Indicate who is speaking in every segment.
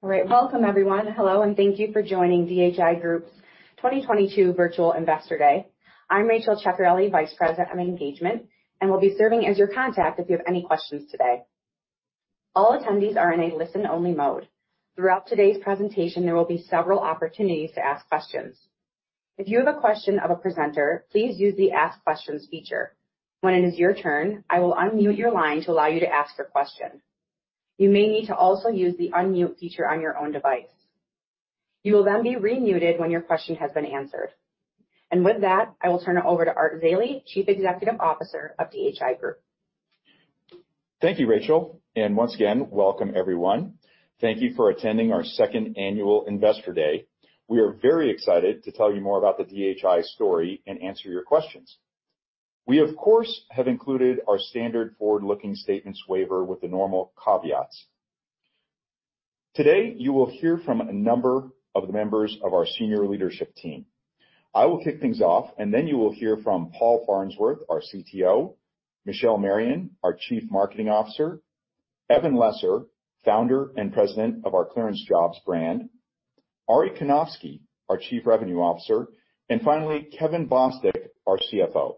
Speaker 1: All right. Welcome, everyone. Hello, and thank you for joining DHI Group's 2022 Virtual Investor Day. I'm Rachel Ceccarelli, Vice President of Engagement, and will be serving as your contact if you have any questions today. All attendees are in a listen-only mode. Throughout today's presentation, there will be several opportunities to ask questions. If you have a question of a presenter, please use the Ask Questions feature. When it is your turn, I will unmute your line to allow you to ask your question. You may need to also use the unmute feature on your own device. You will then be remuted when your question has been answered. With that, I will turn it over to Art Zeile, Chief Executive Officer of DHI Group.
Speaker 2: Thank you, Rachel, and once again, welcome everyone. Thank you for attending our second annual Investor Day. We are very excited to tell you more about the DHI story and answer your questions. We, of course, have included our standard forward-looking statements waiver with the normal caveats. Today, you will hear from a number of the members of our senior leadership team. I will kick things off, and then you will hear from Paul Farnsworth, our CTO, Michelle Marian, our Chief Marketing Officer, Evan Lesser, founder and President of our ClearanceJobs brand, Arie Kanofsky, our Chief Revenue Officer, and finally, Kevin Bostick, our CFO.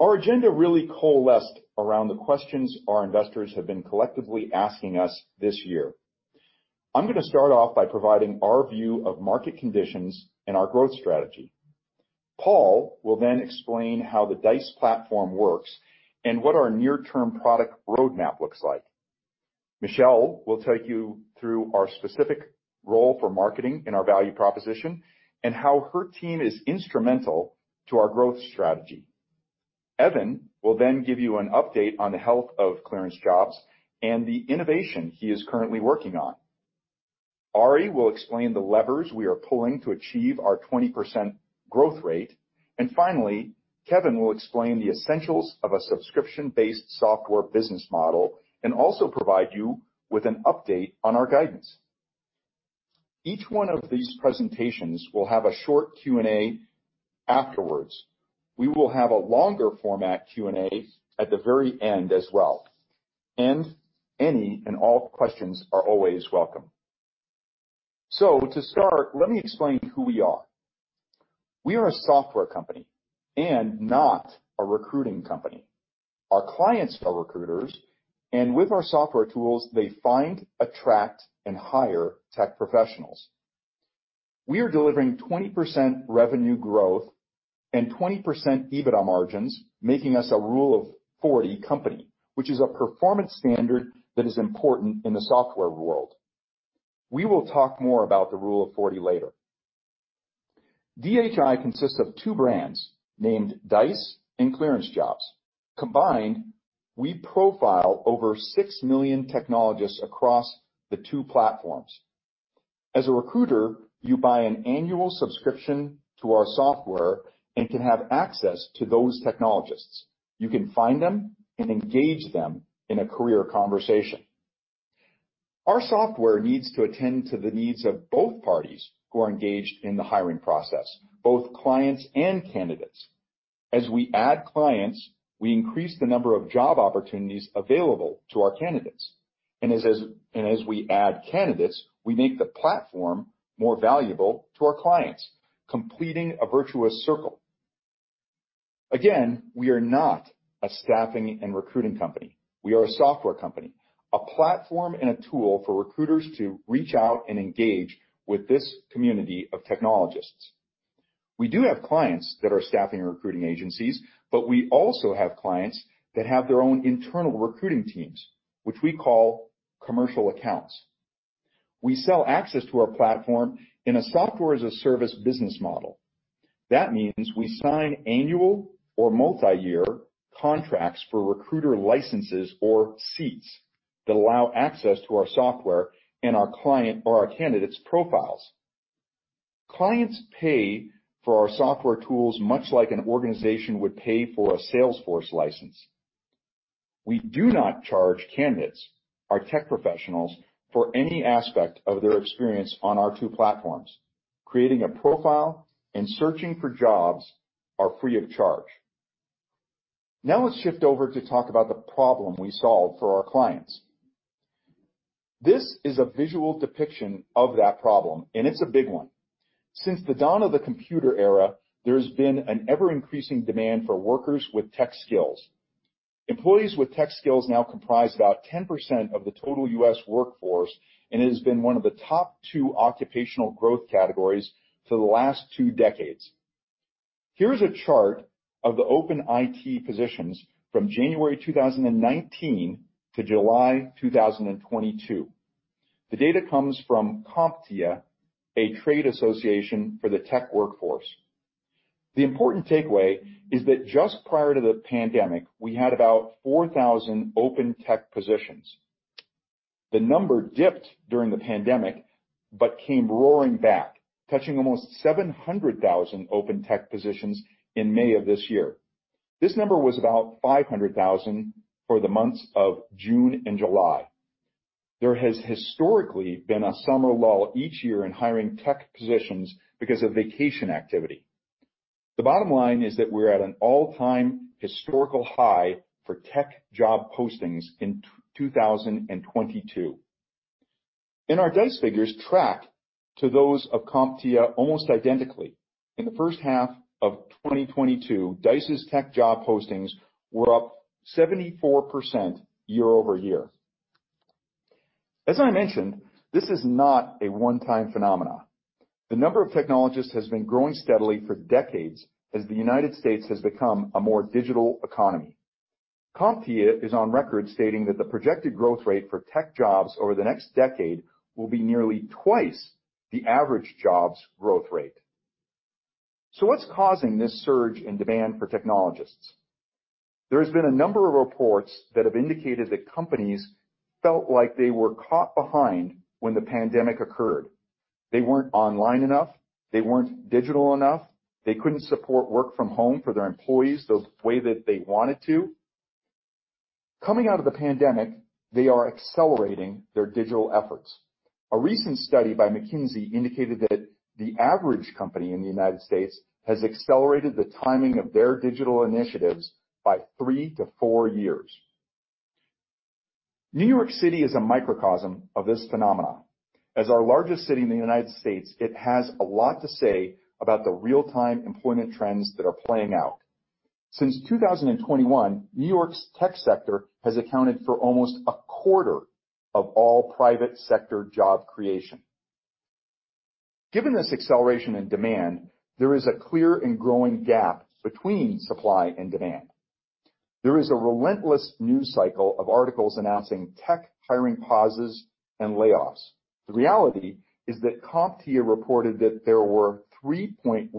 Speaker 2: Our agenda really coalesced around the questions our investors have been collectively asking us this year. I'm gonna start off by providing our view of market conditions and our growth strategy. Paul will then explain how the Dice platform works and what our near-term product roadmap looks like. Michelle will take you through our specific role for marketing and our value proposition and how her team is instrumental to our growth strategy. Evan will then give you an update on the health of ClearanceJobs and the innovation he is currently working on. Arie will explain the levers we are pulling to achieve our 20% growth rate. Finally, Kevin will explain the essentials of a subscription-based software business model and also provide you with an update on our guidance. Each one of these presentations will have a short Q&A afterwards. We will have a longer format Q&A at the very end as well, and any and all questions are always welcome. To start, let me explain who we are. We are a software company and not a recruiting company. Our clients are recruiters, and with our software tools, they find, attract, and hire tech professionals. We are delivering 20% revenue growth and 20% EBITDA margins, making us a Rule of 40 company, which is a performance standard that is important in the software world. We will talk more about the Rule of 40 later. DHI consists of two brands named Dice and ClearanceJobs. Combined, we profile over six million technologists across the two platforms. As a recruiter, you buy an annual subscription to our software and can have access to those technologists. You can find them and engage them in a career conversation. Our software needs to attend to the needs of both parties who are engaged in the hiring process, both clients and candidates. As we add clients, we increase the number of job opportunities available to our candidates. As we add candidates, we make the platform more valuable to our clients, completing a virtuous circle. Again, we are not a staffing and recruiting company. We are a software company, a platform and a tool for recruiters to reach out and engage with this community of technologists. We do have clients that are staffing and recruiting agencies, but we also have clients that have their own internal recruiting teams, which we call commercial accounts. We sell access to our platform in a software-as-a-service business model. That means we sign annual or multiyear contracts for recruiter licenses or seats that allow access to our software and our client or our candidates' profiles. Clients pay for our software tools, much like an organization would pay for a Salesforce license. We do not charge candidates or tech professionals for any aspect of their experience on our two platforms. Creating a profile and searching for jobs are free of charge. Now let's shift over to talk about the problem we solve for our clients. This is a visual depiction of that problem, and it's a big one. Since the dawn of the computer era, there's been an ever-increasing demand for workers with tech skills. Employees with tech skills now comprise about 10% of the total U.S. workforce, and it has been one of the top two occupational growth categories for the last two decades. Here's a chart of the open IT positions from January 2019-July 2022. The data comes from CompTIA, a trade association for the tech workforce. The important takeaway is that just prior to the pandemic, we had about 4,000 open tech positions. The number dipped during the pandemic but came roaring back, touching almost 700,000 open tech positions in May of this year. This number was about 500,000 for the months of June and July. There has historically been a summer lull each year in hiring tech positions because of vacation activity. The bottom line is that we're at an all-time historical high for tech job postings in 2022. Our Dice figures track to those of CompTIA almost identically. In the first half of 2022, Dice's tech job postings were up 74% year over year. As I mentioned, this is not a one-time phenomenon. The number of technologists has been growing steadily for decades as the United States has become a more digital economy. CompTIA is on record stating that the projected growth rate for tech jobs over the next decade will be nearly twice the average jobs growth rate. What's causing this surge in demand for technologists? There has been a number of reports that have indicated that companies felt like they were caught behind when the pandemic occurred. They weren't online enough. They weren't digital enough. They couldn't support work from home for their employees the way that they wanted to. Coming out of the pandemic, they are accelerating their digital efforts. A recent study by McKinsey indicated that the average company in the United States has accelerated the timing of their digital initiatives by three-four years. New York City is a microcosm of this phenomenon. As our largest city in the United States, it has a lot to say about the real-time employment trends that are playing out. Since 2021, New York's tech sector has accounted for almost a quarter of all private sector job creation. Given this acceleration in demand, there is a clear and growing gap between supply and demand. There is a relentless news cycle of articles announcing tech hiring pauses and layoffs. The reality is that CompTIA reported that there were 3.1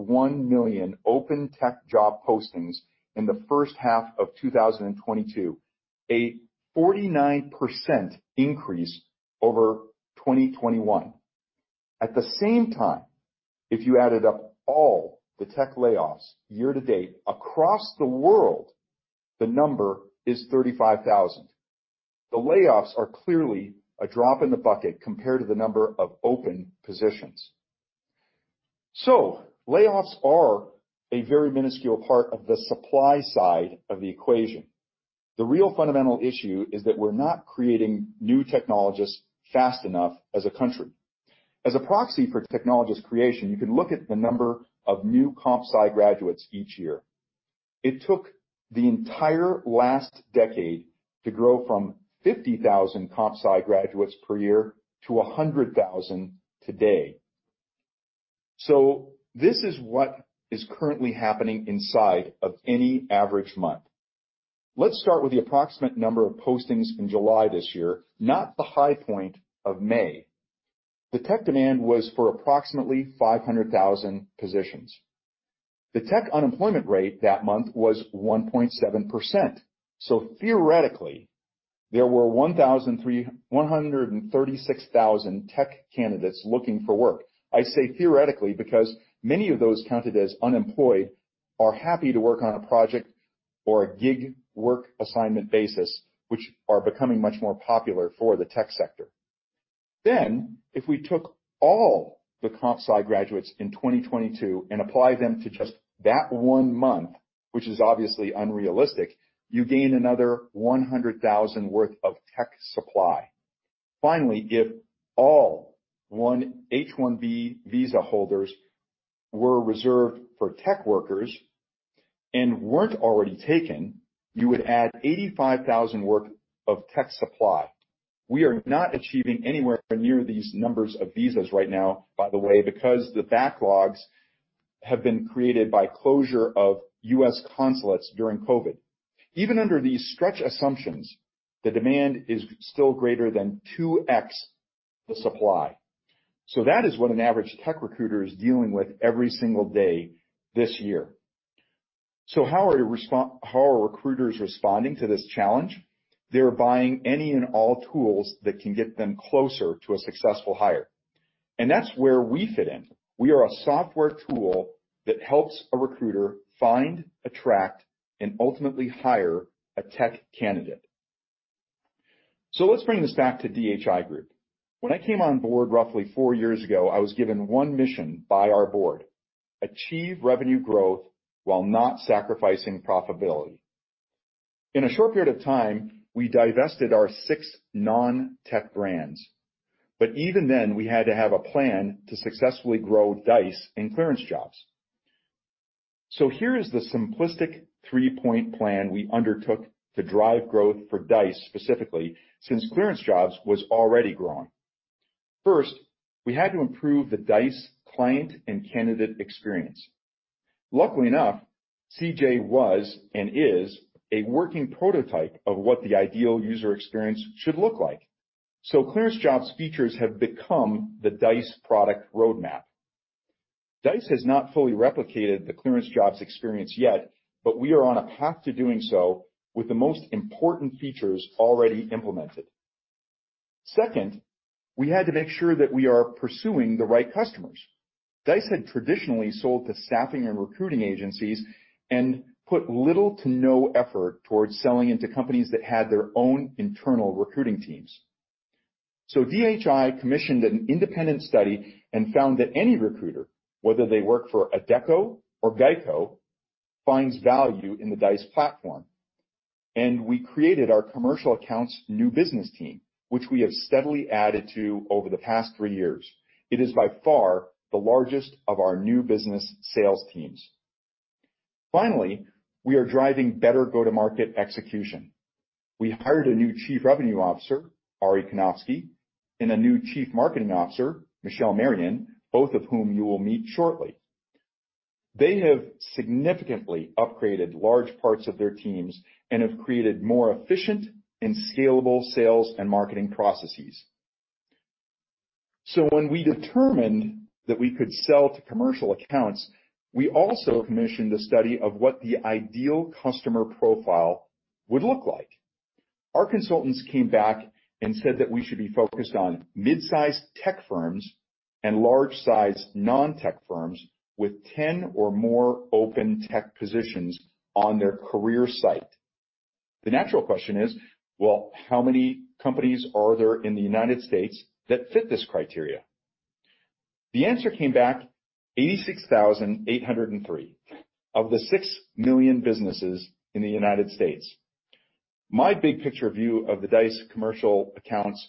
Speaker 2: million open tech job postings in the first half of 2022, a 49% increase over 2021. At the same time, if you added up all the tech layoffs year to date across the world, the number is 35,000. The layoffs are clearly a drop in the bucket compared to the number of open positions. Layoffs are a very minuscule part of the supply side of the equation. The real fundamental issue is that we're not creating new technologists fast enough as a country. As a proxy for technologist creation, you can look at the number of new comp sci graduates each year. It took the entire last decade to grow from 50,000 comp sci graduates per year to 100,000 today. This is what is currently happening inside of any average month. Let's start with the approximate number of postings in July this year, not the high point of May. The tech demand was for approximately 500,000 positions. The tech unemployment rate that month was 1.7%. Theoretically, there were 136,000 tech candidates looking for work. I say theoretically, because many of those counted as unemployed are happy to work on a project or a gig work assignment basis, which are becoming much more popular for the tech sector. If we took all the comp sci graduates in 2022 and apply them to just that one month, which is obviously unrealistic, you gain another 100,000 worth of tech supply. Finally, if all H-1B visa holders were reserved for tech workers and weren't already taken, you would add 85,000 worth of tech supply. We are not achieving anywhere near these numbers of visas right now, by the way, because the backlogs have been created by closure of U.S. consulates during COVID. Even under these stretch assumptions, the demand is still greater than 2x the supply. That is what an average tech recruiter is dealing with every single day this year. How are recruiters responding to this challenge? They're buying any and all tools that can get them closer to a successful hire. That's where we fit in. We are a software tool that helps a recruiter find, attract, and ultimately hire a tech candidate. Let's bring this back to DHI Group. When I came on board roughly four years ago, I was given one mission by our board: achieve revenue growth while not sacrificing profitability. In a short period of time, we divested our six non-tech brands. Even then, we had to have a plan to successfully grow Dice and ClearanceJobs. Here is the simplistic three-point plan we undertook to drive growth for Dice specifically since ClearanceJobs was already growing. First, we had to improve the Dice client and candidate experience. Luckily enough, CJ was and is a working prototype of what the ideal user experience should look like. ClearanceJobs features have become the Dice product roadmap. Dice has not fully replicated the ClearanceJobs experience yet, but we are on a path to doing so with the most important features already implemented. Second, we had to make sure that we are pursuing the right customers. Dice had traditionally sold to staffing and recruiting agencies and put little to no effort towards selling into companies that had their own internal recruiting teams. DHI commissioned an independent study and found that any recruiter, whether they work for Adecco or GEICO, finds value in the Dice platform. We created our commercial accounts new business team, which we have steadily added to over the past three years. It is by far the largest of our new business sales teams. Finally, we are driving better go-to-market execution. We hired a new Chief Revenue Officer, Arie Kanofsky, and a new Chief Marketing Officer, Michelle Marian, both of whom you will meet shortly. They have significantly upgraded large parts of their teams and have created more efficient and scalable sales and marketing processes. When we determined that we could sell to commercial accounts, we also commissioned a study of what the ideal customer profile would look like. Our consultants came back and said that we should be focused on mid-sized tech firms and large-sized non-tech firms with 10 or more open tech positions on their career site. The natural question is, well, how many companies are there in the United States that fit this criteria? The answer came back 86,803 of the six million businesses in the United States. My big picture view of the Dice commercial accounts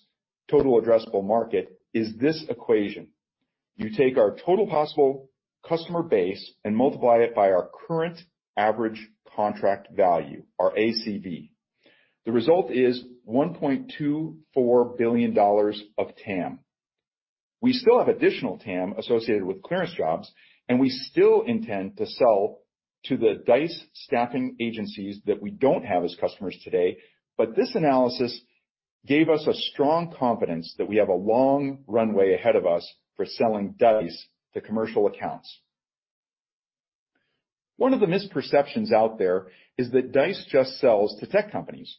Speaker 2: total addressable market is this equation. You take our total possible customer base and multiply it by our current average contract value, our ACV. The result is $1.24 billion of TAM. We still have additional TAM associated with ClearanceJobs, and we still intend to sell to the Dice staffing agencies that we don't have as customers today. This analysis gave us a strong confidence that we have a long runway ahead of us for selling Dice to commercial accounts. One of the misperceptions out there is that Dice just sells to tech companies.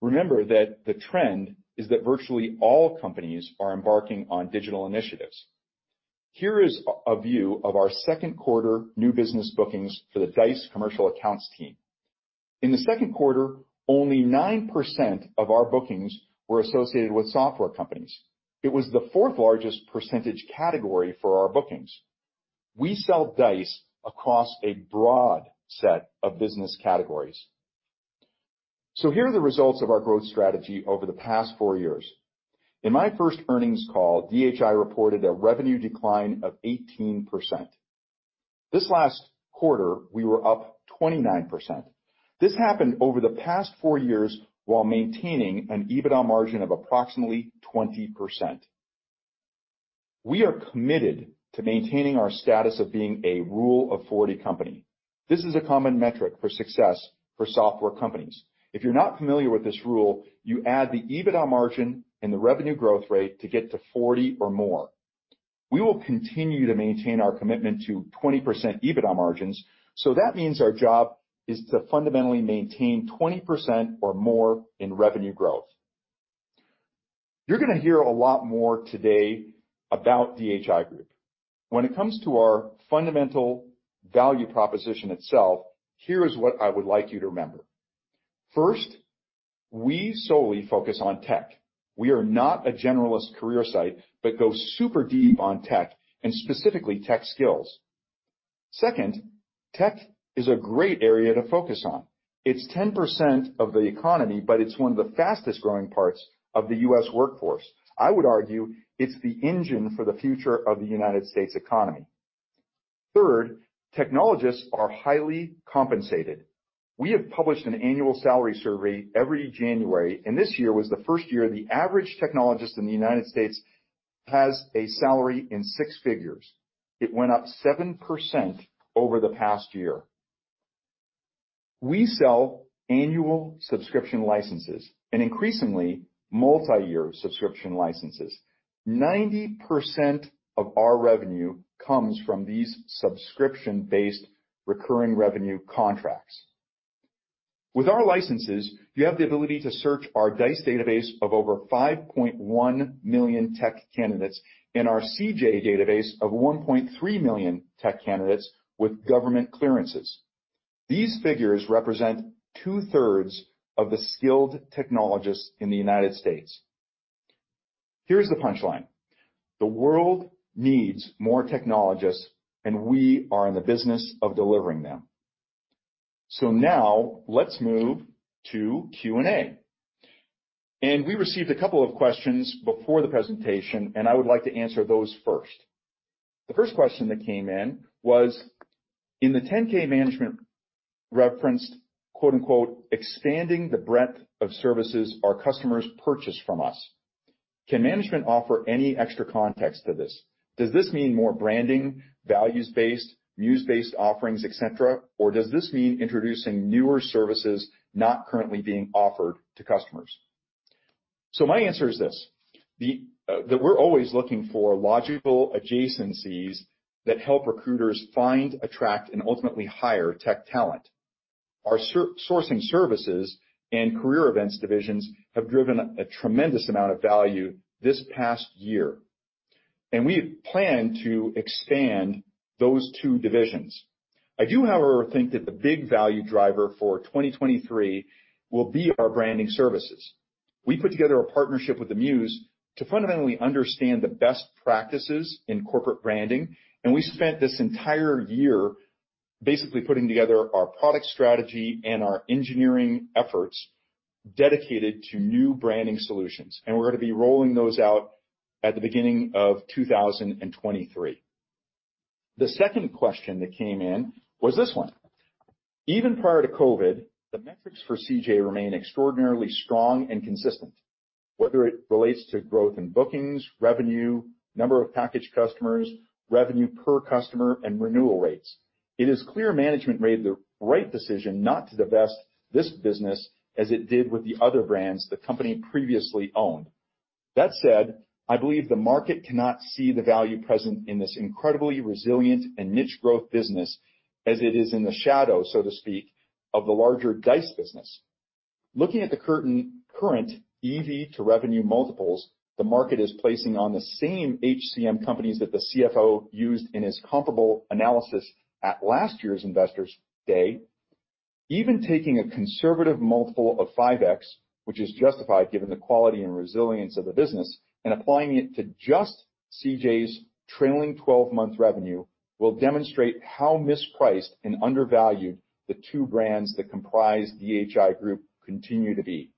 Speaker 2: Remember that the trend is that virtually all companies are embarking on digital initiatives. Here is a view of our second quarter new business bookings for the Dice commercial accounts team. In the second quarter, only 9% of our bookings were associated with software companies. It was the fourth-largest percentage category for our bookings. We sell Dice across a broad set of business categories. Here are the results of our growth strategy over the past four years. In my first earnings call, DHI reported a revenue decline of 18%. This last quarter, we were up 29%. This happened over the past four years while maintaining an EBITDA margin of approximately 20%. We are committed to maintaining our status of being a Rule of 40 company. This is a common metric for success for software companies. If you're not familiar with this rule, you add the EBITDA margin and the revenue growth rate to get to 40 or more. We will continue to maintain our commitment to 20% EBITDA margins, so that means our job is to fundamentally maintain 20% or more in revenue growth. You're gonna hear a lot more today about DHI Group. When it comes to our fundamental value proposition itself, here is what I would like you to remember. First, we solely focus on tech. We are not a generalist career site, but go super deep on tech and specifically tech skills. Second, tech is a great area to focus on. It's 10% of the economy, but it's one of the fastest-growing parts of the U.S. workforce. I would argue it's the engine for the future of the United States economy. Third, technologists are highly compensated. We have published an annual salary survey every January, and this year was the first year the average technologist in the United States has a salary in six figures. It went up 7% over the past year. We sell annual subscription licenses and increasingly multiyear subscription licenses. 90% of our revenue comes from these subscription-based recurring revenue contracts. With our licenses, you have the ability to search our Dice database of over 5.1 million tech candidates in our CJ database of 1.3 million tech candidates with government clearances. These figures represent two-thirds of the skilled technologists in the United States. Here's the punchline. The world needs more technologists, and we are in the business of delivering them. Now let's move to Q&A. We received a couple of questions before the presentation, and I would like to answer those first. The first question that came in was, in the 10-K management referenced, quote-unquote, "expanding the breadth of services our customers purchase from us." Can management offer any extra context to this? Does this mean more branding, values-based, news-based offerings, et cetera? Or does this mean introducing newer services not currently being offered to customers? My answer is this, the, that we're always looking for logical adjacencies that help recruiters find, attract, and ultimately hire tech talent. Our sourcing services and career events divisions have driven a tremendous amount of value this past year. We plan to expand those two divisions. I do, however, think that the big value driver for 2023 will be our branding services. We put together a partnership with The Muse to fundamentally understand the best practices in corporate branding, and we spent this entire year basically putting together our product strategy and our engineering efforts dedicated to new branding solutions, and we're gonna be rolling those out at the beginning of 2023. The second question that came in was this one. Even prior to COVID, the metrics for CJ remain extraordinarily strong and consistent, whether it relates to growth in bookings, revenue, number of packaged customers, revenue per customer, and renewal rates. It is clear management made the right decision not to divest this business as it did with the other brands the company previously owned. That said, I believe the market cannot see the value present in this incredibly resilient and niche growth business as it is in the shadow, so to speak, of the larger Dice business. Looking at the current EV to revenue multiples the market is placing on the same HCM companies that the CFO used in his comparable analysis at last year's investors day, even taking a conservative multiple of 5x, which is justified given the quality and resilience of the business, and applying it to just CJ's trailing 12-month revenue, will demonstrate how mispriced and undervalued the two brands that comprise DHI Group continue to be.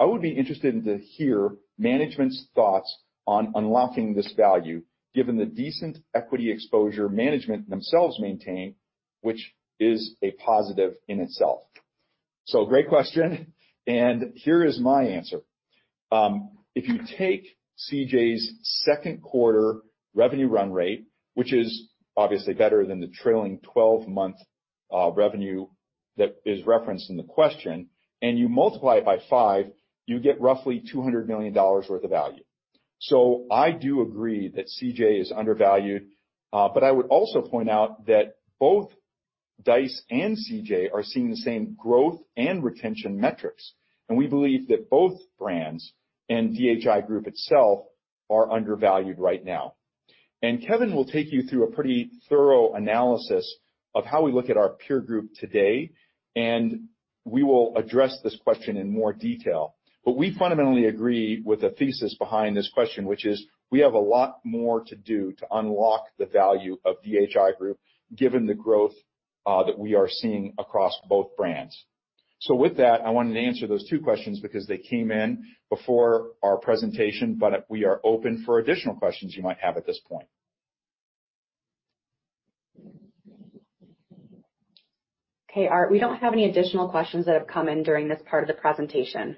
Speaker 2: I would be interested to hear management's thoughts on unlocking this value, given the decent equity exposure management themselves maintain, which is a positive in itself. Great question, and here is my answer. If you take CJ's second quarter revenue run rate, which is obviously better than the trailing twelve-month revenue that is referenced in the question, and you multiply it by five, you get roughly $200 million worth of value. I do agree that CJ is undervalued, but I would also point out that both Dice and CJ are seeing the same growth and retention metrics, and we believe that both brands and DHI Group itself are undervalued right now. Kevin will take you through a pretty thorough analysis of how we look at our peer group today, and we will address this question in more detail. We fundamentally agree with the thesis behind this question, which is we have a lot more to do to unlock the value of DHI Group, given the growth that we are seeing across both brands. with that, I wanted to answer those two questions because they came in before our presentation, but we are open for additional questions you might have at this point.
Speaker 1: Okay, Art, we don't have any additional questions that have come in during this part of the presentation.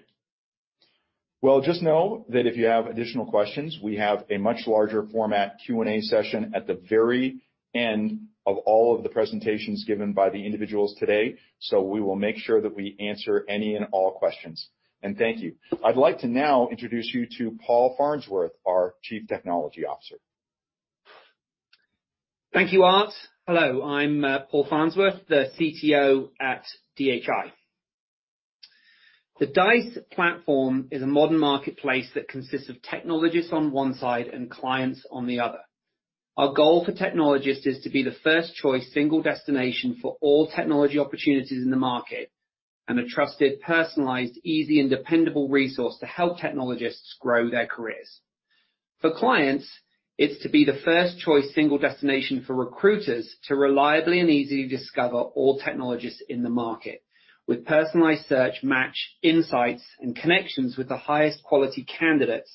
Speaker 2: Well, just know that if you have additional questions, we have a much larger format Q&A session at the very end of all of the presentations given by the individuals today. We will make sure that we answer any and all questions. Thank you. I'd like to now introduce you to Paul Farnsworth, our Chief Technology Officer.
Speaker 3: Thank you, Art. Hello, I'm Paul Farnsworth, the CTO at DHI. The Dice platform is a modern marketplace that consists of technologists on one side and clients on the other. Our goal for technologists is to be the first choice single destination for all technology opportunities in the market, and a trusted, personalized, easy and dependable resource to help technologists grow their careers. For clients, it's to be the first choice single destination for recruiters to reliably and easily discover all technologists in the market with personalized search, match, insights, and connections with the highest quality candidates,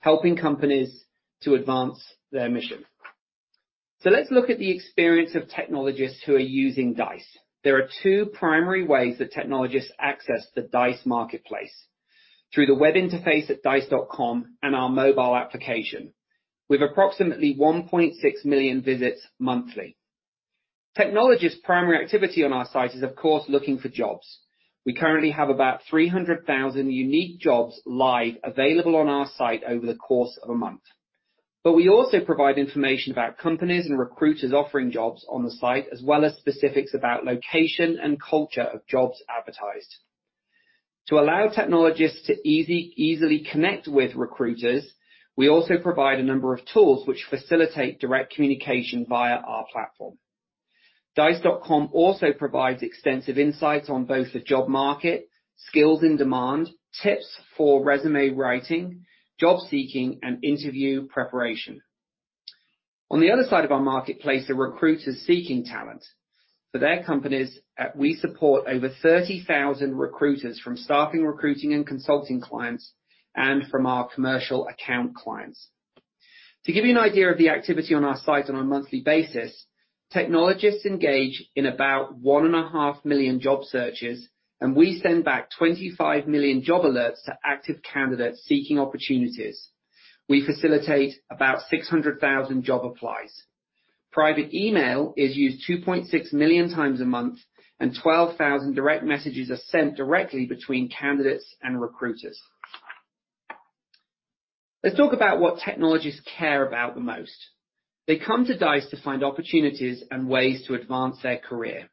Speaker 3: helping companies to advance their mission. Let's look at the experience of technologists who are using Dice. There are two primary ways that technologists access the Dice marketplace. Through the web interface at dice.com and our mobile application. We have approximately 1.6 million visits monthly. Technologists' primary activity on our site is, of course, looking for jobs. We currently have about 300,000 unique jobs live available on our site over the course of a month. We also provide information about companies and recruiters offering jobs on the site, as well as specifics about location and culture of jobs advertised. To allow technologists to easily connect with recruiters, we also provide a number of tools which facilitate direct communication via our platform. Dice.com also provides extensive insights on both the job market, skills in demand, tips for resume writing, job seeking, and interview preparation. On the other side of our marketplace are recruiters seeking talent. For their companies, we support over 30,000 recruiters from staffing, recruiting, and consulting clients, and from our commercial account clients. To give you an idea of the activity on our site on a monthly basis, technologists engage in about 1.5 million job searches, and we send back 25 million job alerts to active candidates seeking opportunities. We facilitate about 600,000 job applies. Private email is used 2.6 million times a month, and 12,000 direct messages are sent directly between candidates and recruiters. Let's talk about what technologists care about the most. They come to Dice to find opportunities and ways to advance their career.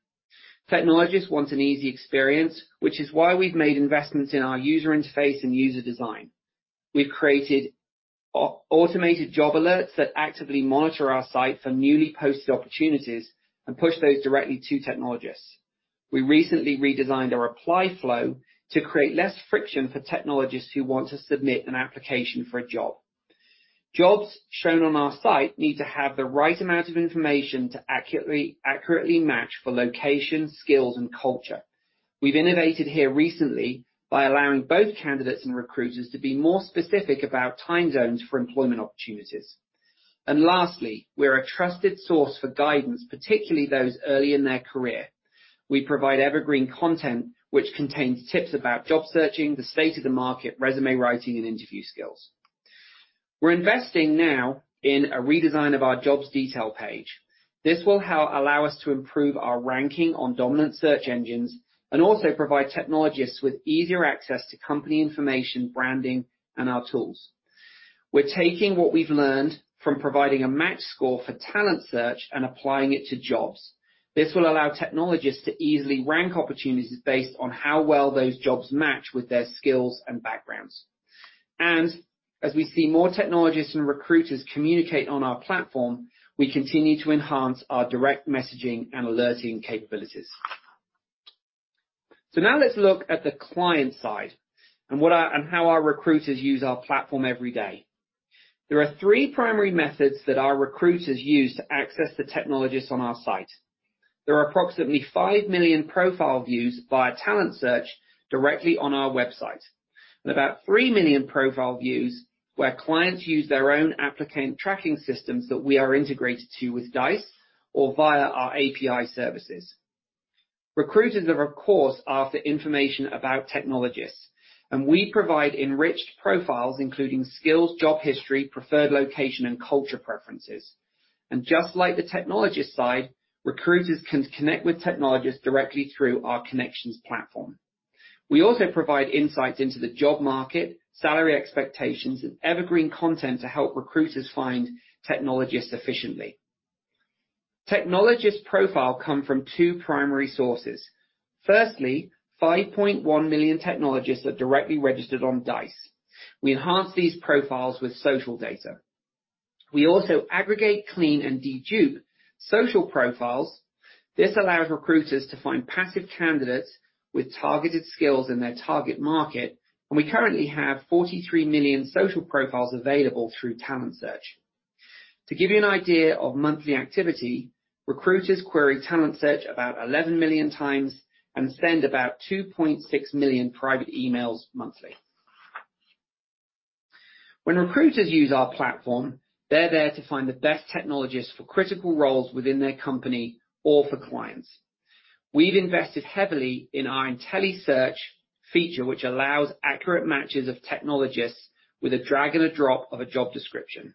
Speaker 3: Technologists want an easy experience, which is why we've made investments in our user interface and user design. We've created automated job alerts that actively monitor our site for newly posted opportunities and push those directly to technologists. We recently redesigned our apply flow to create less friction for technologists who want to submit an application for a job. Jobs shown on our site need to have the right amount of information to accurately match for location, skills, and culture. We've innovated here recently by allowing both candidates and recruiters to be more specific about time zones for employment opportunities. Lastly, we're a trusted source for guidance, particularly those early in their career. We provide evergreen content which contains tips about job searching, the state of the market, resume writing, and interview skills. We're investing now in a redesign of our jobs detail page. This will allow us to improve our ranking on dominant search engines and also provide technologists with easier access to company information, branding, and our tools. We're taking what we've learned from providing a match score for talent search and applying it to jobs. This will allow technologists to easily rank opportunities based on how well those jobs match with their skills and backgrounds. As we see more technologists and recruiters communicate on our platform, we continue to enhance our direct messaging and alerting capabilities. Now let's look at the client side and how our recruiters use our platform every day. There are three primary methods that our recruiters use to access the technologists on our site. There are approximately five million profile views via TalentSearch directly on our website, and about three million profile views where clients use their own applicant tracking systems that we are integrated to with Dice or via our API services. Recruiters are, of course, after information about technologists, and we provide enriched profiles including skills, job history, preferred location, and culture preferences. Just like the technologist side, recruiters can connect with technologists directly through our Connections platform. We also provide insights into the job market, salary expectations, and evergreen content to help recruiters find technologists efficiently. Technologist profiles come from two primary sources. Firstly, 5.1 million technologists are directly registered on Dice. We enhance these profiles with social data. We also aggregate clean and dedup social profiles. This allows recruiters to find passive candidates with targeted skills in their target market, and we currently have 43 million social profiles available through TalentSearch. To give you an idea of monthly activity, recruiters query TalentSearch about 11 million times and send about 2.6 million private emails monthly. When recruiters use our platform, they're there to find the best technologists for critical roles within their company or for clients. We've invested heavily in our IntelliSearch feature, which allows accurate matches of technologists with a drag and a drop of a job description.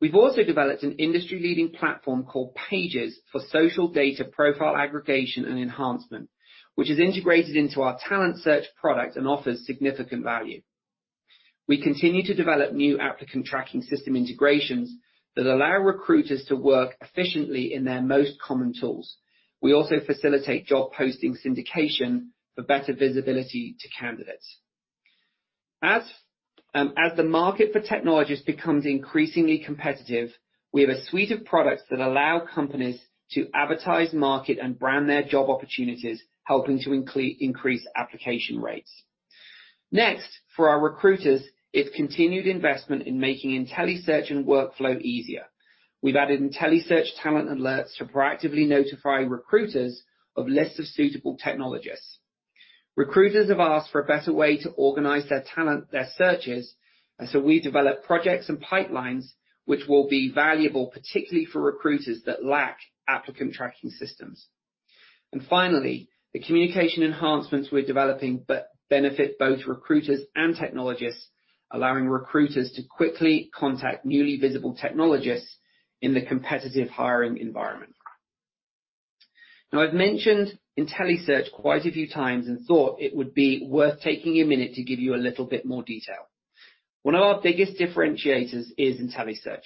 Speaker 3: We've also developed an industry-leading platform called Pages for social data profile aggregation and enhancement, which is integrated into our TalentSearch product and offers significant value. We continue to develop new applicant tracking system integrations that allow recruiters to work efficiently in their most common tools. We also facilitate job posting syndication for better visibility to candidates. As the market for technologists becomes increasingly competitive, we have a suite of products that allow companies to advertise, market, and brand their job opportunities, helping to increase application rates. Next, for our recruiters is continued investment in making IntelliSearch and workflow easier. We've added IntelliSearch talent alerts to proactively notify recruiters of lists of suitable technologists. Recruiters have asked for a better way to organize their talent, their searches, and so we developed projects and pipelines which will be valuable, particularly for recruiters that lack applicant tracking systems. Finally, the communication enhancements we're developing that benefit both recruiters and technologists, allowing recruiters to quickly contact newly visible technologists in the competitive hiring environment. Now I've mentioned IntelliSearch quite a few times and thought it would be worth taking a minute to give you a little bit more detail. One of our biggest differentiators is IntelliSearch.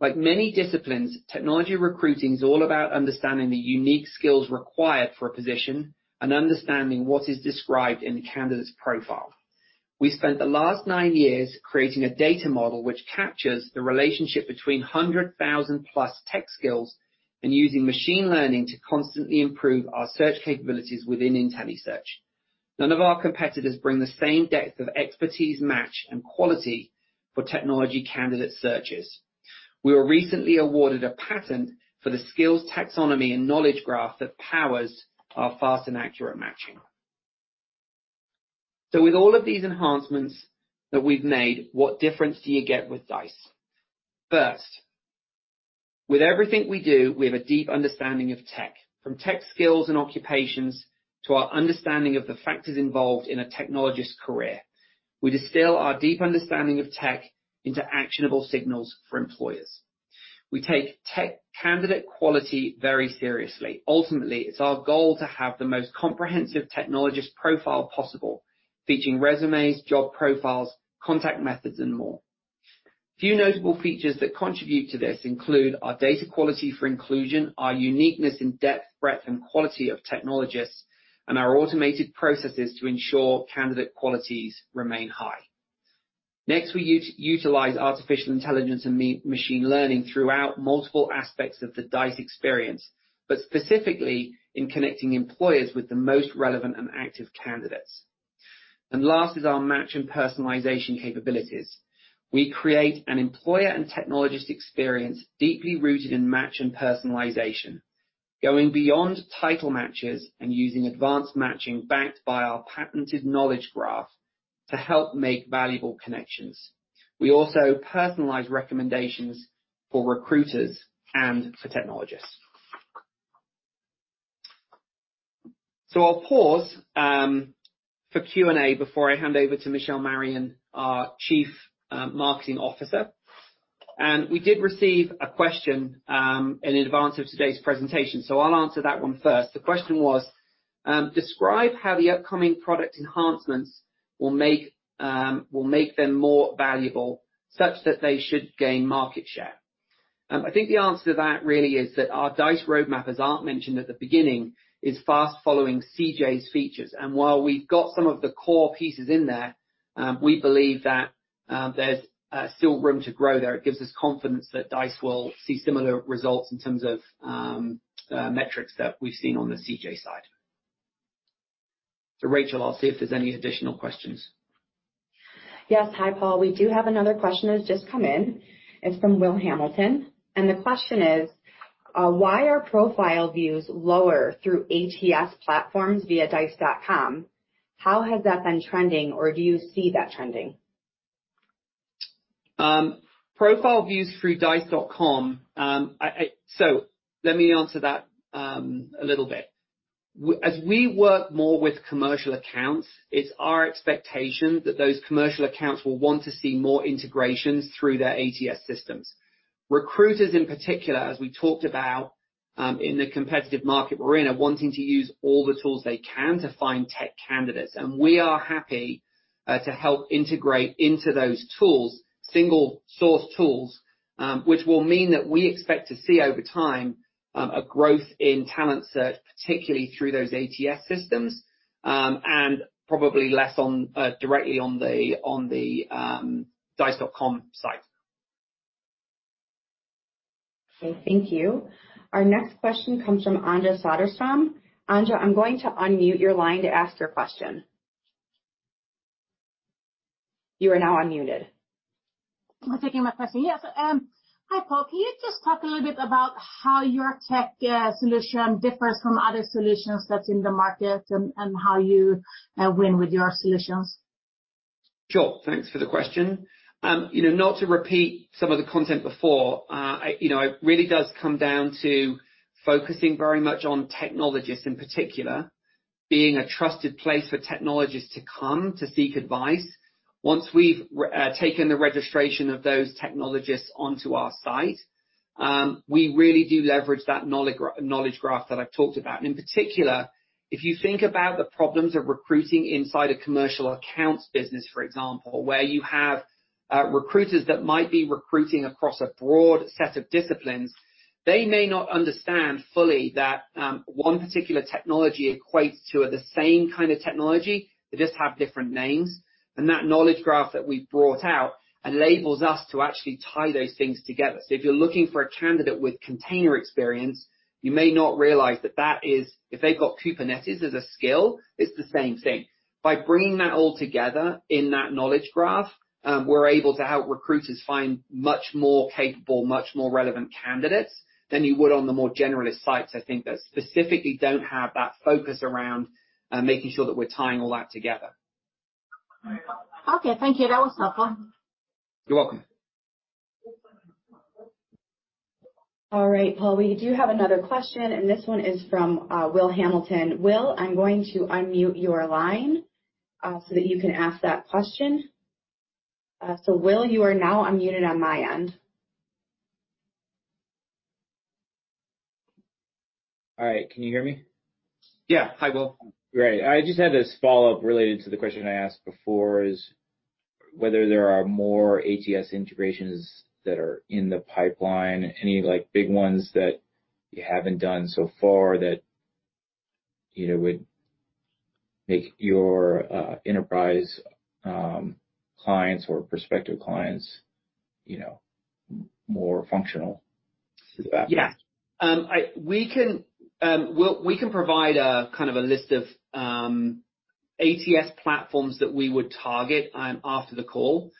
Speaker 3: Like many disciplines, technology recruiting is all about understanding the unique skills required for a position and understanding what is described in the candidate's profile. We spent the last nine years creating a data model which captures the relationship between 100,000+ tech skills and using machine learning to constantly improve our search capabilities within IntelliSearch. None of our competitors bring the same depth of expertise, match, and quality for technology candidate searches. We were recently awarded a patent for the skills taxonomy and knowledge graph that powers our fast and accurate matching. With all of these enhancements that we've made, what difference do you get with Dice? First, with everything we do, we have a deep understanding of tech, from tech skills and occupations to our understanding of the factors involved in a technologist's career. We distill our deep understanding of tech into actionable signals for employers. We take tech candidate quality very seriously. Ultimately, it's our goal to have the most comprehensive technologist profile possible. Featuring resumes, job profiles, contact methods, and more. Few notable features that contribute to this include our data quality for inclusion, our uniqueness in depth, breadth and quality of technologists, and our automated processes to ensure candidate qualities remain high. Next, we utilize artificial intelligence and machine learning throughout multiple aspects of the Dice experience, but specifically in connecting employers with the most relevant and active candidates. Last is our match and personalization capabilities. We create an employer and technologist experience deeply rooted in match and personalization, going beyond title matches and using advanced matching backed by our patented knowledge graph to help make valuable connections. We also personalize recommendations for recruiters and for technologists. I'll pause for Q&A before I hand over to Michelle Marian, our Chief Marketing Officer. We did receive a question in advance of today's presentation, so I'll answer that one first. The question was, "Describe how the upcoming product enhancements will make them more valuable such that they should gain market share." I think the answer to that really is that our Dice roadmap, as Art mentioned at the beginning, is fast following CJ's features. While we've got some of the core pieces in there, we believe that there's still room to grow there. It gives us confidence that Dice will see similar results in terms of metrics that we've seen on the CJ side. Rachel, I'll see if there's any additional questions.
Speaker 1: Yes. Hi, Paul. We do have another question that's just come in. It's from Will Hamilton, and the question is, "Why are profile views lower through ATS platforms via Dice.com? How has that been trending, or do you see that trending?
Speaker 3: Profile views through Dice.com. Let me answer that a little bit. As we work more with commercial accounts, it's our expectation that those commercial accounts will want to see more integrations through their ATS systems. Recruiters in particular, as we talked about, in the competitive market we're in, are wanting to use all the tools they can to find tech candidates, and we are happy to help integrate into those tools, single source tools, which will mean that we expect to see over time a growth in talent search, particularly through those ATS systems. And probably less on, directly on the Dice.com site.
Speaker 1: Okay. Thank you. Our next question comes from Anja Söderström. Anja, I'm going to unmute your line to ask your question. You are now unmuted.
Speaker 4: Thank you for taking my question. Yes. Hi, Paul. Can you just talk a little bit about how your tech solution differs from other solutions that's in the market and how you win with your solutions?
Speaker 3: Sure. Thanks for the question. You know, not to repeat some of the content before, you know, it really does come down to focusing very much on technologists, in particular, being a trusted place for technologists to come to seek advice. Once we've taken the registration of those technologists onto our site, we really do leverage that knowledge graph that I've talked about. In particular, if you think about the problems of recruiting inside a commercial accounts business, for example, where you have recruiters that might be recruiting across a broad set of disciplines, they may not understand fully that one particular technology equates to the same kind of technology, they just have different names. That knowledge graph that we've brought out enables us to actually tie those things together. If you're looking for a candidate with container experience, you may not realize. If they've got Kubernetes as a skill, it's the same thing. By bringing that all together in that knowledge graph, we're able to help recruiters find much more capable, much more relevant candidates than you would on the more generalist sites, I think, that specifically don't have that focus around making sure that we're tying all that together.
Speaker 4: Okay. Thank you. That was helpful.
Speaker 3: You're welcome.
Speaker 1: All right, Paul. We do have another question, and this one is from Will Hamilton. Will, I'm going to unmute your line, so that you can ask that question. Will, you are now unmuted on my end.
Speaker 5: All right. Can you hear me?
Speaker 3: Yeah. Hi, Will.
Speaker 5: Great. I just had this follow-up related to the question I asked before is whether there are more ATS integrations that are in the pipeline. Any, like, big ones that you haven't done so far that, you know, would make your enterprise clients or prospective clients, you know, more functional with that?
Speaker 3: We can provide a kind of a list of ATS platforms that we would target after the call.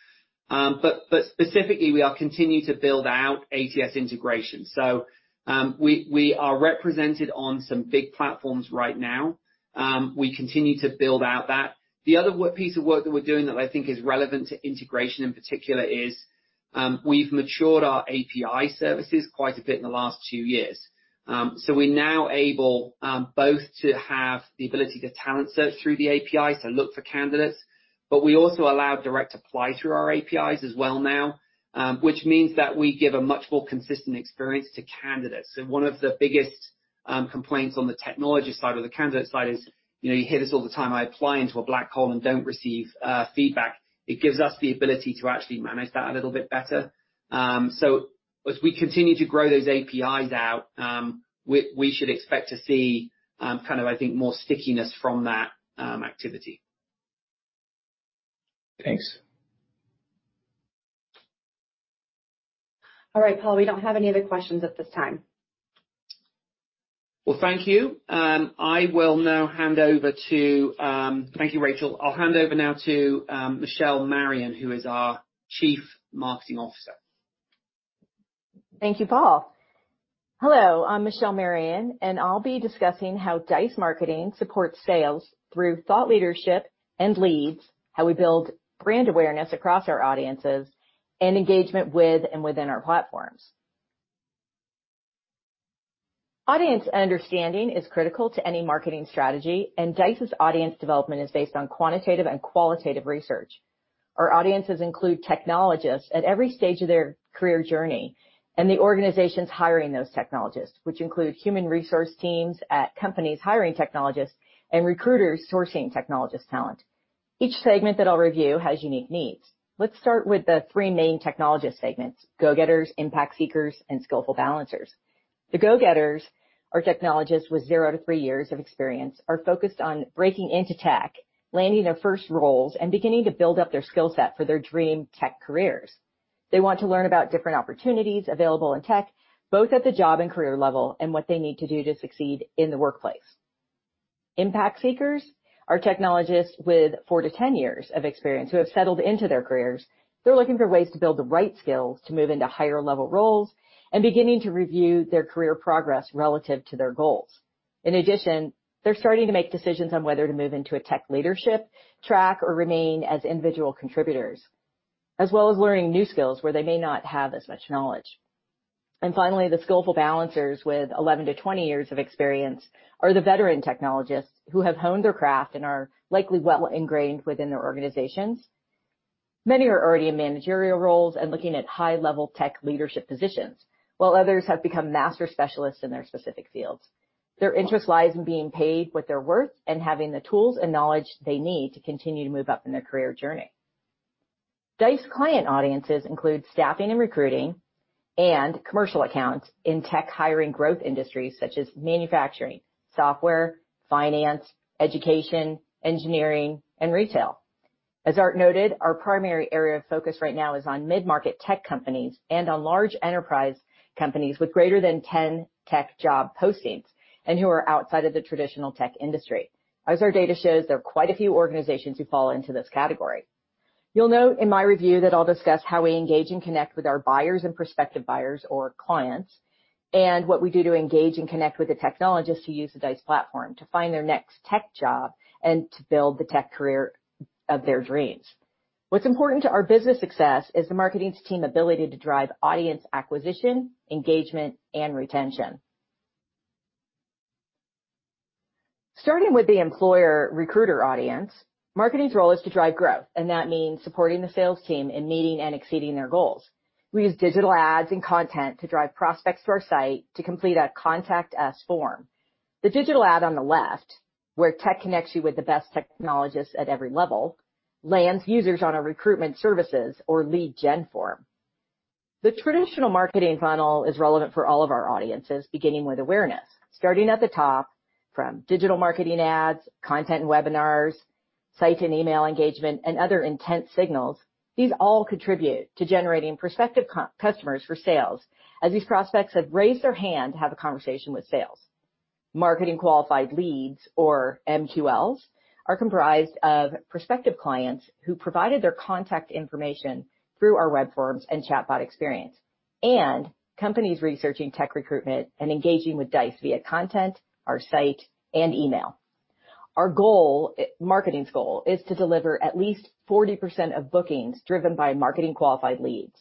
Speaker 3: Specifically, we are continuing to build out ATS integration. We are represented on some big platforms right now. We continue to build out that. The other piece of work that we're doing that I think is relevant to integration, in particular, is we've matured our API services quite a bit in the last two years. We're now able both to have the ability to talent search through the API, so look for candidates. We also allow direct apply through our APIs as well now, which means that we give a much more consistent experience to candidates. One of the biggest complaints on the technology side or the candidate side is, you know, you hear this all the time, "I apply into a black hole and don't receive feedback." It gives us the ability to actually manage that a little bit better. As we continue to grow those APIs out, we should expect to see kind of, I think, more stickiness from that activity.
Speaker 5: Thanks.
Speaker 1: All right, Paul, we don't have any other questions at this time.
Speaker 3: Well, thank you. Thank you, Rachel. I'll hand over now to Michelle Marian, who is our Chief Marketing Officer.
Speaker 6: Thank you, Paul. Hello, I'm Michelle Marian, and I'll be discussing how Dice marketing supports sales through thought leadership and leads, how we build brand awareness across our audiences, and engagement with and within our platforms. Audience understanding is critical to any marketing strategy, and Dice's audience development is based on quantitative and qualitative research. Our audiences include technologists at every stage of their career journey and the organizations hiring those technologists, which include human resource teams at companies hiring technologists and recruiters sourcing technologist talent. Each segment that I'll review has unique needs. Let's start with the three main technologist segments: go-getters, impact seekers, and skillful balancers. The go-getters are technologists with zero-three years of experience are focused on breaking into tech, landing their first roles, and beginning to build up their skill set for their dream tech careers. They want to learn about different opportunities available in tech, both at the job and career level, and what they need to do to succeed in the workplace. Impact seekers are technologists with four-10 years of experience who have settled into their careers. They're looking for ways to build the right skills to move into higher level roles and beginning to review their career progress relative to their goals. In addition, they're starting to make decisions on whether to move into a tech leadership track or remain as individual contributors, as well as learning new skills where they may not have as much knowledge. Finally, the skillful balancers with 11-20 years of experience are the veteran technologists who have honed their craft and are likely well ingrained within their organizations. Many are already in managerial roles and looking at high-level tech leadership positions, while others have become master specialists in their specific fields. Their interest lies in being paid what they're worth and having the tools and knowledge they need to continue to move up in their career journey. Dice client audiences include staffing and recruiting and commercial accounts in tech hiring growth industries such as manufacturing, software, finance, education, engineering, and retail. As Art noted, our primary area of focus right now is on mid-market tech companies and on large enterprise companies with greater than 10 tech job postings and who are outside of the traditional tech industry. As our data shows, there are quite a few organizations who fall into this category. You'll note in my review that I'll discuss how we engage and connect with our buyers and prospective buyers or clients, and what we do to engage and connect with the technologists who use the Dice platform to find their next tech job and to build the tech career of their dreams. What's important to our business success is the marketing team's ability to drive audience acquisition, engagement, and retention. Starting with the employer recruiter audience, marketing's role is to drive growth, and that means supporting the sales team in meeting and exceeding their goals. We use digital ads and content to drive prospects to our site to complete a contact us form. The digital ad on the left, Where Tech Connects you with the best technologists at every level, lands users on our recruitment services or lead gen form. The traditional marketing funnel is relevant for all of our audiences, beginning with awareness. Starting at the top, from digital marketing ads, content and webinars, site and email engagement, and other intent signals, these all contribute to generating prospective customers for sales as these prospects have raised their hand to have a conversation with sales. Marketing qualified leads, or MQLs, are comprised of prospective clients who provided their contact information through our web forms and chatbot experience, and companies researching tech recruitment and engaging with Dice via content, our site, and email. Our goal, marketing's goal is to deliver at least 40% of bookings driven by marketing qualified leads.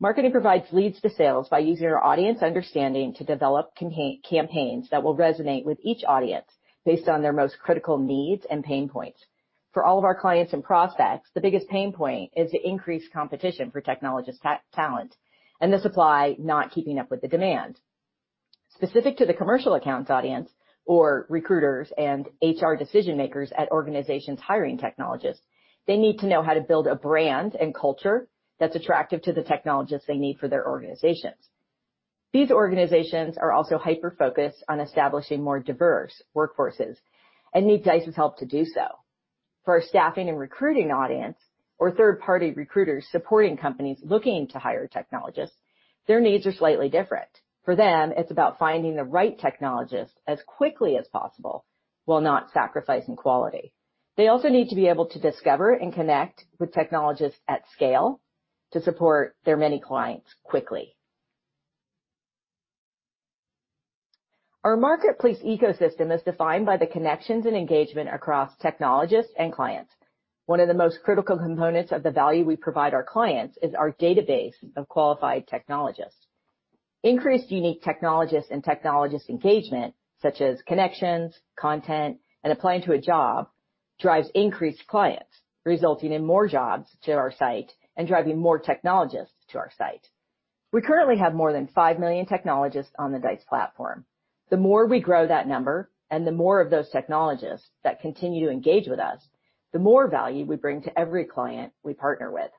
Speaker 6: Marketing provides leads to sales by using our audience understanding to develop campaigns that will resonate with each audience based on their most critical needs and pain points. For all of our clients and prospects, the biggest pain point is the increased competition for technologist talent and the supply not keeping up with the demand. Specific to the commercial accounts audience or recruiters and HR decision-makers at organizations hiring technologists, they need to know how to build a brand and culture that's attractive to the technologists they need for their organizations. These organizations are also hyper-focused on establishing more diverse workforces and need Dice's help to do so. For our staffing and recruiting audience or third-party recruiters supporting companies looking to hire technologists, their needs are slightly different. For them, it's about finding the right technologist as quickly as possible while not sacrificing quality. They also need to be able to discover and connect with technologists at scale to support their many clients quickly. Our marketplace ecosystem is defined by the connections and engagement across technologists and clients. One of the most critical components of the value we provide our clients is our database of qualified technologists. Increased unique technologists and technologist engagement, such as connections, content, and applying to a job, drives increased clients, resulting in more jobs to our site and driving more technologists to our site. We currently have more than five million technologists on the Dice platform. The more we grow that number and the more of those technologists that continue to engage with us, the more value we bring to every client we partner with.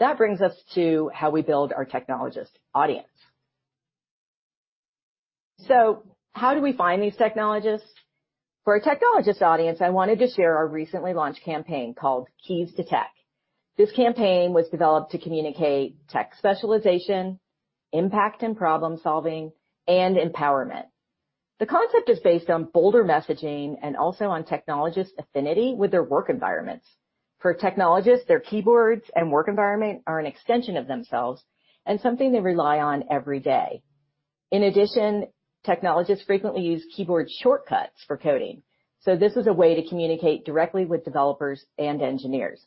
Speaker 6: That brings us to how we build our technologist audience. How do we find these technologists? For our technologist audience, I wanted to share our recently launched campaign called Keys to Tech. This campaign was developed to communicate tech specialization, impact and problem-solving, and empowerment. The concept is based on bolder messaging and also on technologists' affinity with their work environments. For technologists, their keyboards and work environment are an extension of themselves and something they rely on every day. In addition, technologists frequently use keyboard shortcuts for coding, so this is a way to communicate directly with developers and engineers.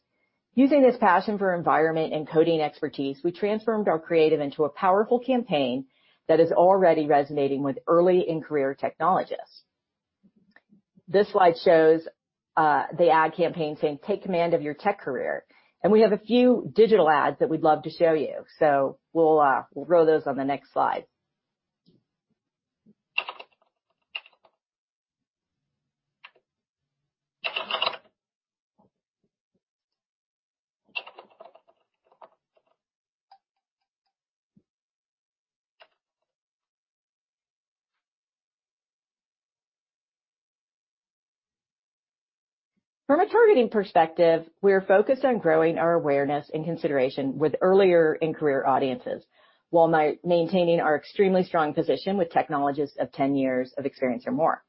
Speaker 6: Using this passion for environment and coding expertise, we transformed our creative into a powerful campaign that is already resonating with early in-career technologists. This slide shows the ad campaign saying, "Take command of your tech career." We have a few digital ads that we'd love to show you. We'll roll those on the next slide. From a targeting perspective, we're focused on growing our awareness and consideration with earlier in-career audiences while maintaining our extremely strong position with technologists of 10 years of experience or more.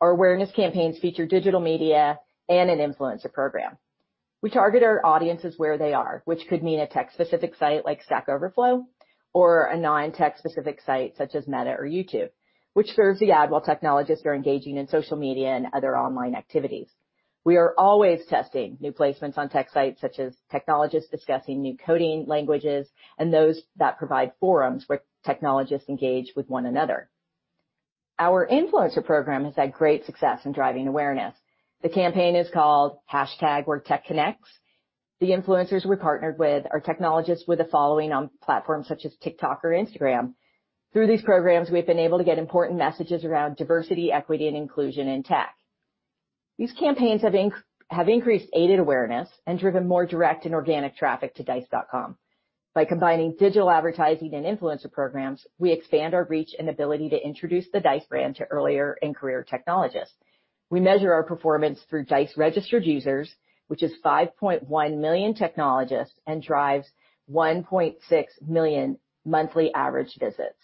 Speaker 6: Our awareness campaigns feature digital media and an influencer program. We target our audiences where they are, which could mean a tech-specific site like Stack Overflow or a non-tech specific site such as Meta or YouTube, which serves the ad while technologists are engaging in social media and other online activities. We are always testing new placements on tech sites, such as technologists discussing new coding languages and those that provide forums where technologists engage with one another. Our influencer program has had great success in driving awareness. The campaign is called #WhereTechConnects. The influencers we're partnered with are technologists with a following on platforms such as TikTok or Instagram. Through these programs, we've been able to get important messages around diversity, equity, and inclusion in tech. These campaigns have increased aided awareness and driven more direct and organic traffic to Dice.com. By combining digital advertising and influencer programs, we expand our reach and ability to introduce the Dice brand to earlier in-career technologists. We measure our performance through Dice-registered users, which is 5.1 million technologists and drives 1.6 million monthly average visits.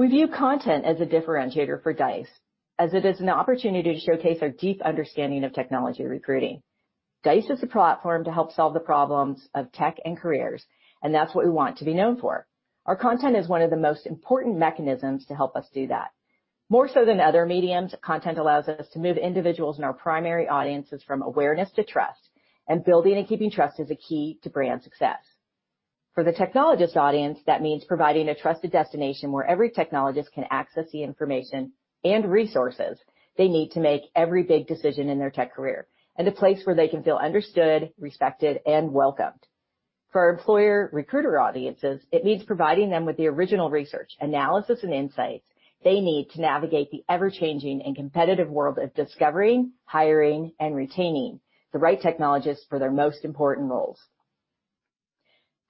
Speaker 6: We view content as a differentiator for Dice, as it is an opportunity to showcase our deep understanding of technology recruiting. Dice is a platform to help solve the problems of tech and careers, and that's what we want to be known for. Our content is one of the most important mechanisms to help us do that. More so than other mediums, content allows us to move individuals in our primary audiences from awareness to trust, and building and keeping trust is a key to brand success. For the technologist audience, that means providing a trusted destination where every technologist can access the information and resources they need to make every big decision in their tech career, and a place where they can feel understood, respected, and welcomed. For employer recruiter audiences, it means providing them with the original research, analysis, and insights they need to navigate the ever-changing and competitive world of discovering, hiring, and retaining the right technologists for their most important roles.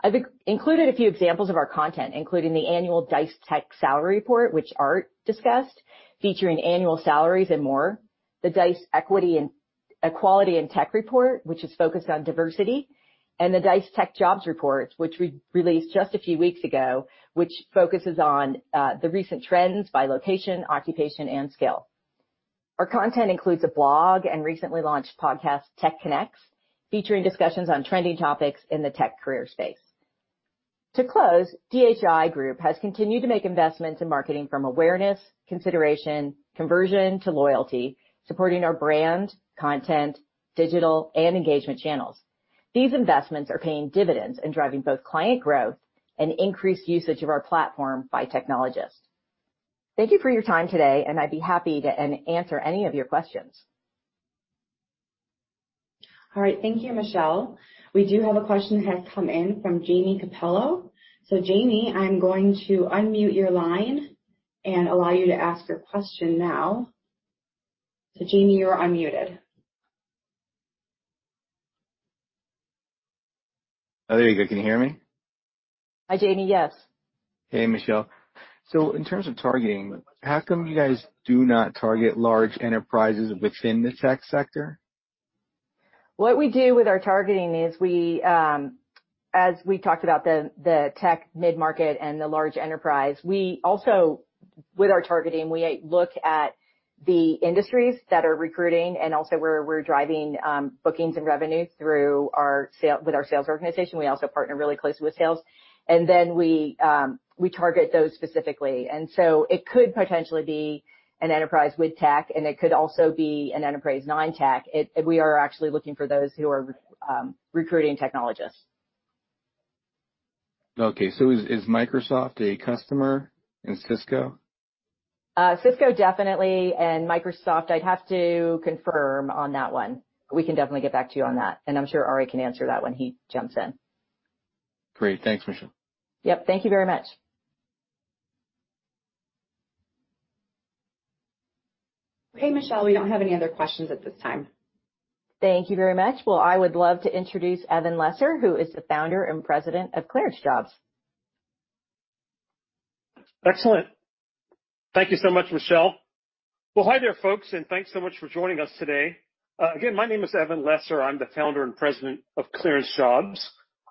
Speaker 6: I've included a few examples of our content, including the annual Dice Tech Salary Report, which Art discussed, featuring annual salaries and more, the Dice Equality in Tech Report, which is focused on diversity, and the Dice Tech Jobs Report, which we released just a few weeks ago, which focuses on the recent trends by location, occupation, and skill. Our content includes a blog and recently launched podcast, Tech Connects, featuring discussions on trending topics in the tech career space. To close, DHI Group has continued to make investments in marketing from awareness, consideration, conversion to loyalty, supporting our brand, content, digital, and engagement channels. These investments are paying dividends and driving both client growth and increased usage of our platform by technologists. Thank you for your time today, and I'd be happy to answer any of your questions.
Speaker 1: All right. Thank you, Michelle. We do have a question that has come in from Jamie Capello. Jamie, I'm going to unmute your line and allow you to ask your question now. Jamie, you are unmuted.
Speaker 7: Oh, there you go. Can you hear me?
Speaker 6: Hi, Jamie. Yes.
Speaker 7: Hey, Michelle. In terms of targeting, how come you guys do not target large enterprises within the tech sector?
Speaker 6: What we do with our targeting is we, as we talked about the tech mid-market and the large enterprise, we also, with our targeting, we look at the industries that are recruiting and also where we're driving bookings and revenue through with our sales organization. We also partner really closely with sales. We target those specifically. It could potentially be an enterprise with tech, and it could also be an enterprise non-tech. We are actually looking for those who are recruiting technologists.
Speaker 7: Is Microsoft a customer in Cisco?
Speaker 6: Cisco definitely, and Microsoft I'd have to confirm on that one. We can definitely get back to you on that, and I'm sure Arie can answer that when he jumps in.
Speaker 7: Great. Thanks, Michelle.
Speaker 6: Yep. Thank you very much.
Speaker 1: Hey, Michelle, we don't have any other questions at this time.
Speaker 6: Thank you very much. Well, I would love to introduce Evan Lesser, who is the Founder and President of ClearanceJobs.
Speaker 8: Excellent. Thank you so much, Michelle. Well, hi there, folks, and thanks so much for joining us today. Again, my name is Evan Lesser. I'm the founder and president of ClearanceJobs.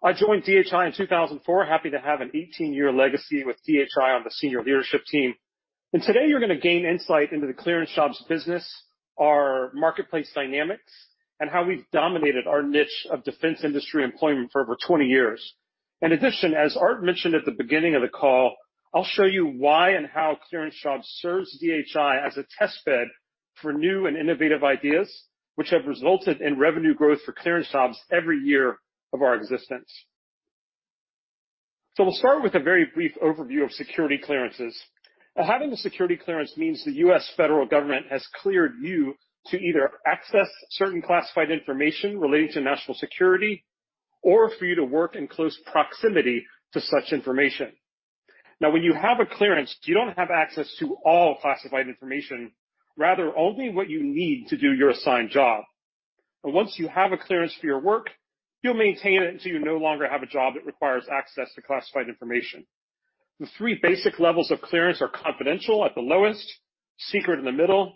Speaker 8: I joined DHI in 2004. Happy to have an 18-year legacy with DHI on the senior leadership team. Today, you're gonna gain insight into the ClearanceJobs business, our marketplace dynamics, and how we've dominated our niche of defense industry employment for over 20 years. In addition, as Art mentioned at the beginning of the call, I'll show you why and how ClearanceJobs serves DHI as a test bed for new and innovative ideas, which have resulted in revenue growth for ClearanceJobs every year of our existence. We'll start with a very brief overview of security clearances. Having a security clearance means the U.S. federal government has cleared you to either access certain classified information relating to national security or for you to work in close proximity to such information. Now, when you have a clearance, you don't have access to all classified information, rather only what you need to do your assigned job. Once you have a clearance for your work, you'll maintain it until you no longer have a job that requires access to classified information. The three basic levels of clearance are confidential at the lowest, secret in the middle,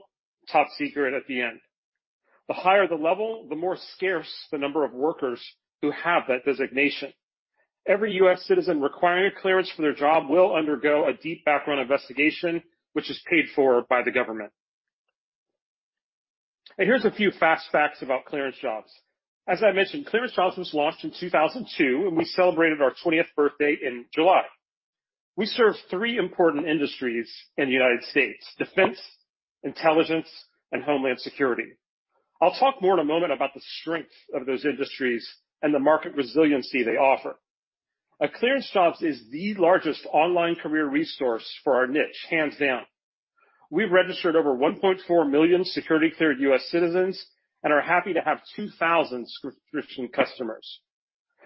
Speaker 8: top secret at the end. The higher the level, the more scarce the number of workers who have that designation. Every U.S. citizen requiring a clearance for their job will undergo a deep background investigation, which is paid for by the government. Here's a few fast facts about ClearanceJobs. As I mentioned, ClearanceJobs was launched in 2002, and we celebrated our twentieth birthday in July. We serve three important industries in the United States, defense, intelligence, and homeland security. I'll talk more in a moment about the strength of those industries and the market resiliency they offer. ClearanceJobs is the largest online career resource for our niche, hands down. We've registered over 1.4 million security-cleared U.S. citizens and are happy to have 2,000 subscription customers.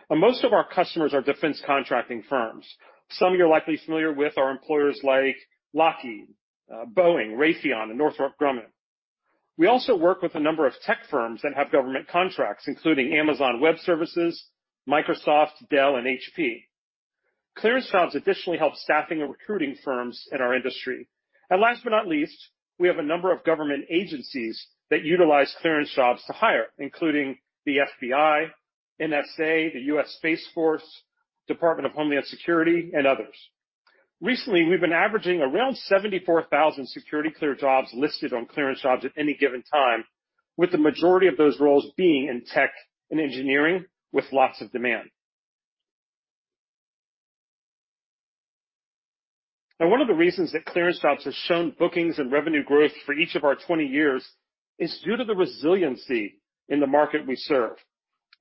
Speaker 8: Most of our customers are defense contracting firms. Some you're likely familiar with are employers like Lockheed, Boeing, Raytheon, and Northrop Grumman. We also work with a number of tech firms that have government contracts, including Amazon Web Services, Microsoft, Dell, and HP. ClearanceJobs additionally helps staffing and recruiting firms in our industry. Last but not least, we have a number of government agencies that utilize ClearanceJobs to hire, including the FBI, NSA, the U.S. Space Force, Department of Homeland Security, and others. Recently, we've been averaging around 74 security-cleared jobs listed on ClearanceJobs at any given time, with the majority of those roles being in tech and engineering with lots of demand. Now, one of the reasons that ClearanceJobs has shown bookings and revenue growth for each of our 20 years is due to the resiliency in the market we serve.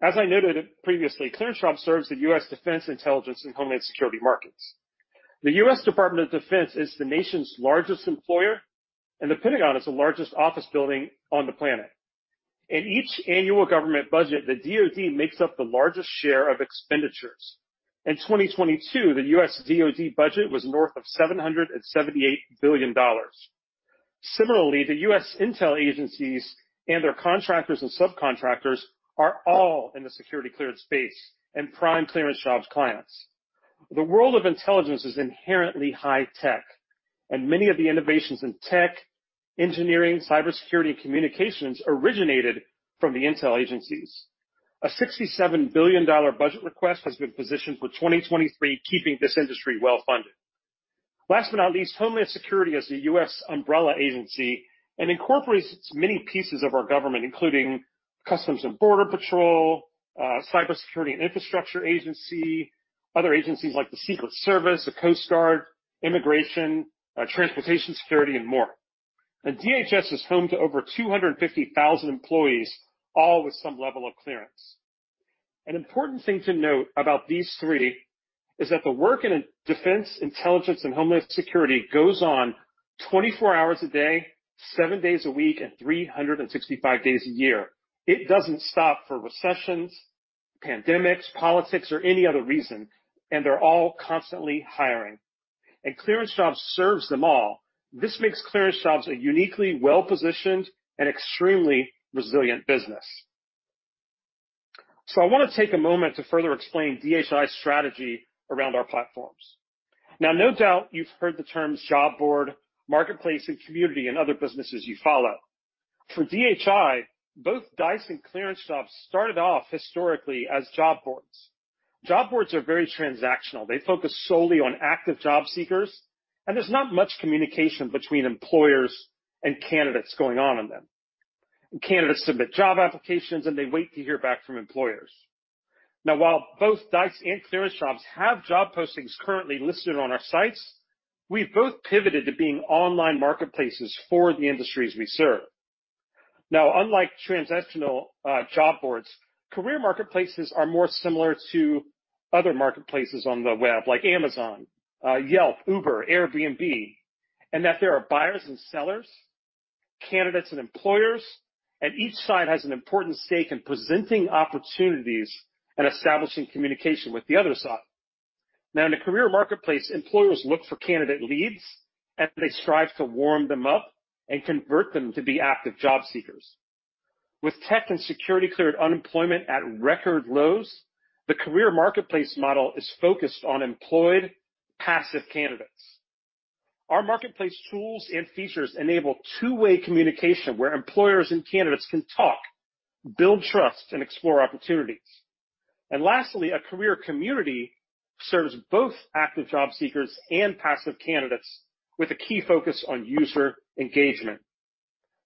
Speaker 8: As I noted previously, ClearanceJobs serves the U.S. defense, intelligence, and homeland security markets. The U.S. Department of Defense is the nation's largest employer, and the Pentagon is the largest office building on the planet. In each annual government budget, the DoD makes up the largest share of expenditures. In 2022, the U.S. DoD budget was north of $778 billion. Similarly, the U.S. intel agencies and their contractors and subcontractors are all in the security-cleared space and prime ClearanceJobs clients. The world of intelligence is inherently high tech, and many of the innovations in tech, engineering, cybersecurity, and communications originated from the intel agencies. A $67 billion budget request has been positioned for 2023, keeping this industry well-funded. Last but not least, Homeland Security is a U.S. umbrella agency and incorporates many pieces of our government, including Customs and Border Protection, Cybersecurity and Infrastructure Security Agency, other agencies like the Secret Service, the Coast Guard, Immigration and Customs Enforcement, Transportation Security Administration, and more. DHS is home to over 250,000 employees, all with some level of clearance. An important thing to note about these three is that the work in defense, intelligence, and homeland security goes on 24 hours a day, seven days a week, and 365 days a year. It doesn't stop for recessions, pandemics, politics, or any other reason, and they're all constantly hiring. ClearanceJobs serves them all. This makes ClearanceJobs a uniquely well-positioned and extremely resilient business. I wanna take a moment to further explain DHI's strategy around our platforms. Now, no doubt you've heard the terms job board, marketplace, and community in other businesses you follow. For DHI, both Dice and ClearanceJobs started off historically as job boards. Job boards are very transactional. They focus solely on active job seekers, and there's not much communication between employers and candidates going on in them. Candidates submit job applications, and they wait to hear back from employers. Now, while both Dice and ClearanceJobs have job postings currently listed on our sites, we've both pivoted to being online marketplaces for the industries we serve. Now, unlike transactional job boards, career marketplaces are more similar to other marketplaces on the web like Amazon, Yelp, Uber, Airbnb, and that there are buyers and sellers, candidates and employers, and each side has an important stake in presenting opportunities and establishing communication with the other side. Now, in a career marketplace, employers look for candidate leads, and they strive to warm them up and convert them to be active job seekers. With tech and security-cleared unemployment at record lows, the career marketplace model is focused on employed passive candidates. Our marketplace tools and features enable two-way communication where employers and candidates can talk, build trust, and explore opportunities. Lastly, a career community serves both active job seekers and passive candidates with a key focus on user engagement.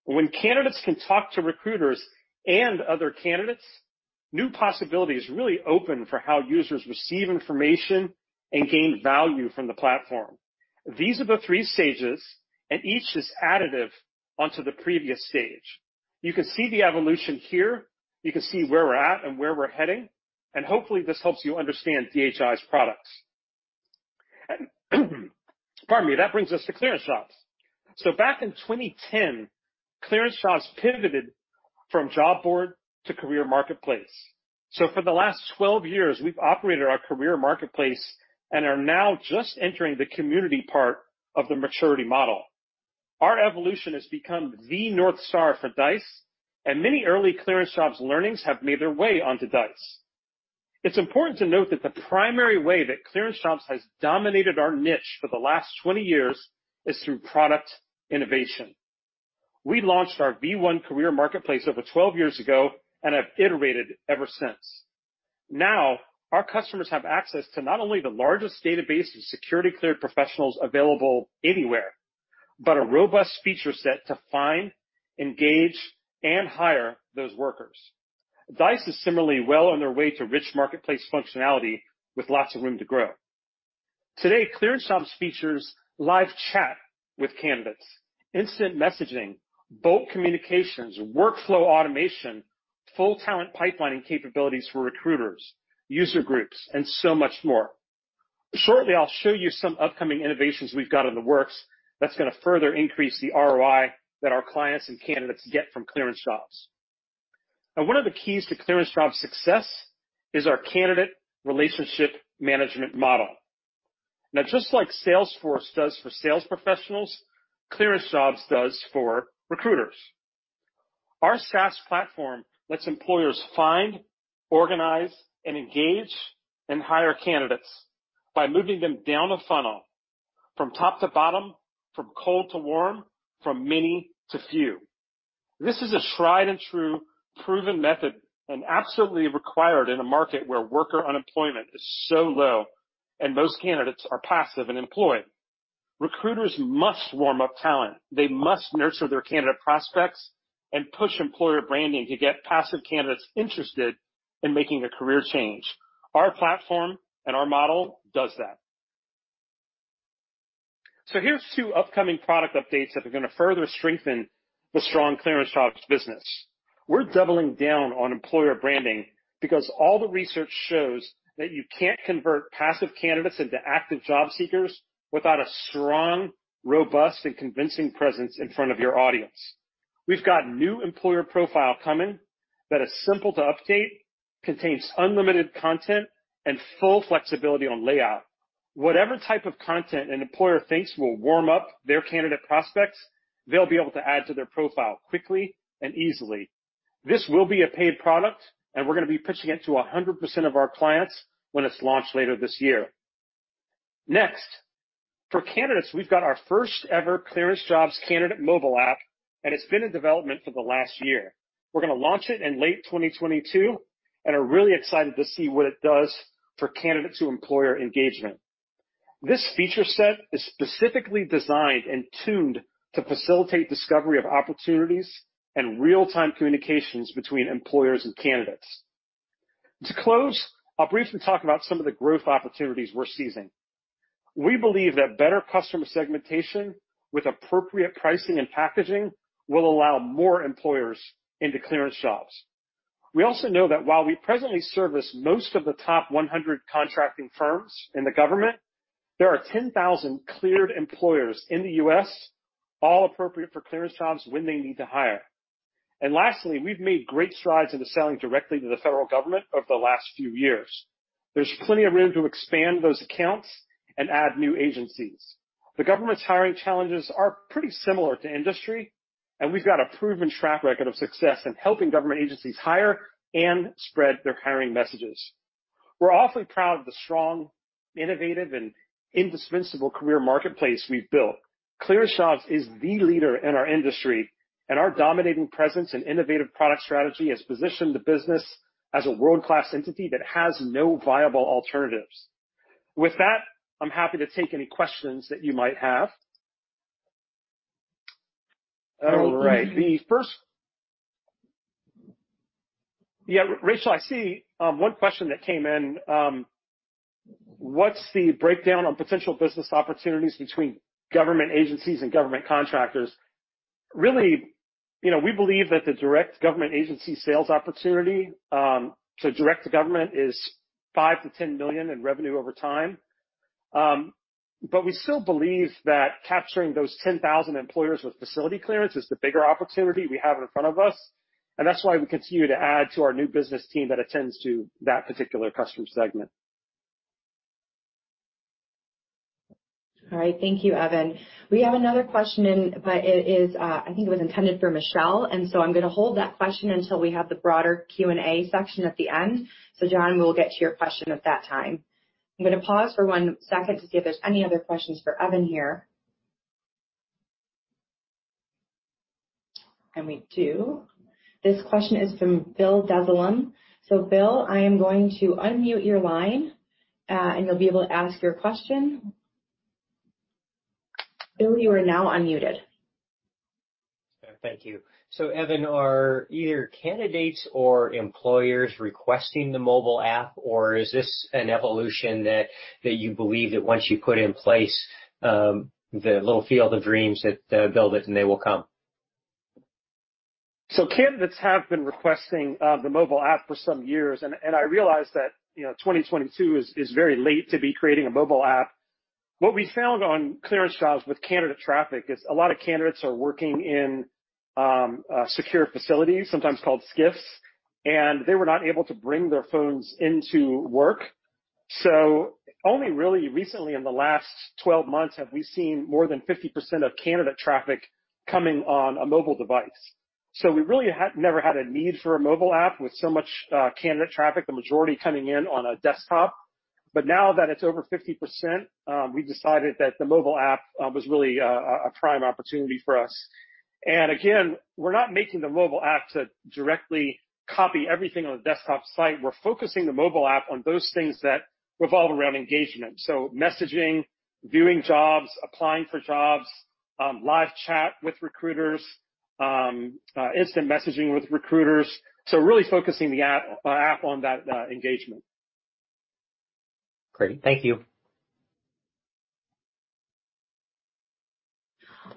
Speaker 8: When candidates can talk to recruiters and other candidates, new possibilities really open for how users receive information and gain value from the platform. These are the three stages, and each is additive onto the previous stage. You can see the evolution here. You can see where we're at and where we're heading, and hopefully, this helps you understand DHI's products. Pardon me. That brings us to ClearanceJobs. Back in 2010, ClearanceJobs pivoted from job board to career marketplace. For the last 12 years, we've operated our career marketplace and are now just entering the community part of the maturity model. Our evolution has become the North Star for Dice, and many early ClearanceJobs learnings have made their way onto Dice. It's important to note that the primary way that ClearanceJobs has dominated our niche for the last 20 years is through product innovation. We launched our V1 career marketplace over 12 years ago and have iterated ever since. Now, our customers have access to not only the largest database of security-cleared professionals available anywhere, but a robust feature set to find, engage, and hire those workers. Dice is similarly well on their way to rich marketplace functionality with lots of room to grow. Today, ClearanceJobs features live chat with candidates, instant messaging, bulk communications, workflow automation, full talent pipelining capabilities for recruiters, user groups, and so much more. Shortly, I'll show you some upcoming innovations we've got in the works that's gonna further increase the ROI that our clients and candidates get from ClearanceJobs. One of the keys to ClearanceJobs' success is our candidate relationship management model. Now, just like Salesforce does for sales professionals, ClearanceJobs does for recruiters. Our SaaS platform lets employers find, organize, and engage, and hire candidates by moving them down a funnel from top to bottom, from cold to warm, from many to few. This is a tried and true proven method and absolutely required in a market where worker unemployment is so low and most candidates are passive and employed. Recruiters must warm up talent. They must nurture their candidate prospects and push employer branding to get passive candidates interested in making a career change. Our platform and our model does that. Here's two upcoming product updates that are gonna further strengthen the strong ClearanceJobs business. We're doubling down on employer branding because all the research shows that you can't convert passive candidates into active job seekers without a strong, robust, and convincing presence in front of your audience. We've got new employer profile coming that is simple to update, contains unlimited content, and full flexibility on layout. Whatever type of content an employer thinks will warm up their candidate prospects, they'll be able to add to their profile quickly and easily. This will be a paid product, and we're gonna be pitching it to 100% of our clients when it's launched later this year. Next, for candidates, we've got our first-ever ClearanceJobs candidate mobile app, and it's been in development for the last year. We're gonna launch it in late 2022 and are really excited to see what it does for candidate-to-employer engagement. This feature set is specifically designed and tuned to facilitate discovery of opportunities and real-time communications between employers and candidates. To close, I'll briefly talk about some of the growth opportunities we're seizing. We believe that better customer segmentation with appropriate pricing and packaging will allow more employers into ClearanceJobs. We also know that while we presently service most of the top 100 contracting firms in the government, there are 10,000 cleared employers in the US, all appropriate for ClearanceJobs when they need to hire. Lastly, we've made great strides into selling directly to the federal government over the last few years. There's plenty of room to expand those accounts and add new agencies. The government's hiring challenges are pretty similar to industry, and we've got a proven track record of success in helping government agencies hire and spread their hiring messages. We're awfully proud of the strong, innovative, and indispensable career marketplace we've built. ClearanceJobs is the leader in our industry, and our dominating presence and innovative product strategy has positioned the business as a world-class entity that has no viable alternatives. With that, I'm happy to take any questions that you might have. All right. Yeah, Rachel, I see one question that came in, what's the breakdown on potential business opportunities between government agencies and government contractors? Really, you know, we believe that the direct government agency sales opportunity to direct to government is $5 million-$10 million in revenue over time. But we still believe that capturing those 10,000 employers with facility clearance is the bigger opportunity we have in front of us, and that's why we continue to add to our new business team that attends to that particular customer segment.
Speaker 1: All right. Thank you, Evan. We have another question in, but it is, I think it was intended for Michelle, and so I'm gonna hold that question until we have the broader Q&A section at the end. John, we'll get to your question at that time. I'm gonna pause for one second to see if there's any other questions for Evan here. We do. This question is from Bill Dezellem. Bill, I am going to unmute your line, and you'll be able to ask your question. Bill, you are now unmuted.
Speaker 9: Thank you. Evan, are either candidates or employers requesting the mobile app, or is this an evolution that you believe that once you put in place, the little field of dreams that build it and they will come?
Speaker 8: Candidates have been requesting the mobile app for some years. I realize that, you know, 2022 is very late to be creating a mobile app. What we found on ClearanceJobs with candidate traffic is a lot of candidates are working in secure facilities, sometimes called SCIFs, and they were not able to bring their phones into work. Only really recently in the last 12 months have we seen more than 50% of candidate traffic coming on a mobile device. We really had never had a need for a mobile app with so much candidate traffic, the majority coming in on a desktop. Now that it's over 50%, we've decided that the mobile app was really a prime opportunity for us. Again, we're not making the mobile app to directly copy everything on the desktop site. We're focusing the mobile app on those things that revolve around engagement. Messaging, viewing jobs, applying for jobs, live chat with recruiters, instant messaging with recruiters. Really focusing the app on that engagement.
Speaker 9: Great. Thank you.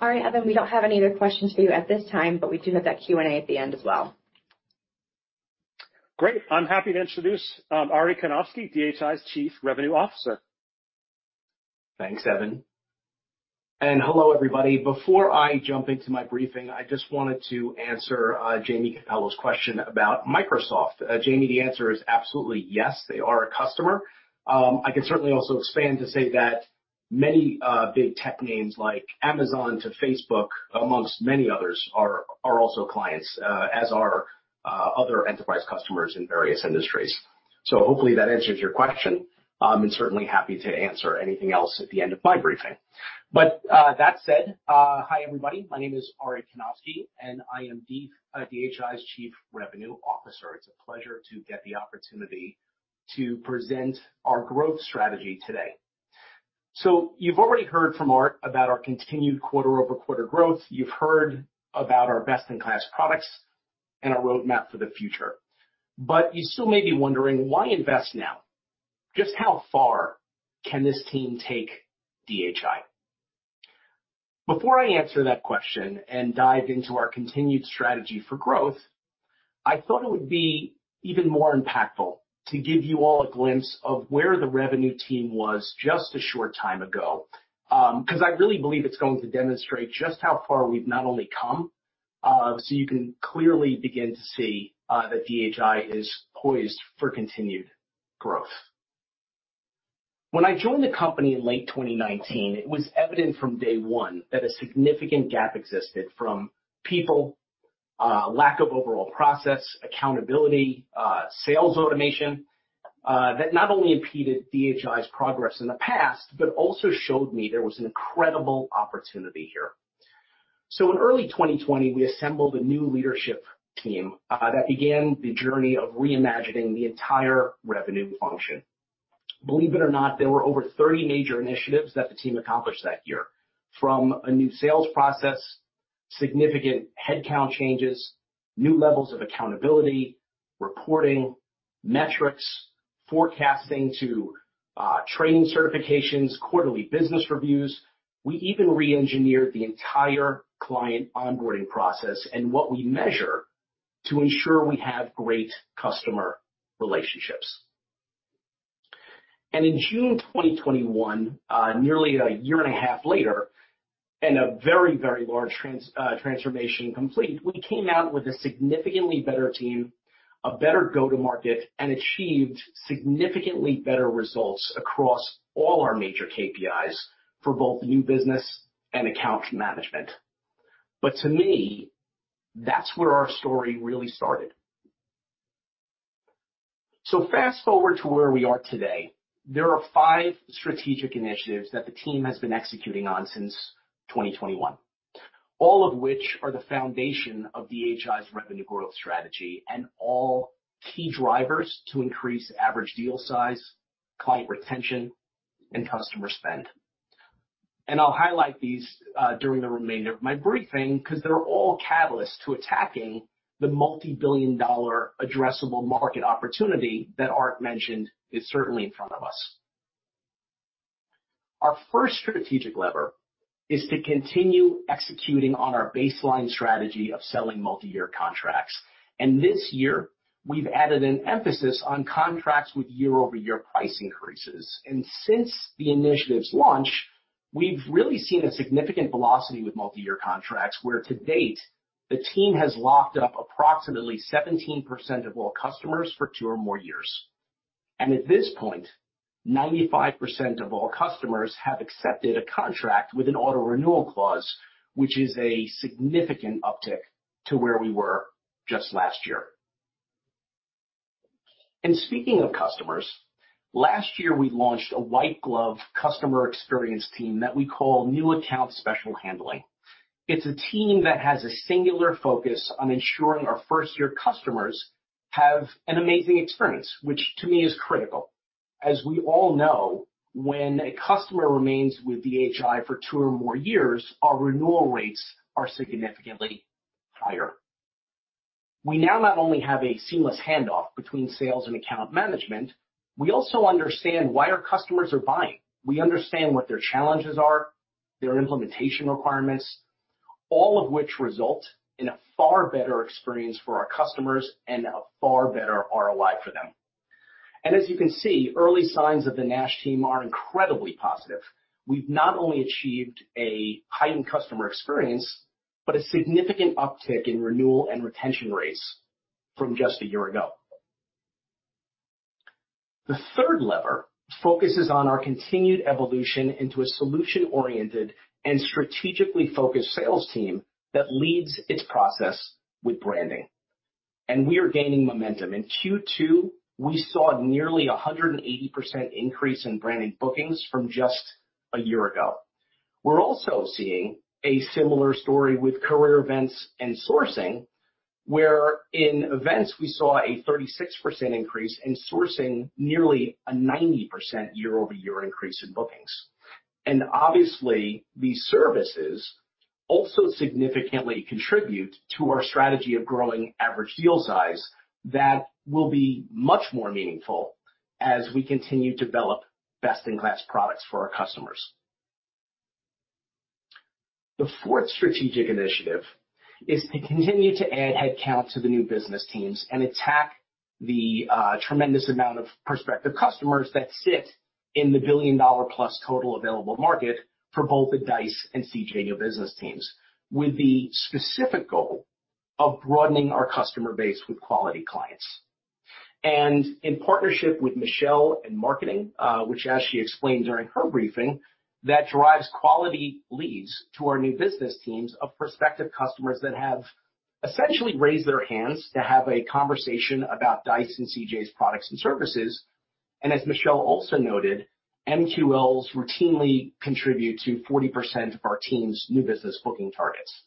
Speaker 1: All right, Evan, we don't have any other questions for you at this time, but we do have that Q&A at the end as well.
Speaker 8: Great. I'm happy to introduce Arie Kanofsky, DHI's Chief Revenue Officer.
Speaker 10: Thanks, Evan. Hello, everybody. Before I jump into my briefing, I just wanted to answer, Jamie Capello's question about Microsoft. Jamie, the answer is absolutely yes, they are a customer. I can certainly also expand to say that many big tech names like Amazon, too, Facebook, among many others, are also clients, as are other enterprise customers in various industries. Hopefully that answers your question, and certainly happy to answer anything else at the end of my briefing. That said, hi, everybody. My name is Arie Kanofsky, and I am DHI's Chief Revenue Officer. It's a pleasure to get the opportunity to present our growth strategy today. You've already heard from Art about our continued QoQ growth. You've heard about our best-in-class products and our roadmap for the future. You still may be wondering, why invest now? Just how far can this team take DHI? Before I answer that question and dive into our continued strategy for growth, I thought it would be even more impactful to give you all a glimpse of where the revenue team was just a short time ago, 'cause I really believe it's going to demonstrate just how far we've not only come, so you can clearly begin to see, that DHI is poised for continued growth. When I joined the company in late 2019, it was evident from day one that a significant gap existed from people, lack of overall process, accountability, sales automation, that not only impeded DHI's progress in the past, but also showed me there was an incredible opportunity here. In early 2020, we assembled a new leadership team that began the journey of reimagining the entire revenue function. Believe it or not, there were over 30 major initiatives that the team accomplished that year, from a new sales process, significant headcount changes, new levels of accountability, reporting, metrics, forecasting to training certifications, quarterly business reviews. We even reengineered the entire client onboarding process and what we measure to ensure we have great customer relationships. In June 2021, nearly a year and a half later, a very, very large transformation complete, we came out with a significantly better team, a better go-to-market, and achieved significantly better results across all our major KPIs for both new business and account management. To me, that's where our story really started. Fast-forward to where we are today. There are five strategic initiatives that the team has been executing on since 2021, all of which are the foundation of DHI's revenue growth strategy and all key drivers to increase average deal size, client retention, and customer spend. I'll highlight these during the remainder of my briefing 'cause they're all catalysts to attacking the multibillion-dollar addressable market opportunity that Art mentioned is certainly in front of us. Our first strategic lever is to continue executing on our baseline strategy of selling multi-year contracts. This year, we've added an emphasis on contracts with YoY price increases. Since the initiative's launch, we've really seen a significant velocity with multi-year contracts, where to date the team has locked up approximately 17% of all customers for two or more years. At this point, 95% of all customers have accepted a contract with an auto-renewal clause, which is a significant uptick to where we were just last year. Speaking of customers, last year we launched a white glove customer experience team that we call New Account Special Handling. It's a team that has a singular focus on ensuring our first-year customers have an amazing experience, which to me is critical. As we all know, when a customer remains with DHI for two or more years, our renewal rates are significantly higher. We now not only have a seamless handoff between sales and account management, we also understand why our customers are buying. We understand what their challenges are, their implementation requirements, all of which result in a far better experience for our customers and a far better ROI for them. As you can see, early signs of the NASH team are incredibly positive. We've not only achieved a heightened customer experience, but a significant uptick in renewal and retention rates from just a year ago. The third lever focuses on our continued evolution into a solution-oriented and strategically focused sales team that leads its process with branding, and we are gaining momentum. In Q2, we saw nearly a 180% increase in branded bookings from just a year ago. We're also seeing a similar story with career events and sourcing, where in events we saw a 36% increase in sourcing, nearly a 90% YoY increase in bookings. Obviously, these services also significantly contribute to our strategy of growing average deal size that will be much more meaningful as we continue to develop best-in-class products for our customers. The fourth strategic initiative is to continue to add headcount to the new business teams and attack the tremendous amount of prospective customers that sit in the billion-dollar-plus total available market for both the Dice and CJ business teams, with the specific goal of broadening our customer base with quality clients. In partnership with Michelle in marketing, which as she explained during her briefing, that drives quality leads to our new business teams of prospective customers that have essentially raised their hands to have a conversation about Dice and CJ's products and services. As Michelle also noted, MQLs routinely contribute to 40% of our team's new business booking targets.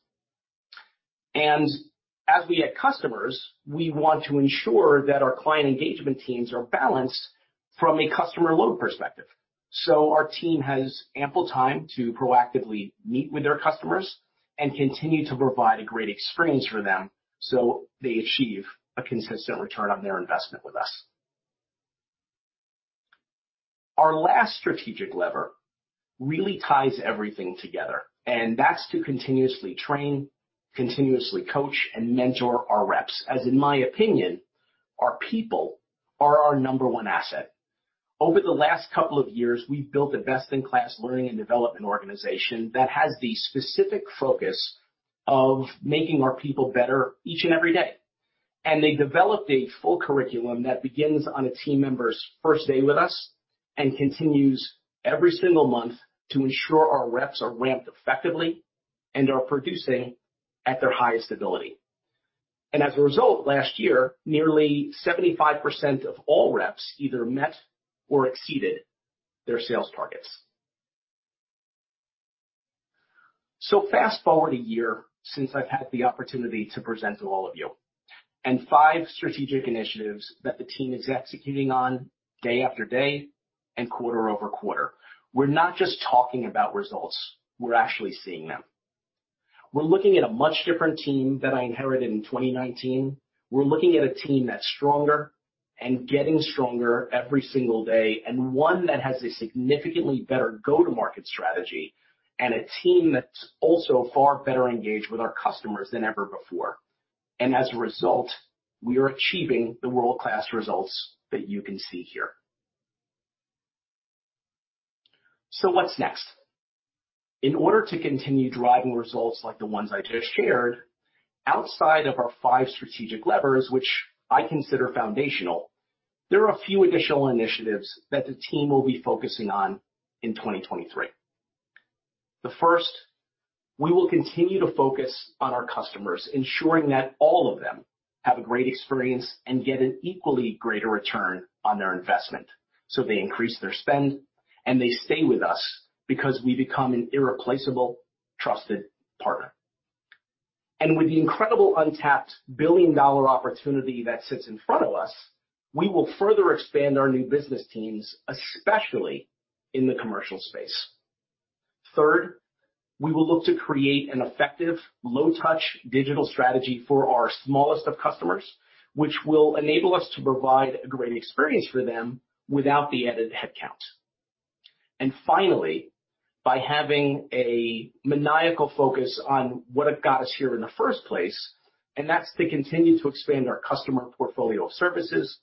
Speaker 10: As we add customers, we want to ensure that our client engagement teams are balanced from a customer load perspective, so our team has ample time to proactively meet with their customers and continue to provide a great experience for them so they achieve a consistent return on their investment with us. Our last strategic lever really ties everything together, and that's to continuously train, continuously coach, and mentor our reps, as in my opinion, our people are our number one asset. Over the last couple of years, we've built a best-in-class learning and development organization that has the specific focus of making our people better each and every day. They developed a full curriculum that begins on a team member's first day with us and continues every single month to ensure our reps are ramped effectively and are producing at their highest ability. As a result, last year, nearly 75% of all reps either met or exceeded their sales targets. Fast-forward a year since I've had the opportunity to present to all of you, and five strategic initiatives that the team is executing on day after day and quarter over quarter. We're not just talking about results, we're actually seeing them. We're looking at a much different team than I inherited in 2019. We're looking at a team that's stronger and getting stronger every single day, and one that has a significantly better go-to-market strategy and a team that's also far better engaged with our customers than ever before. As a result, we are achieving the world-class results that you can see here. What's next? In order to continue driving results like the ones I just shared, outside of our five strategic levers, which I consider foundational, there are a few additional initiatives that the team will be focusing on in 2023. The first, we will continue to focus on our customers, ensuring that all of them have a great experience and get an equally greater return on their investment, so they increase their spend and they stay with us because we become an irreplaceable, trusted partner. With the incredible untapped billion-dollar opportunity that sits in front of us, we will further expand our new business teams, especially in the commercial space. Third, we will look to create an effective low touch digital strategy for our smallest of customers, which will enable us to provide a great experience for them without the added headcount. Finally, by having a maniacal focus on what got us here in the first place, and that's to continue to expand our customer portfolio of services,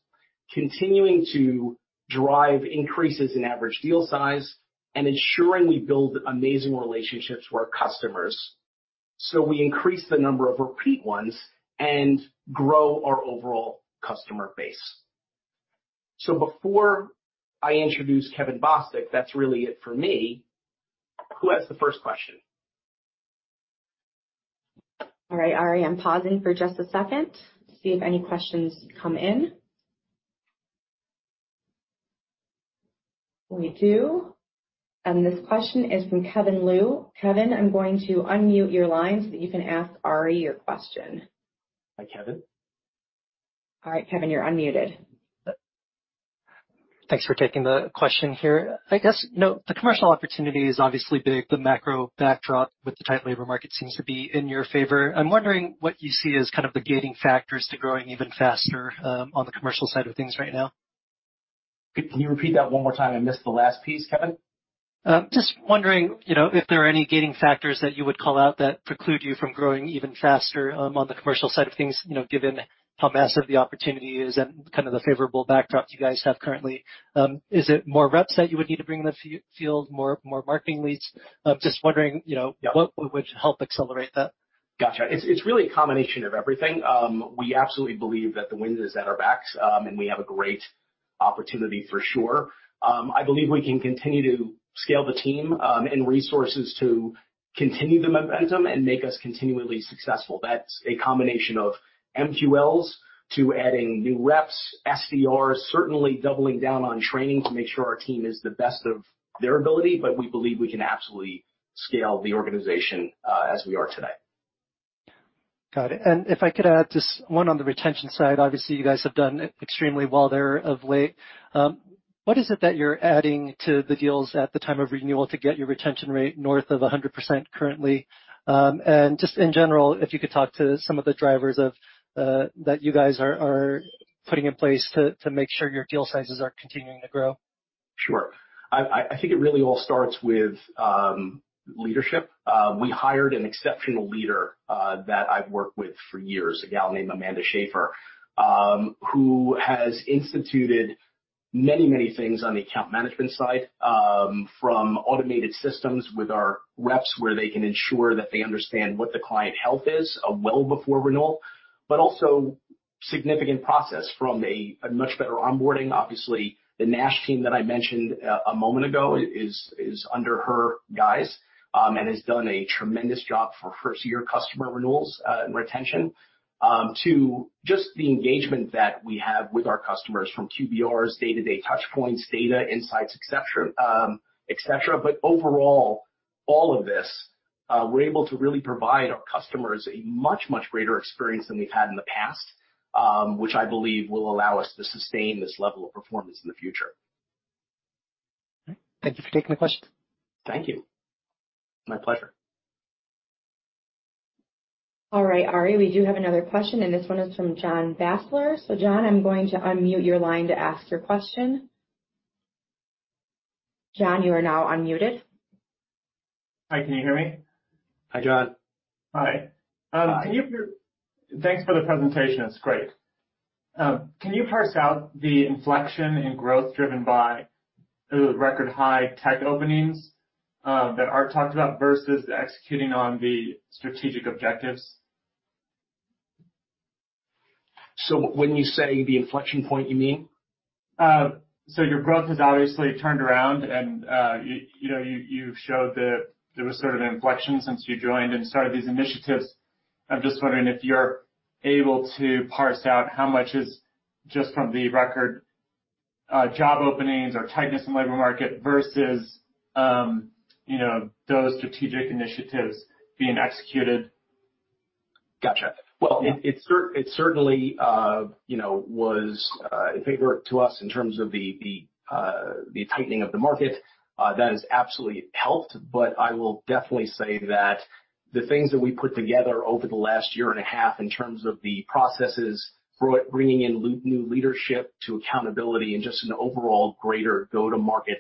Speaker 10: continuing to drive increases in average deal size and ensuring we build amazing relationships with our customers, so we increase the number of repeat ones and grow our overall customer base. Before I introduce Kevin Bostick, that's really it for me. Who has the first question?
Speaker 1: All right, Arie, I'm pausing for just a second to see if any questions come in. We do. This question is from Kevin Liu. Kevin, I'm going to unmute your line so that you can ask Arie your question.
Speaker 10: Hi, Kevin.
Speaker 1: All right, Kevin, you're unmuted.
Speaker 11: Thanks for taking the question here. I guess, you know, the commercial opportunity is obviously big. The macro backdrop with the tight labor market seems to be in your favor. I'm wondering what you see as kind of the gating factors to growing even faster, on the commercial side of things right now.
Speaker 10: Can you repeat that one more time? I missed the last piece, Kevin.
Speaker 11: Just wondering, you know, if there are any gating factors that you would call out that preclude you from growing even faster, on the commercial side of things, you know, given how massive the opportunity is and kind of the favorable backdrop you guys have currently. Is it more reps that you would need to bring in the field, more marketing leads? I'm just wondering, you know.
Speaker 10: Yeah.
Speaker 11: What would help accelerate that?
Speaker 10: Gotcha. It's really a combination of everything. We absolutely believe that the wind is at our backs, and we have a great opportunity for sure. I believe we can continue to scale the team, and resources to continue the momentum and make us continually successful. That's a combination of MQLs to adding new reps, SDRs, certainly doubling down on training to make sure our team is the best of their ability. We believe we can absolutely scale the organization, as we are today.
Speaker 11: Got it. If I could add just one on the retention side. Obviously, you guys have done extremely well there of late. What is it that you're adding to the deals at the time of renewal to get your retention rate north of 100% currently? Just in general, if you could talk to some of the drivers of that you guys are putting in place to make sure your deal sizes are continuing to grow.
Speaker 10: Sure. I think it really all starts with leadership. We hired an exceptional leader that I've worked with for years, a gal named Amanda Schaefer, who has instituted many things on the account management side, from automated systems with our reps, where they can ensure that they understand what the client health is, well before renewal, but also significant process from a much better onboarding. Obviously, the NASH team that I mentioned a moment ago is under her guidance, and has done a tremendous job for first year customer renewals and retention to just the engagement that we have with our customers from QBRs, day-to-day touch points, data, insights, et cetera, et cetera. Overall, all of this, we're able to really provide our customers a much, much greater experience than we've had in the past, which I believe will allow us to sustain this level of performance in the future.
Speaker 11: Thank you for taking the question.
Speaker 10: Thank you. My pleasure.
Speaker 1: All right, Ari, we do have another question, and this one is from John Basler. John, I'm going to unmute your line to ask your question. John, you are now unmuted.
Speaker 12: Hi, can you hear me?
Speaker 10: Hi, John.
Speaker 12: Hi.
Speaker 10: Hi.
Speaker 12: Thanks for the presentation. It's great. Can you parse out the inflection in growth driven by the record high tech openings that Art talked about versus executing on the strategic objectives?
Speaker 10: When you say the inflection point, you mean?
Speaker 12: Your growth has obviously turned around and, you know, you showed that there was sort of an inflection since you joined and started these initiatives. I'm just wondering if you're able to parse out how much is just from the record job openings or tightness in labor market versus, you know, those strategic initiatives being executed.
Speaker 10: Gotcha. Well, it certainly was a favor to us in terms of the tightening of the market. That has absolutely helped. I will definitely say that the things that we put together over the last year and a half in terms of the processes, bringing in new leadership to accountability and just an overall greater go-to-market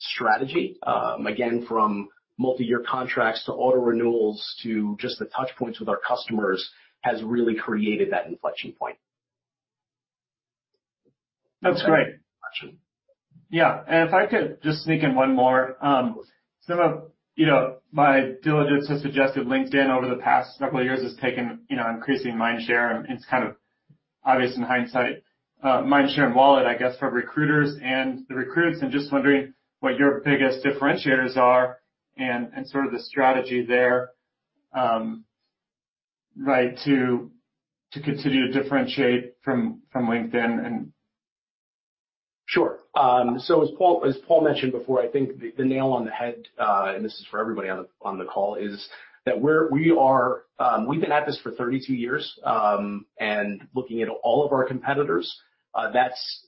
Speaker 10: strategy, again, from multiyear contracts to auto renewals to just the touch points with our customers, has really created that inflection point.
Speaker 12: That's great. Yeah. If I could just sneak in one more. Some of, you know, my diligence has suggested LinkedIn over the past couple of years has taken, you know, increasing mind share. It's kind of obvious in hindsight. Mind share and wallet, I guess, for recruiters and the recruits. I'm just wondering what your biggest differentiators are and sort of the strategy there, right, to continue to differentiate from LinkedIn.
Speaker 10: Sure. So as Paul mentioned before, I think hit the nail on the head, and this is for everybody on the call, is that we are. We've been at this for 32 years, and looking at all of our competitors, that's,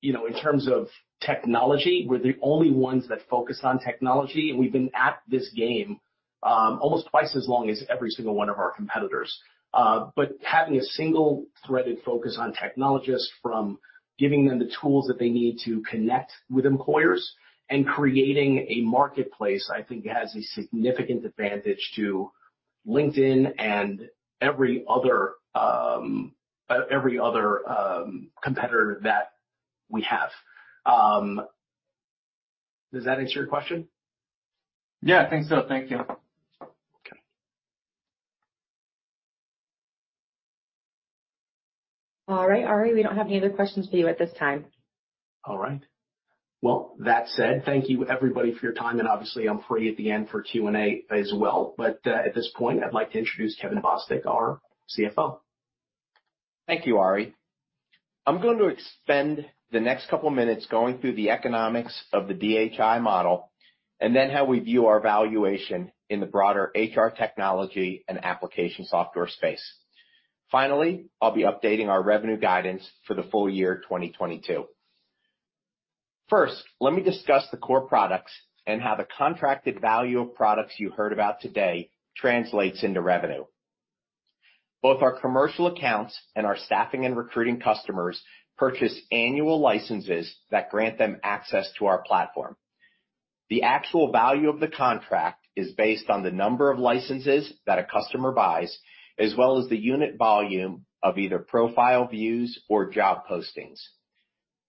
Speaker 10: you know, in terms of technology, we're the only ones that focus on technology, and we've been at this game almost twice as long as every single one of our competitors. But having a single-threaded focus on technologists from giving them the tools that they need to connect with employers and creating a marketplace, I think has a significant advantage to LinkedIn and every other competitor that we have. Does that answer your question?
Speaker 12: Yeah, I think so. Thank you.
Speaker 10: Okay.
Speaker 1: All right. Ari, we don't have any other questions for you at this time.
Speaker 10: All right. Well, that said, thank you, everybody, for your time. Obviously, I'm free at the end for Q&A as well. At this point, I'd like to introduce Kevin Bostick, our CFO.
Speaker 13: Thank you, Arie. I'm going to spend the next couple minutes going through the economics of the DHI model and then how we view our valuation in the broader HR technology and application software space. Finally, I'll be updating our revenue guidance for the full year 2022. First, let me discuss the core products and how the contracted value of products you heard about today translates into revenue. Both our commercial accounts and our staffing and recruiting customers purchase annual licenses that grant them access to our platform. The actual value of the contract is based on the number of licenses that a customer buys, as well as the unit volume of either profile views or job postings.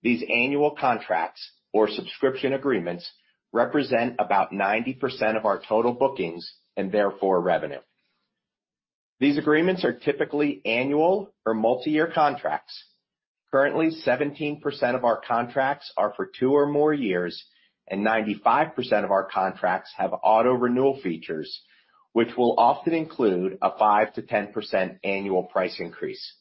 Speaker 13: These annual contracts or subscription agreements represent about 90% of our total bookings and therefore revenue. These agreements are typically annual or multi-year contracts. Currently, 17% of our contracts are for two or more years, and 95% of our contracts have auto-renewal features, which will often include a 5%-10% annual price increase.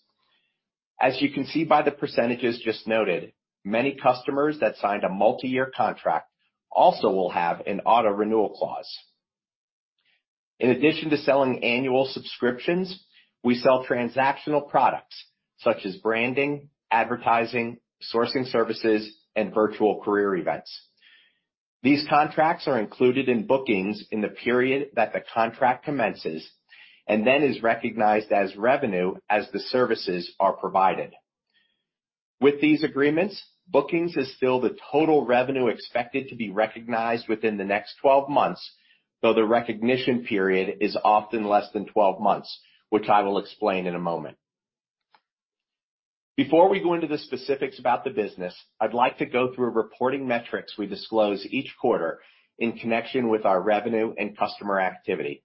Speaker 13: As you can see by the percentages just noted, many customers that signed a multi-year contract also will have an auto-renewal clause. In addition to selling annual subscriptions, we sell transactional products such as branding, advertising, sourcing services, and virtual career events. These contracts are included in bookings in the period that the contract commences and then is recognized as revenue as the services are provided. With these agreements, bookings is still the total revenue expected to be recognized within the next 12 months, though the recognition period is often less than 12 months, which I will explain in a moment. Before we go into the specifics about the business, I'd like to go through reporting metrics we disclose each quarter in connection with our revenue and customer activity.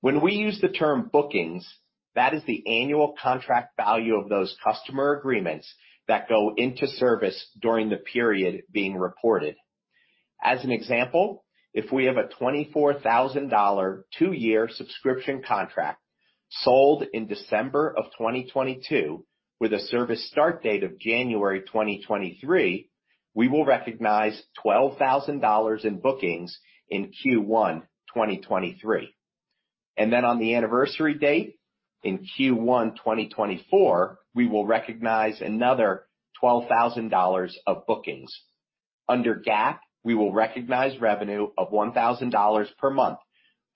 Speaker 13: When we use the term bookings, that is the annual contract value of those customer agreements that go into service during the period being reported. As an example, if we have a $24,000 two-year subscription contract sold in December 2022 with a service start date of January 2023, we will recognize $12,000 in bookings in Q1 2023. Then on the anniversary date in Q1 2024, we will recognize another $12,000 of bookings. Under GAAP, we will recognize revenue of $1,000 per month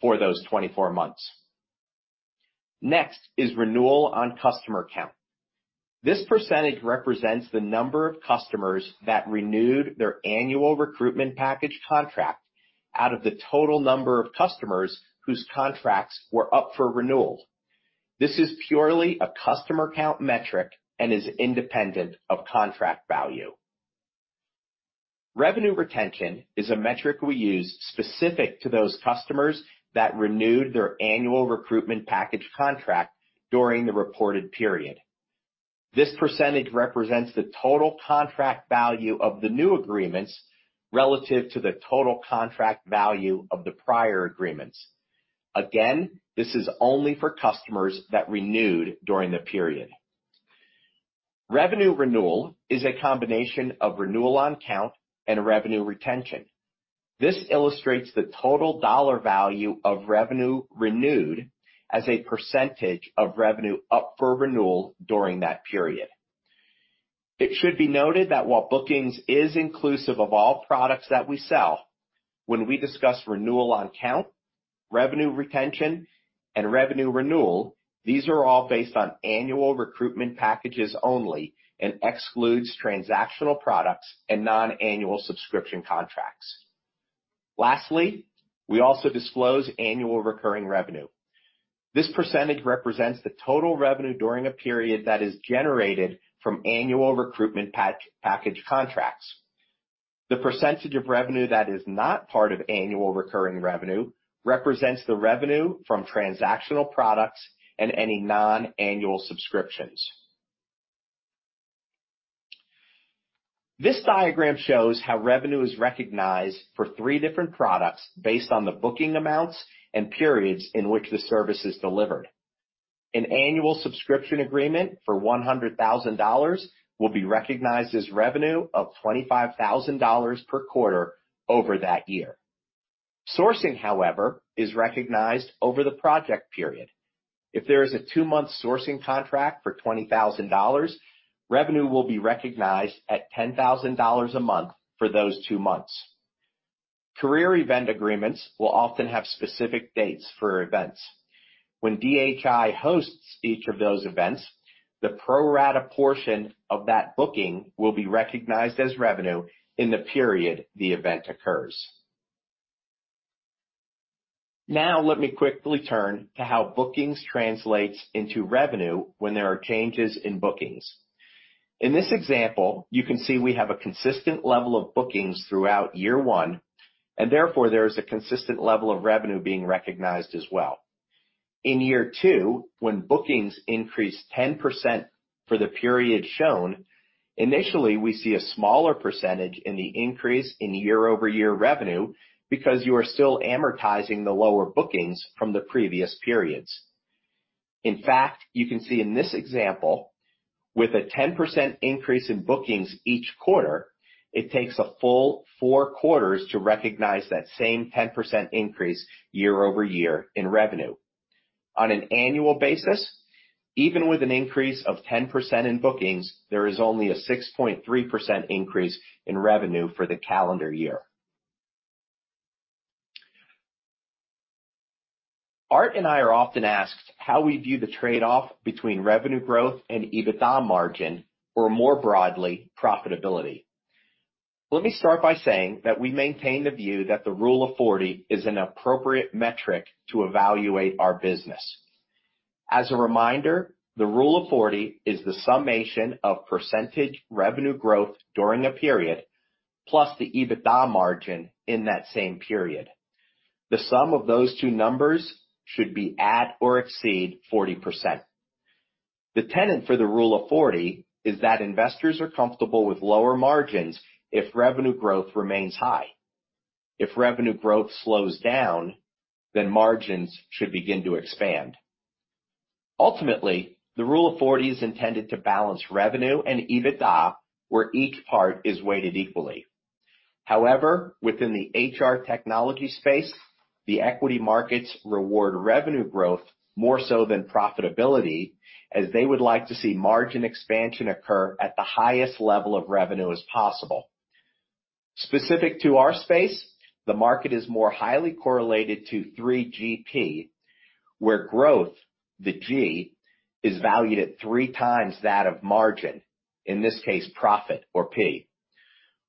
Speaker 13: for those 24 months. Next is renewal on customer count. This percentage represents the number of customers that renewed their annual recruitment package contract out of the total number of customers whose contracts were up for renewal. This is purely a customer count metric and is independent of contract value. Revenue retention is a metric we use specific to those customers that renewed their annual recruitment package contract during the reported period. This percentage represents the total contract value of the new agreements relative to the total contract value of the prior agreements. Again, this is only for customers that renewed during the period. Revenue renewal is a combination of renewal on count and revenue retention. This illustrates the total dollar value of revenue renewed as a % of revenue up for renewal during that period. It should be noted that while bookings is inclusive of all products that we sell, when we discuss renewal on count, revenue retention, and revenue renewal, these are all based on annual recruitment packages only and exclude transactional products and non-annual subscription contracts. Lastly, we also disclose annual recurring revenue. This percentage represents the total revenue during a period that is generated from annual recruitment package contracts. The percentage of revenue that is not part of annual recurring revenue represents the revenue from transactional products and any non-annual subscriptions. This diagram shows how revenue is recognized for three different products based on the booking amounts and periods in which the service is delivered. An annual subscription agreement for $100,000 will be recognized as revenue of $25,000 per quarter over that year. Sourcing, however, is recognized over the project period. If there is a two-month sourcing contract for $20,000, revenue will be recognized at $10,000 a month for those two months. Career event agreements will often have specific dates for events. When DHI hosts each of those events, the pro-rata portion of that booking will be recognized as revenue in the period the event occurs. Now let me quickly turn to how bookings translates into revenue when there are changes in bookings. In this example, you can see we have a consistent level of bookings throughout year one, and therefore there is a consistent level of revenue being recognized as well. In year two, when bookings increase 10% for the period shown, initially, we see a smaller percentage in the increase in YoY revenue because you are still amortizing the lower bookings from the previous periods. In fact, you can see in this example, with a 10% increase in bookings each quarter, it takes a full four quarters to recognize that same 10% increase YoY in revenue. On an annual basis, even with an increase of 10% in bookings, there is only a 6.3% increase in revenue for the calendar year. Art and I are often asked how we view the trade-off between revenue growth and EBITDA margin, or more broadly, profitability. Let me start by saying that we maintain the view that the rule of 40 is an appropriate metric to evaluate our business. As a reminder, the rule of 40 is the summation of percentage revenue growth during a period, plus the EBITDA margin in that same period. The sum of those two numbers should be at or exceed 40%. The tenet for the Rule of 40 is that investors are comfortable with lower margins if revenue growth remains high. If revenue growth slows down, then margins should begin to expand. Ultimately, the Rule of 40 is intended to balance revenue and EBITDA, where each part is weighted equally. However, within the HR technology space, the equity markets reward revenue growth more so than profitability, as they would like to see margin expansion occur at the highest level of revenue as possible. Specific to our space, the market is more highly correlated to 3GP, where growth, the G, is valued at three times that of margin, in this case, profit or P.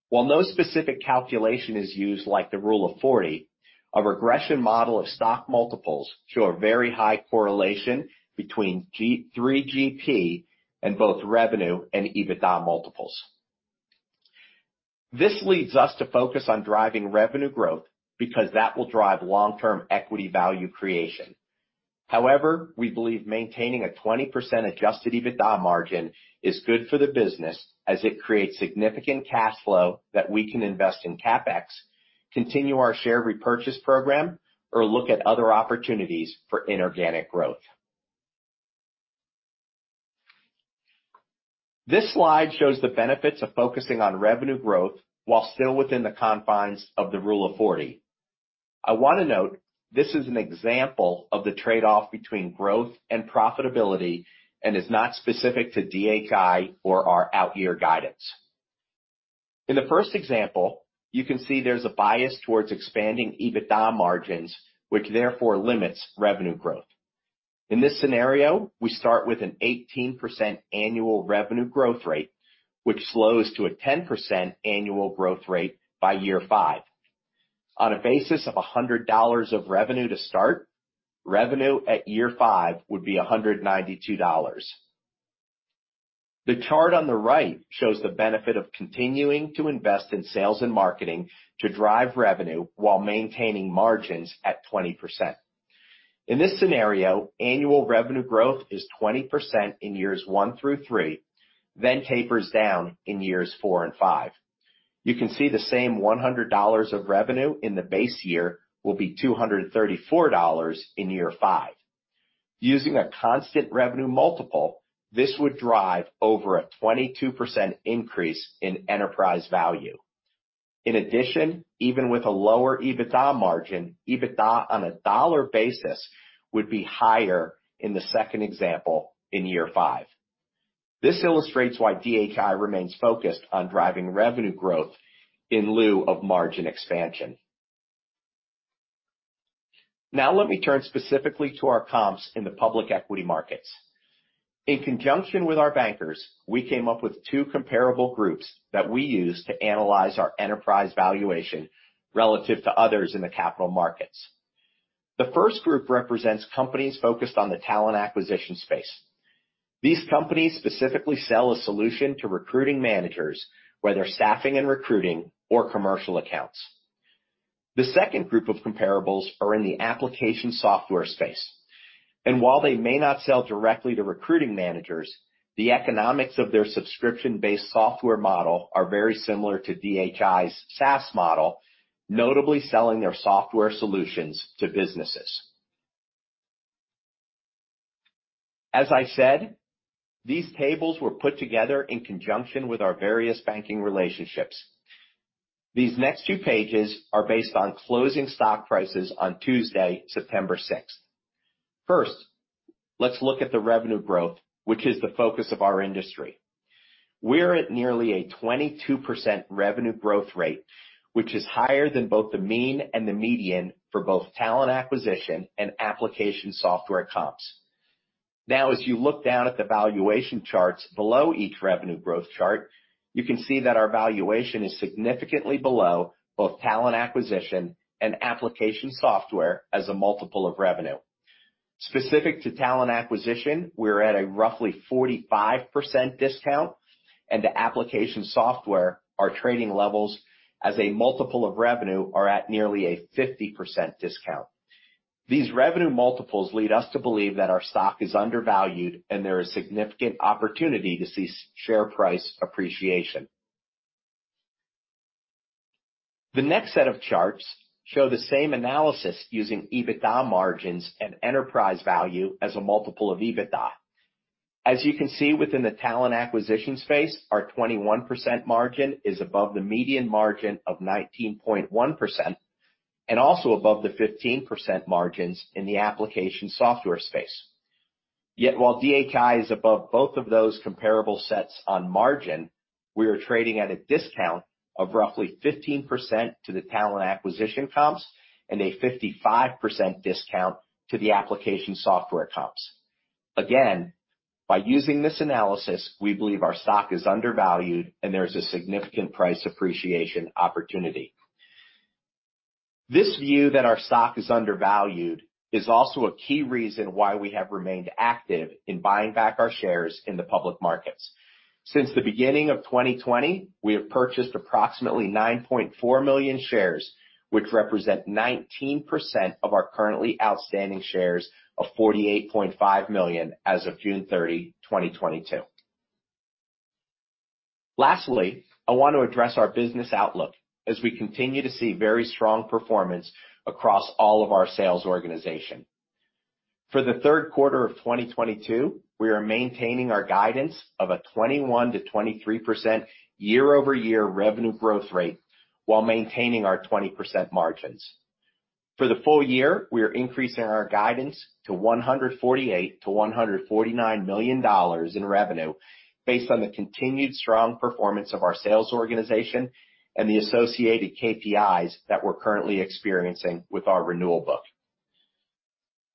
Speaker 13: While no specific calculation is used like the Rule of 40, a regression model of stock multiples show a very high correlation between G3GP and both revenue and EBITDA multiples. This leads us to focus on driving revenue growth because that will drive long-term equity value creation. However, we believe maintaining a 20% adjusted EBITDA margin is good for the business as it creates significant cash flow that we can invest in CapEx, continue our share repurchase program, or look at other opportunities for inorganic growth. This slide shows the benefits of focusing on revenue growth while still within the confines of the Rule of 40. I want to note this is an example of the trade-off between growth and profitability and is not specific to DHI or our out year guidance. In the first example, you can see there's a bias towards expanding EBITDA margins, which therefore limits revenue growth. In this scenario, we start with an 18% annual revenue growth rate, which slows to a 10% annual growth rate by year five. On a basis of $100 of revenue to start, revenue at year five would be $192. The chart on the right shows the benefit of continuing to invest in sales and marketing to drive revenue while maintaining margins at 20%. In this scenario, annual revenue growth is 20% in years one through three, then tapers down in years four and five. You can see the same $100 of revenue in the base year will be $234 in year five. Using a constant revenue multiple, this would drive over a 22% increase in enterprise value. In addition, even with a lower EBITDA margin, EBITDA on a dollar basis would be higher in the second example in year five. This illustrates why DHI remains focused on driving revenue growth in lieu of margin expansion. Now let me turn specifically to our comps in the public equity markets. In conjunction with our bankers, we came up with two comparable groups that we use to analyze our enterprise valuation relative to others in the capital markets. The first group represents companies focused on the talent acquisition space. These companies specifically sell a solution to recruiting managers, whether staffing and recruiting or commercial accounts. The second group of comparables are in the application software space. While they may not sell directly to recruiting managers, the economics of their subscription-based software model are very similar to DHI's SaaS model, notably selling their software solutions to businesses. As I said, these tables were put together in conjunction with our various banking relationships. These next two pages are based on closing stock prices on Tuesday, September sixth. First, let's look at the revenue growth, which is the focus of our industry. We're at nearly a 22% revenue growth rate, which is higher than both the mean and the median for both talent acquisition and application software comps. Now, as you look down at the valuation charts below each revenue growth chart, you can see that our valuation is significantly below both talent acquisition and application software as a multiple of revenue. Specific to talent acquisition, we're at a roughly 45% discount, and to application software, our trading levels as a multiple of revenue are at nearly a 50% discount. These revenue multiples lead us to believe that our stock is undervalued, and there is significant opportunity to see share price appreciation. The next set of charts show the same analysis using EBITDA margins and enterprise value as a multiple of EBITDA. As you can see within the talent acquisition space, our 21% margin is above the median margin of 19.1% and also above the 15% margins in the application software space. Yet while DHI is above both of those comparable sets on margin, we are trading at a discount of roughly 15% to the talent acquisition comps and a 55% discount to the application software comps. Again, by using this analysis, we believe our stock is undervalued, and there is a significant price appreciation opportunity. This view that our stock is undervalued is also a key reason why we have remained active in buying back our shares in the public markets. Since the beginning of 2020, we have purchased approximately 9.4 million shares, which represent 19% of our currently outstanding shares of 48.5 million as of June 30, 2022. Lastly, I want to address our business outlook as we continue to see very strong performance across all of our sales organization. For the third quarter of 2022, we are maintaining our guidance of a 21%-23% YoY revenue growth rate while maintaining our 20% margins. For the full year, we are increasing our guidance to $148-$149 million in revenue based on the continued strong performance of our sales organization and the associated KPIs that we're currently experiencing with our renewal book.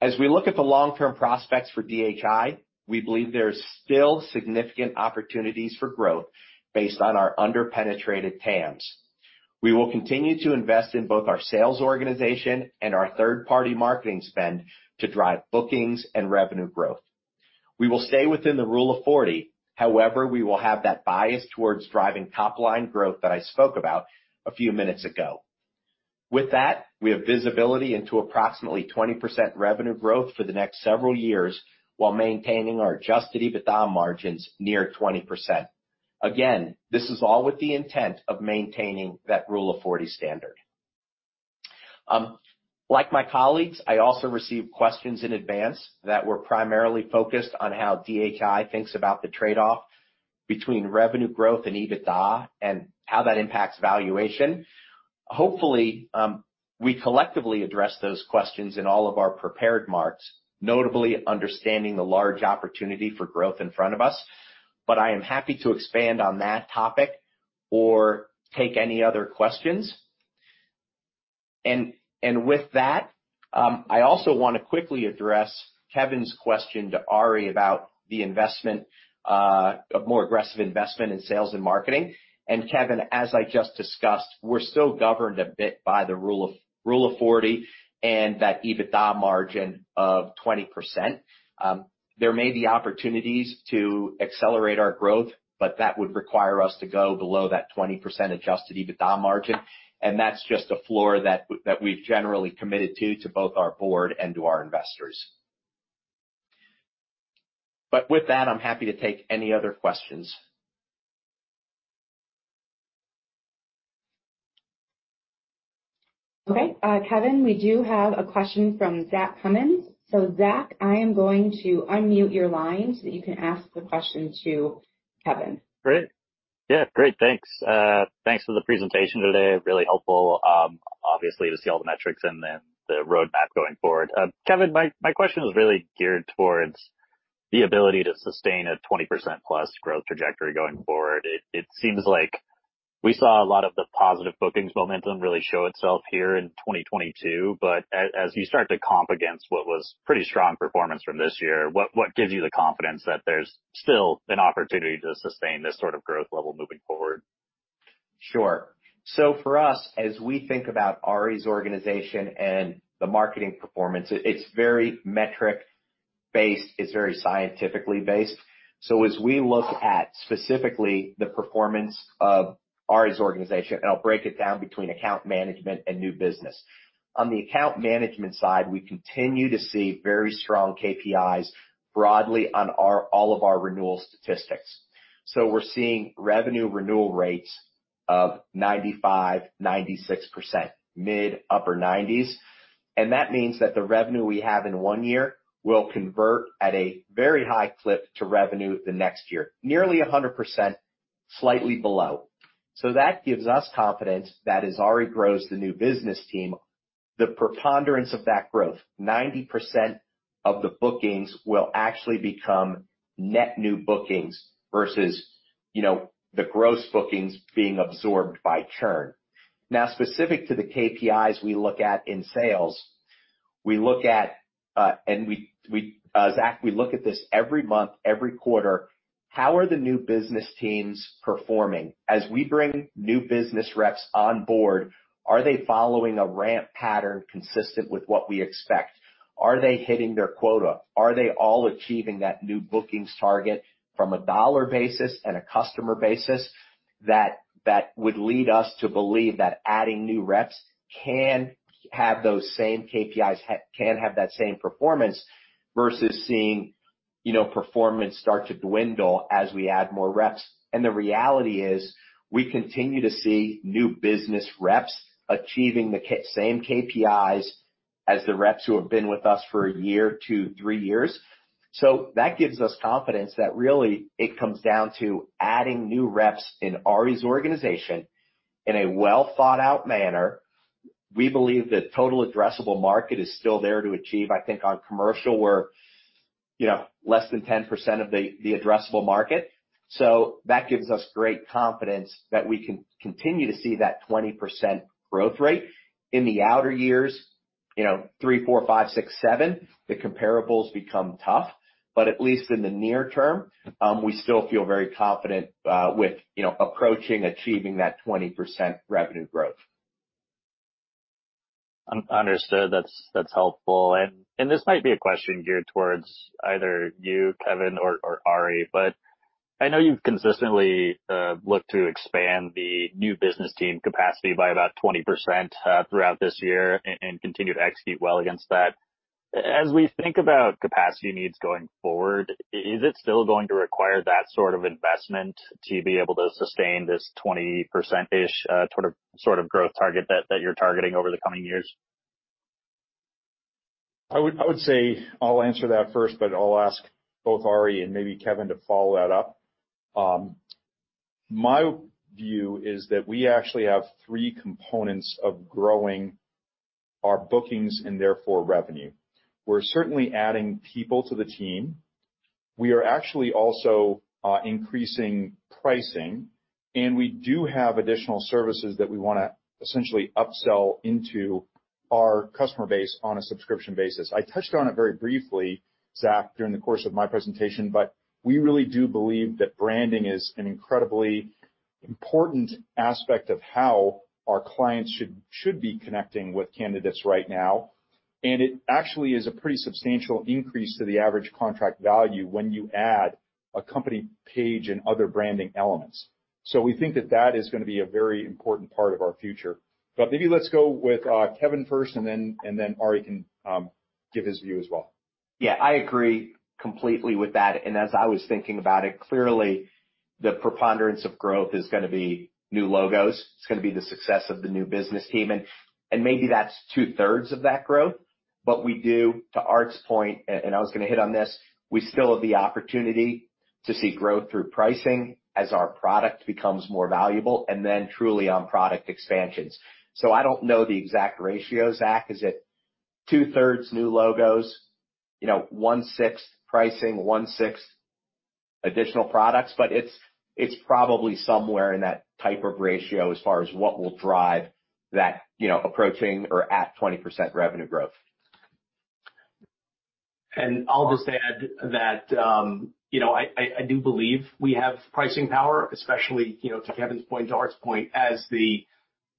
Speaker 13: As we look at the long-term prospects for DHI, we believe there's still significant opportunities for growth based on our under-penetrated TAMs. We will continue to invest in both our sales organization and our third-party marketing spend to drive bookings and revenue growth. We will stay within the Rule of 40. However, we will have that bias towards driving top-line growth that I spoke about a few minutes ago. With that, we have visibility into approximately 20% revenue growth for the next several years while maintaining our adjusted EBITDA margins near 20%. Again, this is all with the intent of maintaining that Rule of 40 standard. Like my colleagues, I also received questions in advance that were primarily focused on how DHI thinks about the trade-off between revenue growth and EBITDA and how that impacts valuation. Hopefully, we collectively address those questions in all of our prepared remarks, notably understanding the large opportunity for growth in front of us. I am happy to expand on that topic or take any other questions. With that, I also wanna quickly address Kevin's question to Arie about the investment, a more aggressive investment in sales and marketing. Kevin, as I just discussed, we're still governed a bit by the Rule of 40 and that EBITDA margin of 20%. There may be opportunities to accelerate our growth, but that would require us to go below that 20% adjusted EBITDA margin, and that's just a floor that we've generally committed to both our board and to our investors. With that, I'm happy to take any other questions.
Speaker 1: Okay. Kevin, we do have a question from Zach Cummins. Zach, I am going to unmute your line so that you can ask the question to Kevin.
Speaker 14: Great. Thanks for the presentation today. Really helpful, obviously to see all the metrics and then the roadmap going forward. Kevin, my question is really geared towards the ability to sustain a 20%+ growth trajectory going forward. It seems like we saw a lot of the positive bookings momentum really show itself here in 2022, but as you start to comp against what was pretty strong performance from this year, what gives you the confidence that there's still an opportunity to sustain this sort of growth level moving forward?
Speaker 13: Sure. For us, as we think about Arie's organization and the marketing performance, it's very metric-based. It's very scientifically based. As we look at specifically the performance of Arie's organization, and I'll break it down between account management and new business. On the account management side, we continue to see very strong KPIs broadly on our all of our renewal statistics. We're seeing revenue renewal rates of 95%, 96%, mid-upper 90s. That means that the revenue we have in one year will convert at a very high clip to revenue the next year. Nearly 100%, slightly below. That gives us confidence that as Arie grows the new business team, the preponderance of that growth, 90% of the bookings will actually become net new bookings versus, you know, the gross bookings being absorbed by churn. Now, specific to the KPIs we look at in sales, Zach, we look at this every month, every quarter, how are the new business teams performing? As we bring new business reps on board, are they following a ramp pattern consistent with what we expect? Are they hitting their quota? Are they all achieving that new bookings target from a dollar basis and a customer basis that would lead us to believe that adding new reps can have those same KPIs, can have that same performance versus seeing, you know, performance start to dwindle as we add more reps. The reality is, we continue to see new business reps achieving the same KPIs as the reps who have been with us for a year to three years. That gives us confidence that really it comes down to adding new reps in Arie's organization in a well-thought-out manner. We believe the total addressable market is still there to achieve. I think on commercial, we're, you know, less than 10% of the addressable market. That gives us great confidence that we can continue to see that 20% growth rate. In the outer years, you know, three, four, five, six, seven, the comparables become tough. At least in the near term, we still feel very confident with, you know, approaching achieving that 20% revenue growth.
Speaker 14: Understood. That's helpful. This might be a question geared towards either you, Kevin or Arie, but I know you've consistently looked to expand the new business team capacity by about 20%, throughout this year and continue to execute well against that. As we think about capacity needs going forward, is it still going to require that sort of investment to be able to sustain this 20%-ish sort of growth target that you're targeting over the coming years?
Speaker 2: I would say I'll answer that first, but I'll ask both Arie and maybe Kevin to follow that up. My view is that we actually have three components of growing our bookings and therefore revenue. We're certainly adding people to the team. We are actually also increasing pricing, and we do have additional services that we wanna essentially upsell into our customer base on a subscription basis. I touched on it very briefly, Zach, during the course of my presentation, but we really do believe that branding is an incredibly important aspect of how our clients should be connecting with candidates right now. It actually is a pretty substantial increase to the average contract value when you add a company page and other branding elements. We think that is gonna be a very important part of our future. Maybe let's go with Kevin first, and then Arie can give his view as well.
Speaker 13: Yeah, I agree completely with that. As I was thinking about it, clearly the preponderance of growth is gonna be new logos. It's gonna be the success of the new business team, and maybe that's two-thirds of that growth. We do, to Art's point, and I was gonna hit on this, we still have the opportunity to see growth through pricing as our product becomes more valuable and then truly on product expansions. I don't know the exact ratio, Zach. Is it two-thirds new logos, you know, one-sixth pricing, one-sixth additional products? It's probably somewhere in that type of ratio as far as what will drive that, you know, approaching or at 20% revenue growth.
Speaker 10: I'll just add that, you know, I do believe we have pricing power, especially, you know, to Kevin's point, to Art's point, as the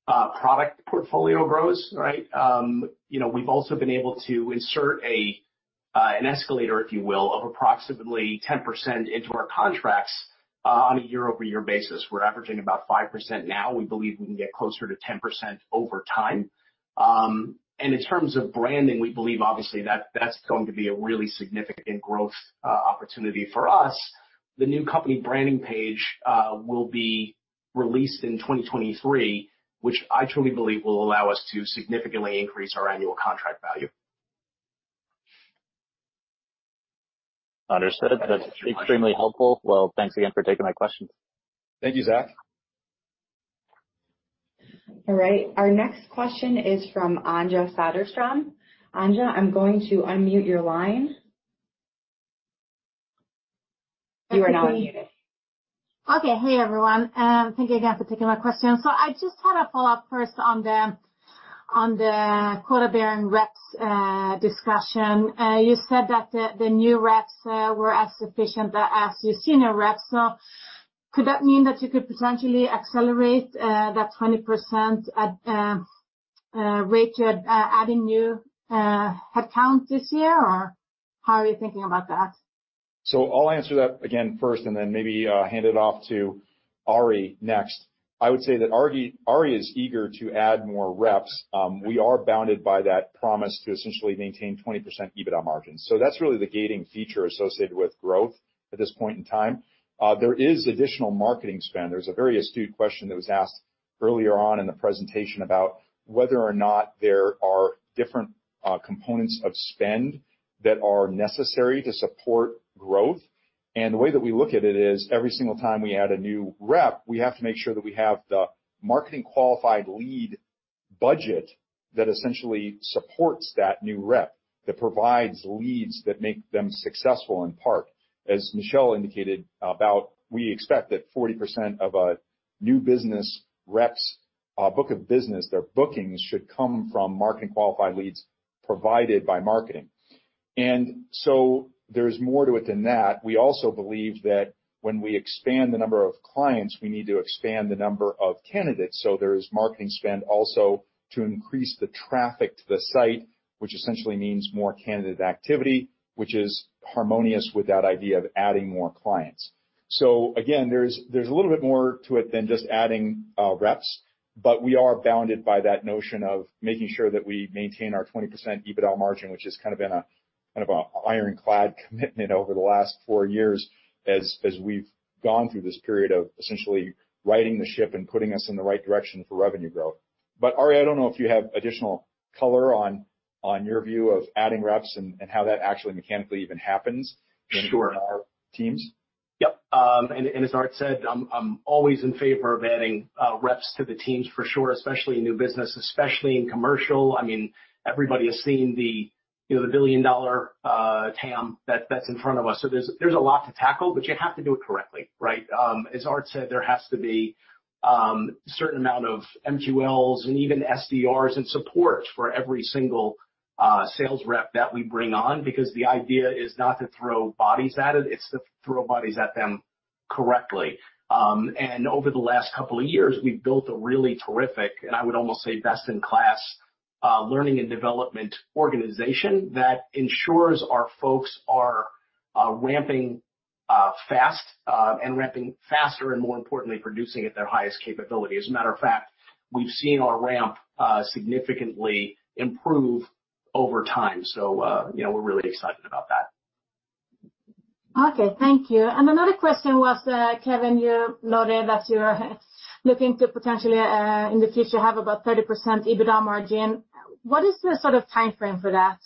Speaker 10: product portfolio grows, right? You know, we've also been able to insert an escalator, if you will, of approximately 10% into our contracts, on a YoY basis. We're averaging about 5% now. We believe we can get closer to 10% over time. In terms of branding, we believe obviously that that's going to be a really significant growth opportunity for us. The new company branding page will be released in 2023, which I truly believe will allow us to significantly increase our annual contract value.
Speaker 14: Understood. That's extremely helpful. Well, thanks again for taking my questions.
Speaker 2: Thank you, Zach.
Speaker 1: All right. Our next question is from Anja Söderström. Anja, I'm going to unmute your line. You are now unmuted.
Speaker 4: Okay. Hey, everyone, and thank you again for taking my question. I just had a follow-up first on the quota-bearing reps discussion. You said that the new reps were as efficient as your senior reps. Could that mean that you could potentially accelerate that 20% attainment rate to adding new headcount this year? How are you thinking about that?
Speaker 2: I'll answer that again first and then maybe hand it off to Arie next. I would say that Arie is eager to add more reps. We are bounded by that promise to essentially maintain 20% EBITDA margins. That's really the gating feature associated with growth at this point in time. There is additional marketing spend. There's a very astute question that was asked earlier on in the presentation about whether or not there are different components of spend that are necessary to support growth. The way that we look at it is every single time we add a new rep, we have to make sure that we have the marketing qualified lead budget that essentially supports that new rep, that provides leads that make them successful in part. As Michelle indicated about, we expect that 40% of a new business rep's book of business, their bookings should come from marketing qualified leads provided by marketing. There's more to it than that. We also believe that when we expand the number of clients, we need to expand the number of candidates. There's marketing spend also to increase the traffic to the site, which essentially means more candidate activity, which is harmonious with that idea of adding more clients. Again, there's a little bit more to it than just adding reps, but we are bounded by that notion of making sure that we maintain our 20% EBITDA margin, which has kind of been an ironclad commitment over the last four years as we've gone through this period of essentially righting the ship and putting us in the right direction for revenue growth. Arie, I don't know if you have additional color on your view of adding reps and how that actually mechanically even happens.
Speaker 10: Sure
Speaker 2: in our teams.
Speaker 10: Yep. As Art said, I'm always in favor of adding reps to the teams for sure, especially in new business, especially in commercial. I mean, everybody has seen the, you know, the billion-dollar TAM that's in front of us. There's a lot to tackle, but you have to do it correctly, right? As Art said, there has to be certain amount of MQLs and even SDRs and support for every single sales rep that we bring on, because the idea is not to throw bodies at it's to throw bodies at them correctly. Over the last couple of years, we've built a really terrific, and I would almost say, best-in-class, learning and development organization that ensures our folks are, ramping, fast, and ramping faster, and more importantly, producing at their highest capability. As a matter of fact, we've seen our ramp significantly improve over time. You know, we're really excited about that.
Speaker 4: Okay. Thank you. Another question was, Kevin, you noted that you're looking to potentially, in the future, have about 30% EBITDA margin. What is the sort of timeframe for that?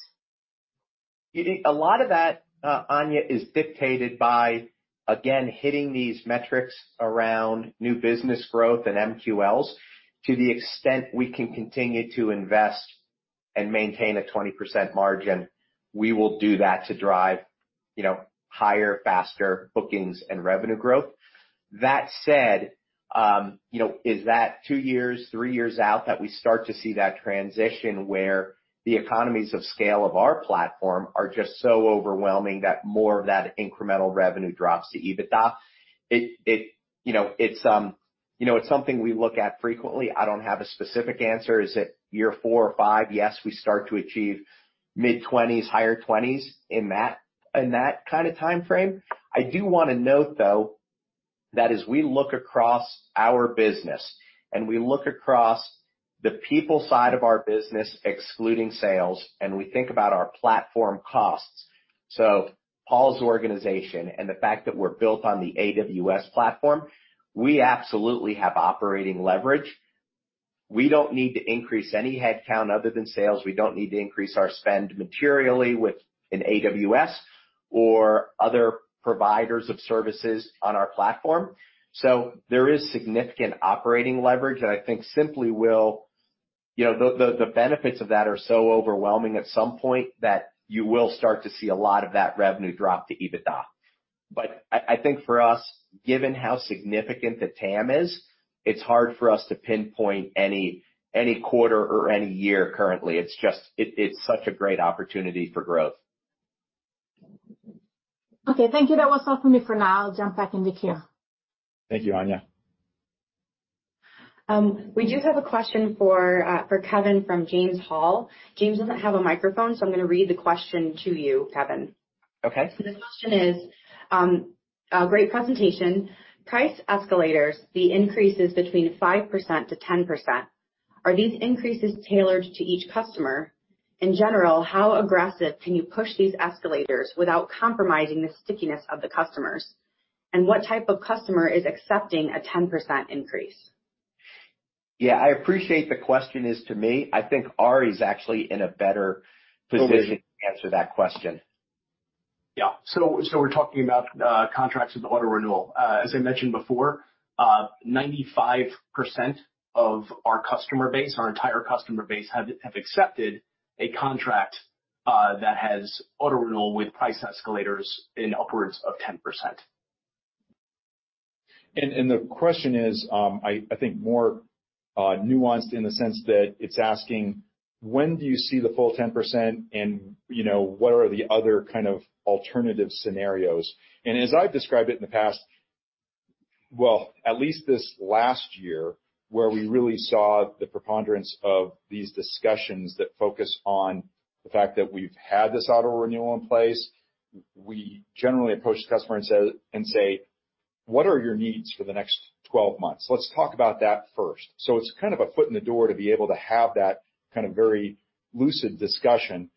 Speaker 13: You think a lot of that, Anja, is dictated by, again, hitting these metrics around new business growth and MQLs. To the extent we can continue to invest and maintain a 20% margin, we will do that to drive, you know, higher, faster bookings and revenue growth. That said, you know, is that two years, three years out that we start to see that transition where the economies of scale of our platform are just so overwhelming that more of that incremental revenue drops to EBITDA? It you know, it's something we look at frequently. I don't have a specific answer. Is it year four or five? Yes, we start to achieve mid-20s%, higher 20s% in that kind of timeframe. I do wanna note, though, that as we look across our business and we look across the people side of our business, excluding sales, and we think about our platform costs, so Paul's organization and the fact that we're built on the AWS platform, we absolutely have operating leverage. We don't need to increase any headcount other than sales. We don't need to increase our spend materially with an AWS or other providers of services on our platform. There is significant operating leverage that I think simply will. You know, the benefits of that are so overwhelming at some point that you will start to see a lot of that revenue drop to EBITDA. I think for us, given how significant the TAM is, it's hard for us to pinpoint any quarter or any year currently. It's just such a great opportunity for growth.
Speaker 4: Okay. Thank you. That was all for me for now. I'll jump back in the queue.
Speaker 2: Thank you, Anja.
Speaker 1: We do have a question for Kevin from James Hall. James doesn't have a microphone, so I'm gonna read the question to you, Kevin.
Speaker 13: Okay.
Speaker 1: The question is, great presentation. Price escalators, the increases between 5%-10%. Are these increases tailored to each customer? In general, how aggressive can you push these escalators without compromising the stickiness of the customers? What type of customer is accepting a 10% increase?
Speaker 13: Yeah, I appreciate the question is to me. I think Arie is actually in a better position-
Speaker 10: Sure
Speaker 13: to answer that question.
Speaker 10: We're talking about contracts with auto renewal. As I mentioned before, 95% of our customer base, our entire customer base have accepted a contract that has auto renewal with price escalators in upwards of 10%.
Speaker 2: The question is, I think more nuanced in the sense that it's asking, when do you see the full 10% and, you know, what are the other kind of alternative scenarios? As I've described it in the past, well, at least this last year, where we really saw the preponderance of these discussions that focus on the fact that we've had this auto renewal in place, we generally approach the customer and say, "What are your needs for the next 12 months? Let's talk about that first." It's kind of a foot in the door to be able to have that kind of very lucid discussion.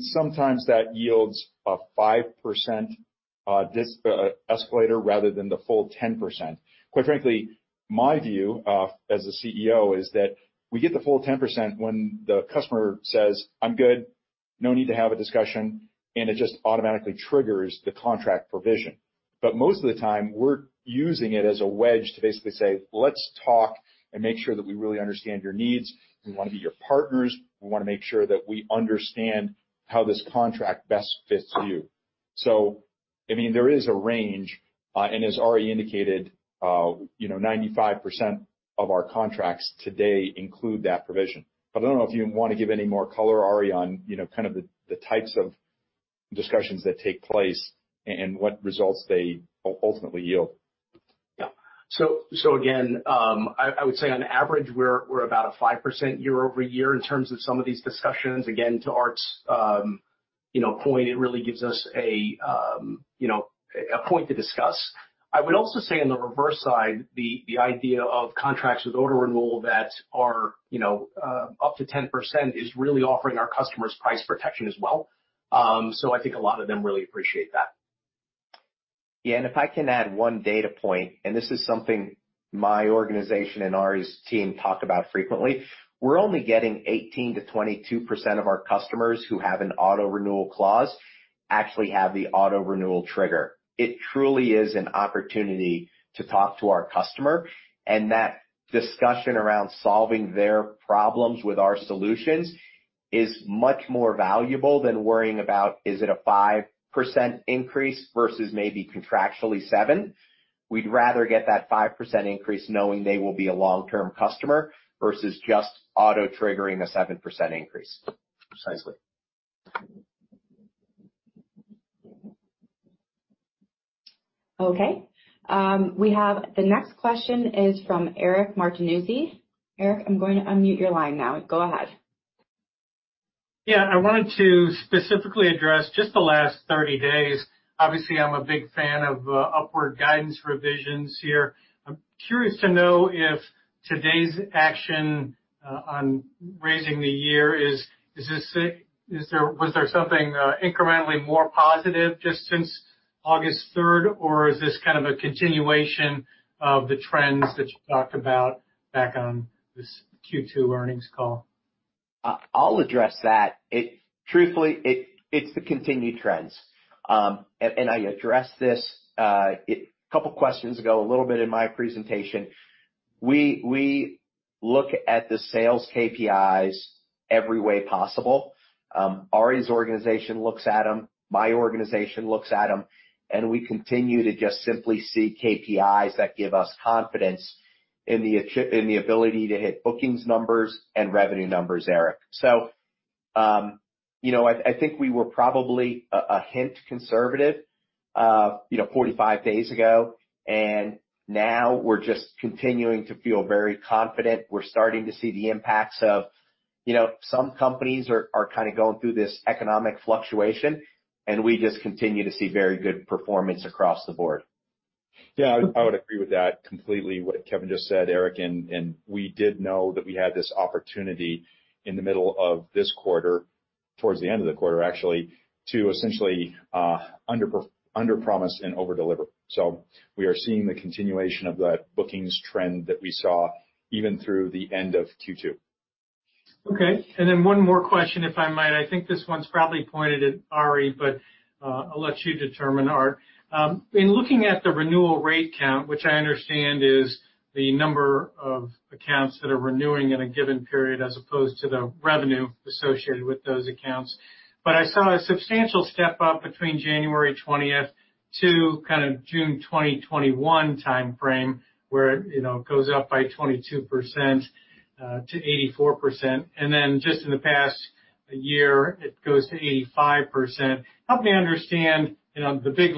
Speaker 2: Sometimes that yields a 5% escalator rather than the full 10%. Quite frankly, my view as the CEO is that we get the full 10% when the customer says, "I'm good. No need to have a discussion," and it just automatically triggers the contract provision. Most of the time, we're using it as a wedge to basically say, "Let's talk and make sure that we really understand your needs. We wanna be your partners. We wanna make sure that we understand how this contract best fits you." I mean, there is a range, and as Arie indicated, you know, 95% of our contracts today include that provision. I don't know if you wanna give any more color, Ari, on, you know, kind of the types of discussions that take place and what results they ultimately yield.
Speaker 10: Yeah. Again, I would say on average, we're about 5% YoY in terms of some of these discussions. Again, to Art's, you know, point, it really gives us a, you know, a point to discuss. I would also say on the reverse side, the idea of contracts with auto renewal that are, you know, up to 10% is really offering our customers price protection as well. I think a lot of them really appreciate that.
Speaker 13: If I can add one data point, and this is something my organization and Ari's team talk about frequently, we're only getting 18%-22% of our customers who have an auto renewal clause actually have the auto renewal trigger. It truly is an opportunity to talk to our customer, and that discussion around solving their problems with our solutions is much more valuable than worrying about, is it a 5% increase versus maybe contractually 7? We'd rather get that 5% increase knowing they will be a long-term customer versus just auto triggering a 7% increase.
Speaker 10: Precisely.
Speaker 1: Okay. We have the next question is from Eric Martinuzzi. Eric, I'm going to unmute your line now. Go ahead.
Speaker 15: Yeah. I wanted to specifically address just the last 30 days. Obviously, I'm a big fan of upward guidance revisions here. I'm curious to know if today's action on raising the year, is this it? Was there something incrementally more positive just since August 3? Or is this kind of a continuation of the trends that you talked about back on this Q2 earnings call?
Speaker 13: I'll address that. Truthfully, it's the continued trends. I addressed this couple questions ago, a little bit in my presentation. We look at the sales KPIs every way possible. Arie's organization looks at them, my organization looks at them, and we continue to just simply see KPIs that give us confidence in the ability to hit bookings numbers and revenue numbers, Eric. You know, I think we were probably a hint conservative, you know, 45 days ago, and now we're just continuing to feel very confident. We're starting to see the impacts of, you know, some companies are kind of going through this economic fluctuation, and we just continue to see very good performance across the board.
Speaker 2: Yeah. I would agree with that completely, what Kevin just said, Eric. We did know that we had this opportunity in the middle of this quarter, towards the end of the quarter actually, to essentially underpromise and overdeliver. We are seeing the continuation of that bookings trend that we saw even through the end of Q2.
Speaker 15: Okay. Then one more question, if I might. I think this one's probably pointed at Ari, but I'll let you determine, Art. In looking at the renewal rate count, which I understand is the number of accounts that are renewing in a given period as opposed to the revenue associated with those accounts. I saw a substantial step up between January 20th to kind of June 2021 timeframe, where, you know, it goes up by 22%, to 84%. Just in the past year, it goes to 85%. Help me understand, you know, the big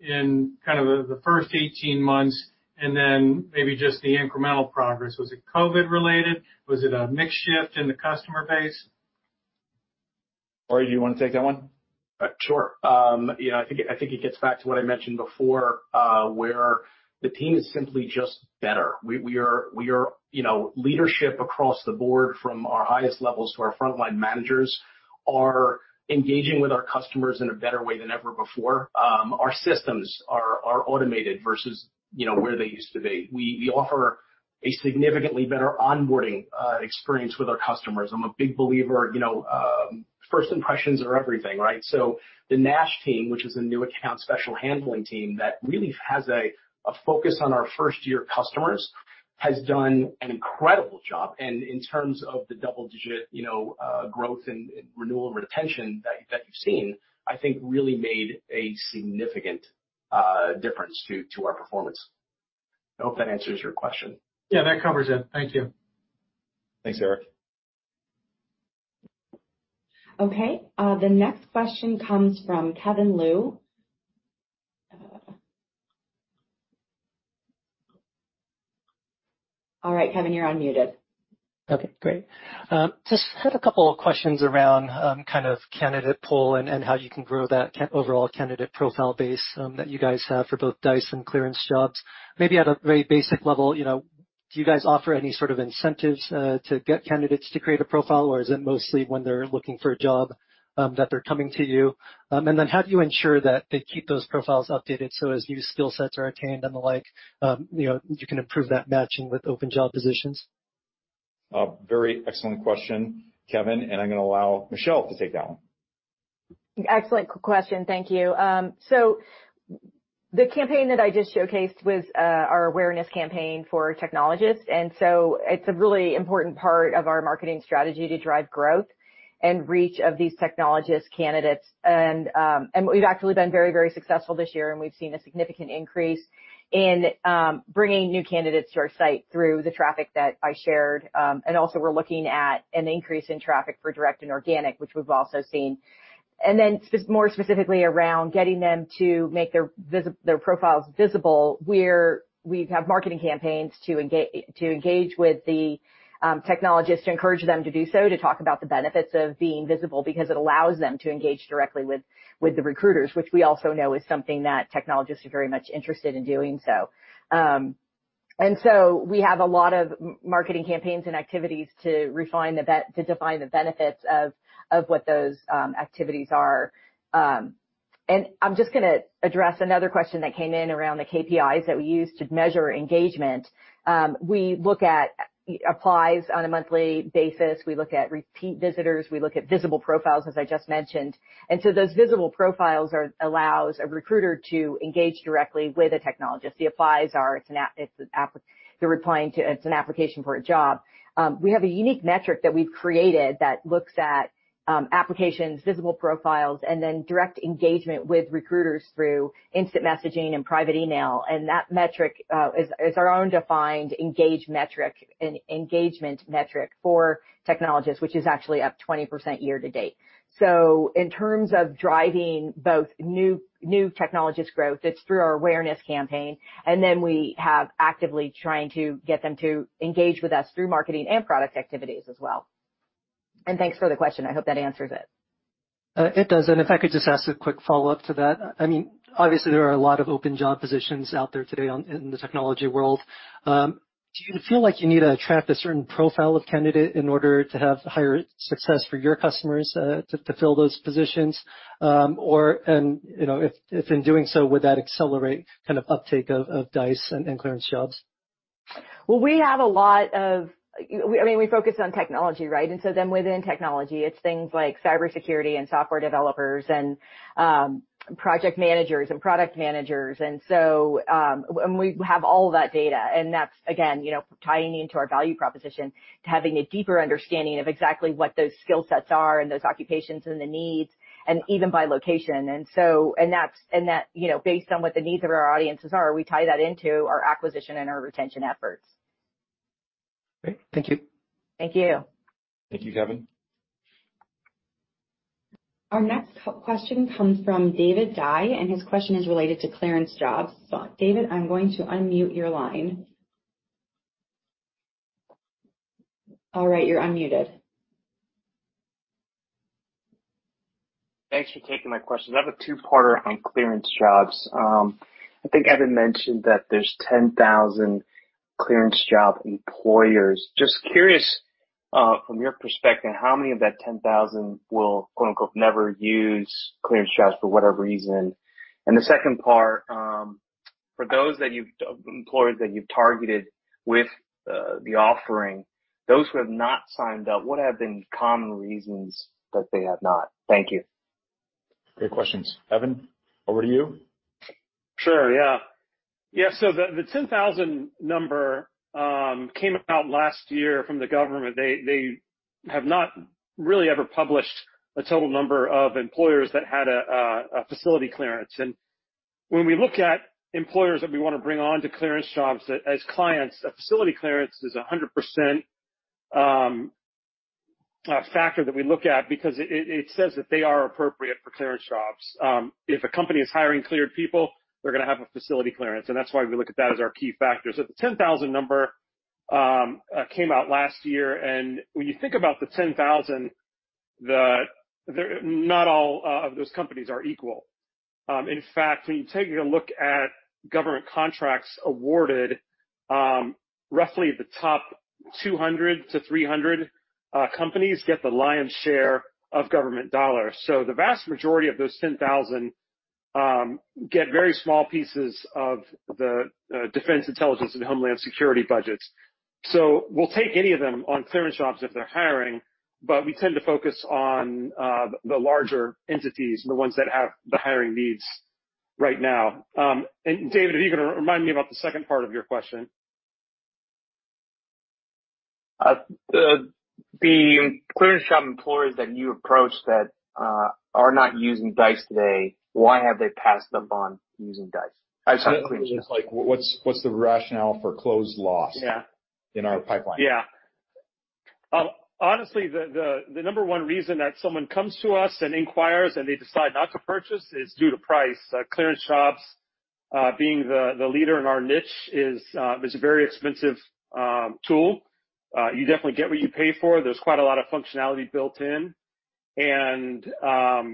Speaker 15: leap in kind of the first 18 months and then maybe just the incremental progress. Was it COVID related? Was it a mix shift in the customer base?
Speaker 2: Arie, do you wanna take that one?
Speaker 10: Sure. You know, I think it gets back to what I mentioned before, where the team is simply just better. You know, leadership across the board, from our highest levels to our frontline managers, are engaging with our customers in a better way than ever before. Our systems are automated versus, you know, where they used to be. We offer a significantly better onboarding experience with our customers. I'm a big believer, you know, first impressions are everything, right? The NASH team, which is the New Account Special Handling team, that really has a focus on our first-year customers, has done an incredible job. In terms of the double digit, you know, growth and renewal and retention that you've seen, I think really made a significant difference to our performance. I hope that answers your question.
Speaker 15: Yeah, that covers it. Thank you.
Speaker 10: Thanks, Eric.
Speaker 1: Okay. The next question comes from Kevin Liu. All right, Kevin, you're unmuted.
Speaker 11: Okay, great. Just had a couple of questions around, kind of candidate pool and how you can grow that overall candidate profile base, that you guys have for both Dice and ClearanceJobs. Maybe at a very basic level, you know.
Speaker 8: Do you guys offer any sort of incentives to get candidates to create a profile? Or is it mostly when they're looking for a job that they're coming to you? How do you ensure that they keep those profiles updated so as new skill sets are attained and the like, you know, you can improve that matching with open job positions?
Speaker 2: Very excellent question, Kevin, and I'm gonna allow Michelle to take that one.
Speaker 6: Excellent question. Thank you. The campaign that I just showcased was our awareness campaign for technologists. It's a really important part of our marketing strategy to drive growth and reach of these technologist candidates. We've actually been very, very successful this year, and we've seen a significant increase in bringing new candidates to our site through the traffic that I shared. We're looking at an increase in traffic for direct and organic, which we've also seen. More specifically around getting them to make their profiles visible, we have marketing campaigns to engage with the technologists, to encourage them to do so, to talk about the benefits of being visible because it allows them to engage directly with the recruiters, which we also know is something that technologists are very much interested in doing so. We have a lot of marketing campaigns and activities to define the benefits of what those activities are. I'm just gonna address another question that came in around the KPIs that we use to measure engagement. We look at applies on a monthly basis. We look at repeat visitors. We look at visible profiles, as I just mentioned. Those visible profiles allow a recruiter to engage directly with a technologist. The applies are. It's an application for a job. We have a unique metric that we've created that looks at applications, visible profiles, and then direct engagement with recruiters through instant messaging and private email. That metric is our own defined engagement metric for technologists, which is actually up 20% year to date. In terms of driving both new technologist growth, it's through our awareness campaign, and then we have actively trying to get them to engage with us through marketing and product activities as well. Thanks for the question. I hope that answers it.
Speaker 8: It does. If I could just ask a quick follow-up to that. I mean, obviously there are a lot of open job positions out there today in the technology world. Do you feel like you need to attract a certain profile of candidate in order to have higher success for your customers to fill those positions? You know, if in doing so, would that accelerate kind of uptake of Dice and ClearanceJobs?
Speaker 6: Well, we have a lot of, you know, I mean, we focus on technology, right? Within technology, it's things like cybersecurity and software developers and project managers and product managers. We have all that data, and that's again, you know, tying into our value proposition to having a deeper understanding of exactly what those skill sets are and those occupations and the needs and even by location. That's, you know, based on what the needs of our audiences are, we tie that into our acquisition and our retention efforts.
Speaker 8: Great. Thank you.
Speaker 6: Thank you.
Speaker 2: Thank you, Kevin.
Speaker 1: Our next question comes from David Dye, and his question is related to ClearanceJobs. David, I'm going to unmute your line. All right, you're unmuted.
Speaker 16: Thanks for taking my question. I have a two-parter on ClearanceJobs. I think Evan mentioned that there's 10,000 ClearanceJobs employers. Just curious, from your perspective, how many of that 10,000 will, quote, unquote, "never use" ClearanceJobs for whatever reason? The second part, for those employers that you've targeted with the offering, those who have not signed up, what have been common reasons that they have not? Thank you.
Speaker 2: Great questions. Evan, over to you.
Speaker 8: Sure. Yeah. Yeah. The 10,000 number came out last year from the government. They have not really ever published a total number of employers that had a facility clearance. When we look at employers that we wanna bring on to ClearanceJobs as clients, a facility clearance is a 100% factor that we look at because it says that they are appropriate for ClearanceJobs. If a company is hiring cleared people, they're gonna have a facility clearance, and that's why we look at that as our key factor. The 10,000 number came out last year, and when you think about the 10,000, not all of those companies are equal. In fact, when you take a look at government contracts awarded, roughly the top 200-300 companies get the lion's share of government dollars. The vast majority of those 10,000 get very small pieces of the defense intelligence and homeland security budgets. We'll take any of them on ClearanceJobs if they're hiring, but we tend to focus on the larger entities, the ones that have the hiring needs right now. David, are you gonna remind me about the second part of your question?
Speaker 16: The ClearanceJobs employers that you approach that are not using Dice today, why have they passed up on using Dice? I'm sorry, ClearanceJobs.
Speaker 2: It's just like what's the rationale for closed loss-
Speaker 16: Yeah.
Speaker 2: in our pipeline?
Speaker 8: Yeah. Honestly, the number one reason that someone comes to us and inquires, and they decide not to purchase is due to price. ClearanceJobs, being the leader in our niche is a very expensive tool. You definitely get what you pay for. There's quite a lot of functionality built in. We have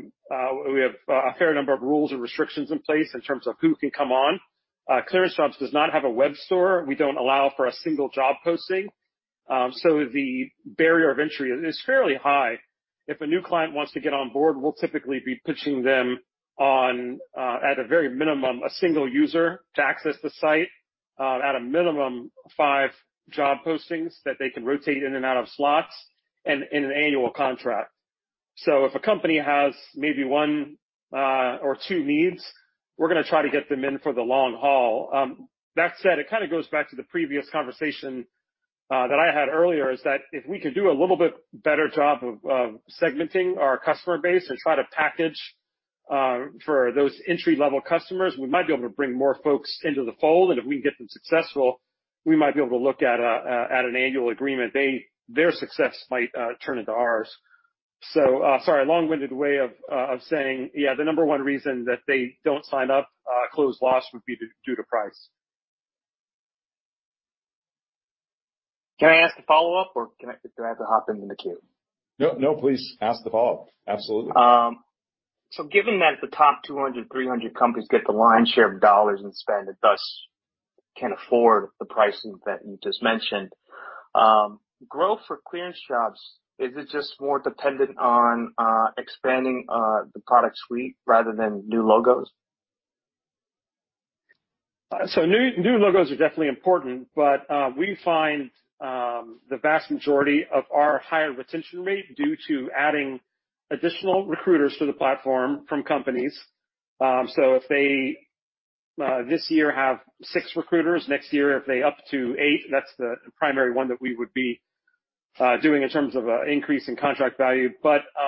Speaker 8: a fair number of rules and restrictions in place in terms of who can come on. ClearanceJobs does not have a web store. We don't allow for a single job posting. The barrier of entry is fairly high. If a new client wants to get on board, we'll typically be pitching them on, at a very minimum, a single user to access the site, at a minimum five job postings that they can rotate in and out of slots and in an annual contract. If a company has maybe one or two needs, we're gonna try to get them in for the long haul. That said, it kinda goes back to the previous conversation that I had earlier, is that if we could do a little bit better job of segmenting our customer base and try to package for those entry-level customers, we might be able to bring more folks into the fold. If we can get them successful, we might be able to look at an annual agreement. Their success might turn into ours. Sorry, long-winded way of saying, yeah, the number one reason that they don't sign up, closed/lost would be due to price.
Speaker 16: Can I ask a follow-up, or do I have to hop into the queue?
Speaker 2: No, no, please ask the follow-up. Absolutely.
Speaker 16: Given that the top 200, 300 companies get the lion's share of dollars in spend and thus can afford the pricing that you just mentioned, growth for ClearanceJobs, is it just more dependent on expanding the product suite rather than new logos?
Speaker 8: New logos are definitely important, but we find the vast majority of our higher retention rate due to adding additional recruiters to the platform from companies. If they this year have six recruiters, next year, if they up to eight, that's the primary one that we would be doing in terms of increase in contract value.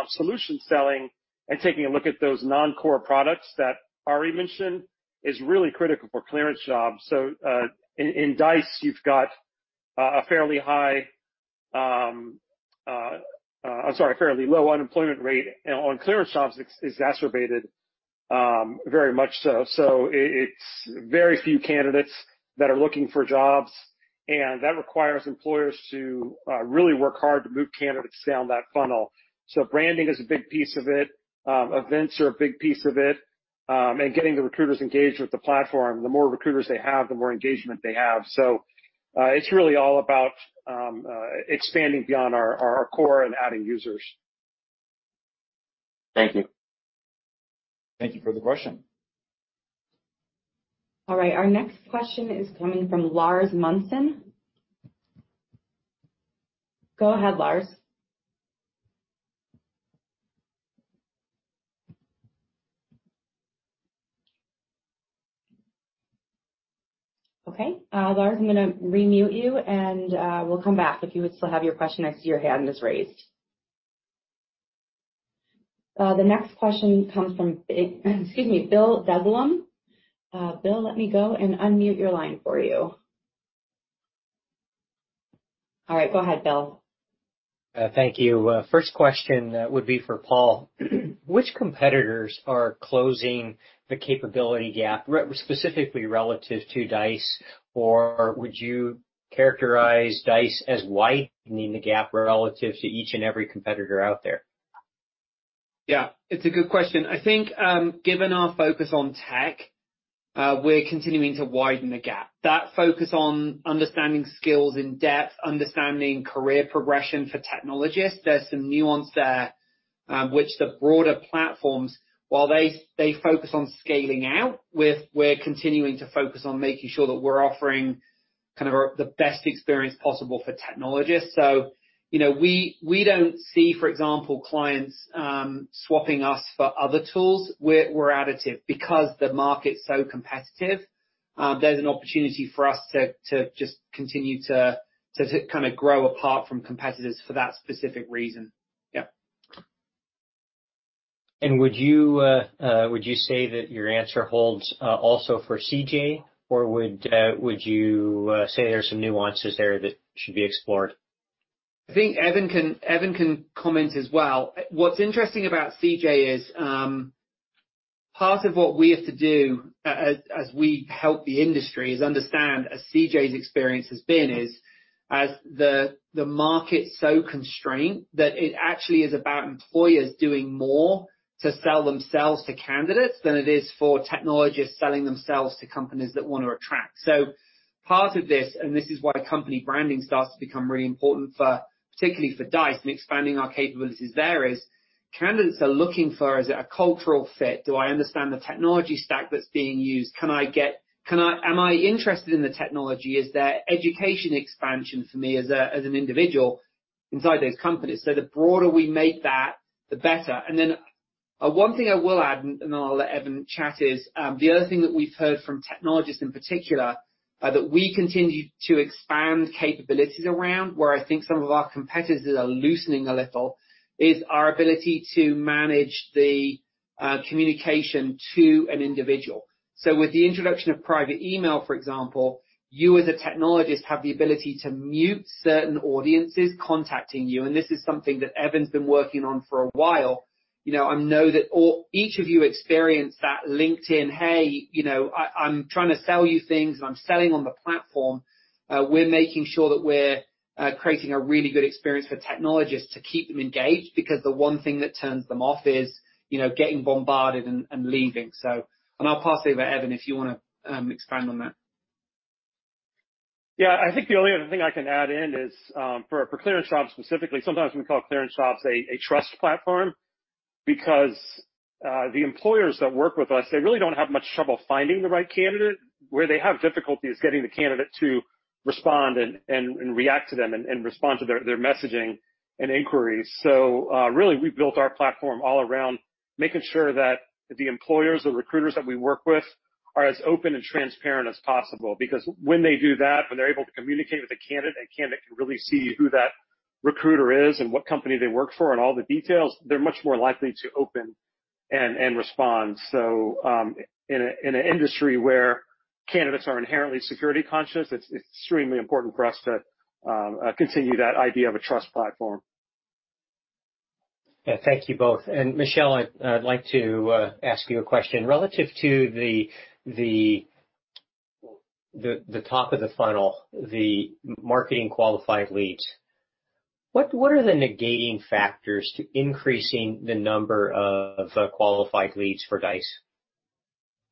Speaker 8: Solution selling and taking a look at those non-core products that Arie mentioned is really critical for ClearanceJobs. In Dice, you've got a fairly low unemployment rate on ClearanceJobs exacerbated very much so. It's very few candidates that are looking for jobs, and that requires employers to really work hard to move candidates down that funnel. Branding is a big piece of it. Events are a big piece of it. Getting the recruiters engaged with the platform. The more recruiters they have, the more engagement they have. It's really all about expanding beyond our core and adding users.
Speaker 16: Thank you.
Speaker 2: Thank you for the question.
Speaker 1: All right, our next question is coming from Lars Munson. Go ahead, Lars. Okay, Lars, I'm gonna remute you, and we'll come back if you would still have your question. I see your hand is raised. The next question comes from, excuse me, Bill Beglam. Bill, let me go and unmute your line for you. All right, go ahead, Bill.
Speaker 9: Thank you. First question would be for Paul. Which competitors are closing the capability gap, specifically relative to Dice, or would you characterize Dice as widening the gap relative to each and every competitor out there?
Speaker 3: Yeah, it's a good question. I think, given our focus on tech, we're continuing to widen the gap. That focus on understanding skills in depth, understanding career progression for technologists, there's some nuance there, which the broader platforms, while they focus on scaling out, we're continuing to focus on making sure that we're offering the best experience possible for technologists. You know, we don't see, for example, clients swapping us for other tools. We're additive because the market's so competitive, there's an opportunity for us to just continue to kind of grow apart from competitors for that specific reason. Yeah.
Speaker 9: Would you say that your answer holds also for CJ or would you say there's some nuances there that should be explored?
Speaker 3: I think Evan can comment as well. What's interesting about CJ is, part of what we have to do as we help the industry is understand, as CJ's experience has been, as the market's so constrained, that it actually is about employers doing more to sell themselves to candidates than it is for technologists selling themselves to companies that wanna attract. Part of this, and this is why the company branding starts to become really important for, particularly for Dice and expanding our capabilities there is, candidates are looking for, is it a cultural fit? Do I understand the technology stack that's being used? Am I interested in the technology? Is there education expansion for me as an individual inside those companies? The broader we make that, the better. One thing I will add, and then I'll let Evan chat, is the other thing that we've heard from technologists in particular, that we continue to expand capabilities around, where I think some of our competitors are loosening a little, is our ability to manage the communication to an individual. With the introduction of private email, for example, you as a technologist have the ability to mute certain audiences contacting you, and this is something that Evan's been working on for a while.
Speaker 2: You know, I know that each of you experience that LinkedIn, hey, you know, I'm trying to sell you things and I'm selling on the platform. We're making sure that we're creating a really good experience for technologists to keep them engaged because the one thing that turns them off is, you know, getting bombarded and leaving. I'll pass to you Evan, if you wanna expand on that.
Speaker 8: Yeah. I think the only other thing I can add in is for ClearanceJobs specifically, sometimes we call ClearanceJobs a trust platform because the employers that work with us, they really don't have much trouble finding the right candidate. Where they have difficulty is getting the candidate to respond and react to them and respond to their messaging and inquiries. Really, we've built our platform all around making sure that the employers, the recruiters that we work with are as open and transparent as possible. Because when they do that, when they're able to communicate with the candidate, a candidate can really see who that recruiter is and what company they work for and all the details, they're much more likely to open and respond. In an industry where candidates are inherently security conscious, it's extremely important for us to continue that idea of a trust platform.
Speaker 9: Yeah. Thank you both. Michelle, I'd like to ask you a question. Relative to the top of the funnel, the marketing qualified leads, what are the negating factors to increasing the number of qualified leads for Dice?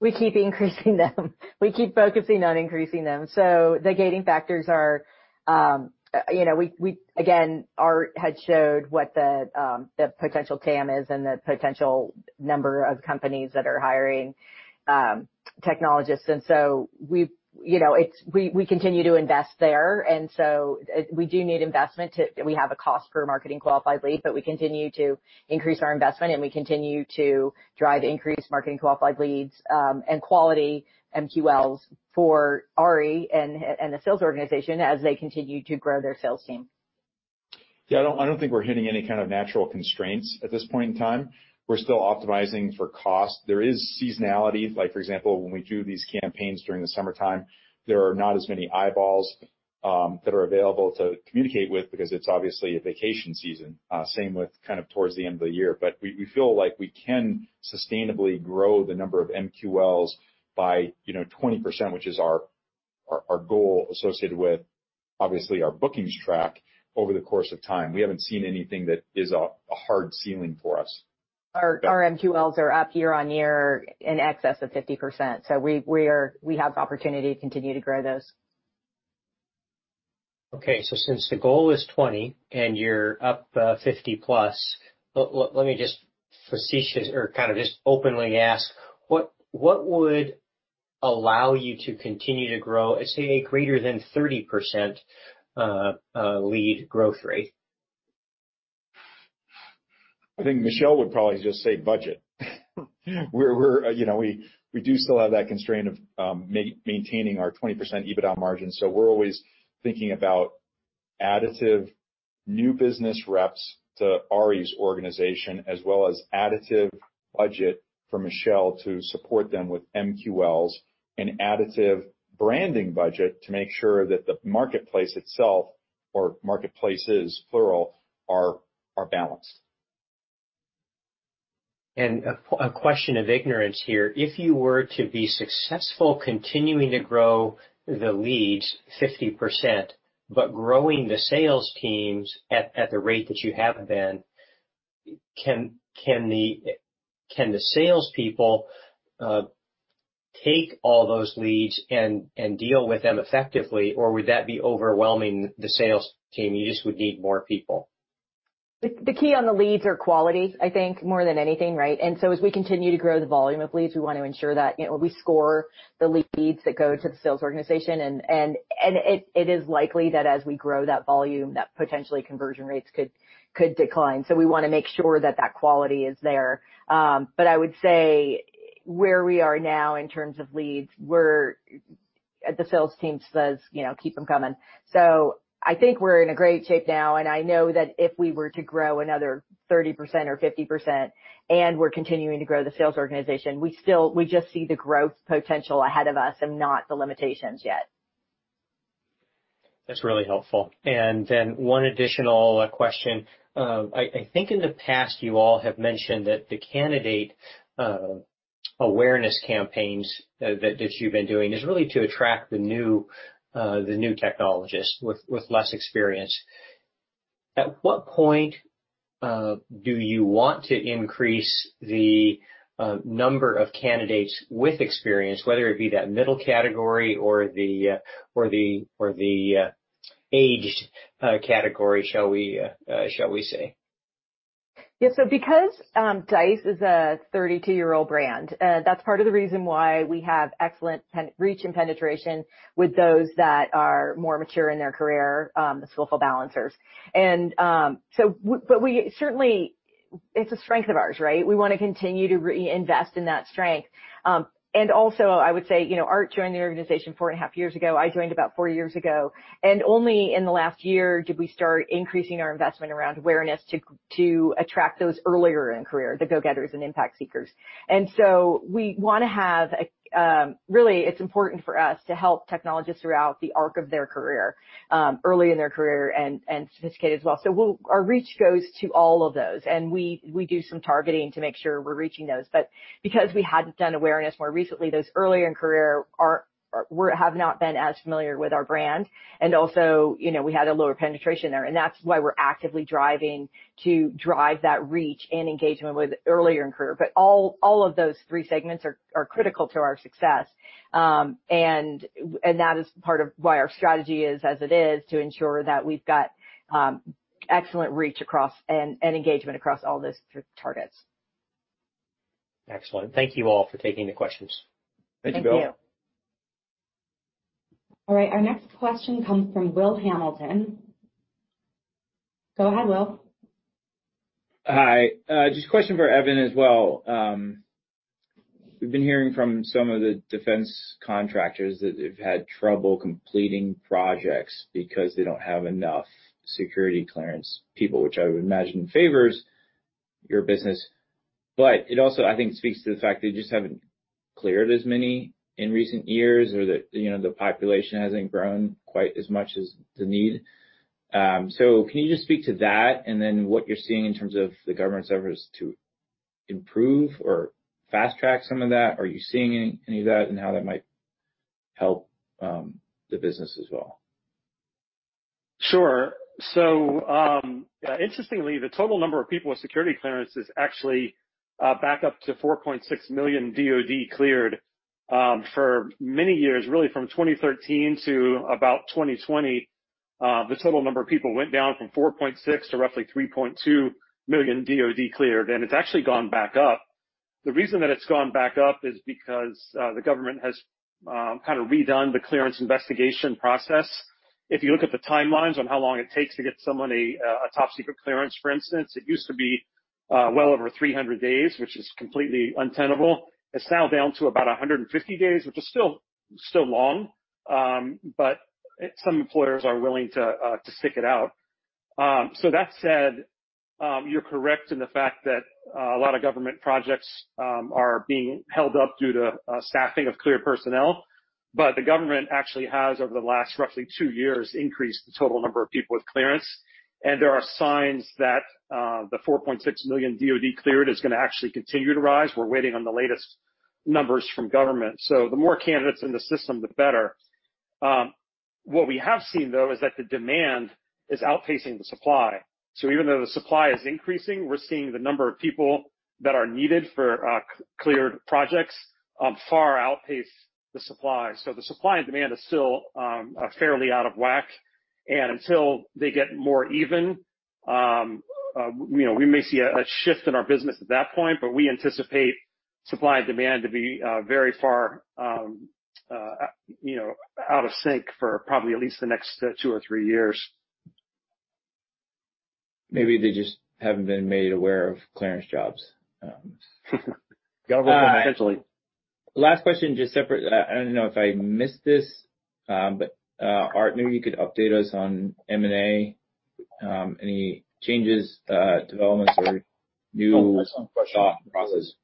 Speaker 6: We keep increasing them. We keep focusing on increasing them. The gating factors are, you know, again, Art had showed what the potential TAM is and the potential number of companies that are hiring technologists. We've, you know, we continue to invest there. We do need investment. We have a cost per marketing qualified lead, but we continue to increase our investment, and we continue to drive increased marketing qualified leads, and quality MQLs for Arie and the sales organization as they continue to grow their sales team.
Speaker 2: Yeah. I don't think we're hitting any kind of natural constraints at this point in time. We're still optimizing for cost. There is seasonality, like for example, when we do these campaigns during the summertime, there are not as many eyeballs that are available to communicate with because it's obviously a vacation season. Same with kind of towards the end of the year. We feel like we can sustainably grow the number of MQLs by, you know, 20%, which is our goal associated with obviously our bookings track over the course of time. We haven't seen anything that is a hard ceiling for us.
Speaker 6: Our MQLs are up YoY in excess of 50%, so we have opportunity to continue to grow those.
Speaker 9: Okay. Since the goal is 20 and you're up 50+, let me just facetiously or kind of just openly ask, what would allow you to continue to grow, let's say, a greater than 30% lead growth rate?
Speaker 2: I think Michelle would probably just say budget. We're... You know, we do still have that constraint of maintaining our 20% EBITDA margin, so we're always thinking about additive new business reps to Ari's organization as well as additive budget for Michelle to support them with MQLs and additive branding budget to make sure that the marketplace itself or marketplaces, plural, are balanced.
Speaker 9: A question of ignorance here. If you were to be successful continuing to grow the leads 50%, but growing the sales teams at the rate that you have been, can the salespeople take all those leads and deal with them effectively, or would that be overwhelming the sales team? You just would need more people?
Speaker 6: The key to the leads are quality, I think, more than anything, right? As we continue to grow the volume of leads, we wanna ensure that, you know, we score the leads that go to the sales organization and it is likely that as we grow that volume, that potentially conversion rates could decline. We wanna make sure that that quality is there. But I would say where we are now in terms of leads, the sales team says, you know, "Keep them coming." I think we're in a great shape now, and I know that if we were to grow another 30% or 50%, and we're continuing to grow the sales organization, we just see the growth potential ahead of us and not the limitations yet.
Speaker 9: That's really helpful. Then one additional question. I think in the past you all have mentioned that the candidate awareness campaigns that you've been doing is really to attract the new the new technologists with less experience. At what point do you want to increase the number of candidates with experience, whether it be that middle category or the aged category, shall we say?
Speaker 6: Yeah. Because Dice is a 32-year-old brand, that's part of the reason why we have excellent penetration with those that are more mature in their career, the skillful balancers. But we certainly. It's a strength of ours, right? We wanna continue to invest in that strength. Also, I would say, you know, Art joined the organization four and a half years ago. I joined about four years ago. Only in the last year did we start increasing our investment around awareness to attract those earlier in career, the go-getters and impact seekers. We wanna have a. Really, it's important for us to help technologists throughout the arc of their career, early in their career and sophisticated as well. We'll... Our reach goes to all of those, and we do some targeting to make sure we're reaching those. But because we hadn't done awareness more recently, those early in career have not been as familiar with our brand. Also, you know, we had a lower penetration there, and that's why we're actively driving that reach and engagement with earlier in career. But all of those three segments are critical to our success. That is part of why our strategy is as it is to ensure that we've got excellent reach across and engagement across all those three targets.
Speaker 9: Excellent. Thank you all for taking the questions.
Speaker 6: Thank you.
Speaker 1: All right, our next question comes from Will Hamilton. Go ahead, Will.
Speaker 5: Hi. Just a question for Evan as well. We've been hearing from some of the defense contractors that they've had trouble completing projects because they don't have enough security clearance people, which I would imagine favors your business. But it also, I think, speaks to the fact they just haven't cleared as many in recent years or that, you know, the population hasn't grown quite as much as the need. Can you just speak to that and then what you're seeing in terms of the government's efforts to improve or fast-track some of that? Are you seeing any of that and how that might help the business as well?
Speaker 8: Sure. Interestingly, the total number of people with security clearance is actually back up to 4.6 million DoD cleared. For many years, really from 2013 to about 2020, the total number of people went down from 4.6 to roughly 3.2 million DoD cleared, and it's actually gone back up. The reason that it's gone back up is because the government has kind of redone the clearance investigation process. If you look at the timelines on how long it takes to get someone a top-secret clearance, for instance, it used to be well over 300 days, which is completely untenable. It's now down to about 150 days, which is still long, but some employers are willing to stick it out. That said, you're correct in the fact that a lot of government projects are being held up due to staffing of cleared personnel. The government actually has, over the last roughly two years, increased the total number of people with clearance. There are signs that the 4.6 million DoD cleared is gonna actually continue to rise. We're waiting on the latest numbers from government. The more candidates in the system, the better. What we have seen, though, is that the demand is outpacing the supply. Even though the supply is increasing, we're seeing the number of people that are needed for cleared projects far outpace the supply. The supply and demand is still fairly out of whack. Until they get more even, you know, we may see a shift in our business at that point, but we anticipate supply and demand to be very far, you know, out of sync for probably at least the next two or free years.
Speaker 5: Maybe they just haven't been made aware of ClearanceJobs.
Speaker 8: Government potentially.
Speaker 5: Last question, just separate. I don't know if I missed this, but Art, maybe you could update us on M&A, any changes, developments or new-
Speaker 2: Oh, that's not a question.
Speaker 5: -thought process.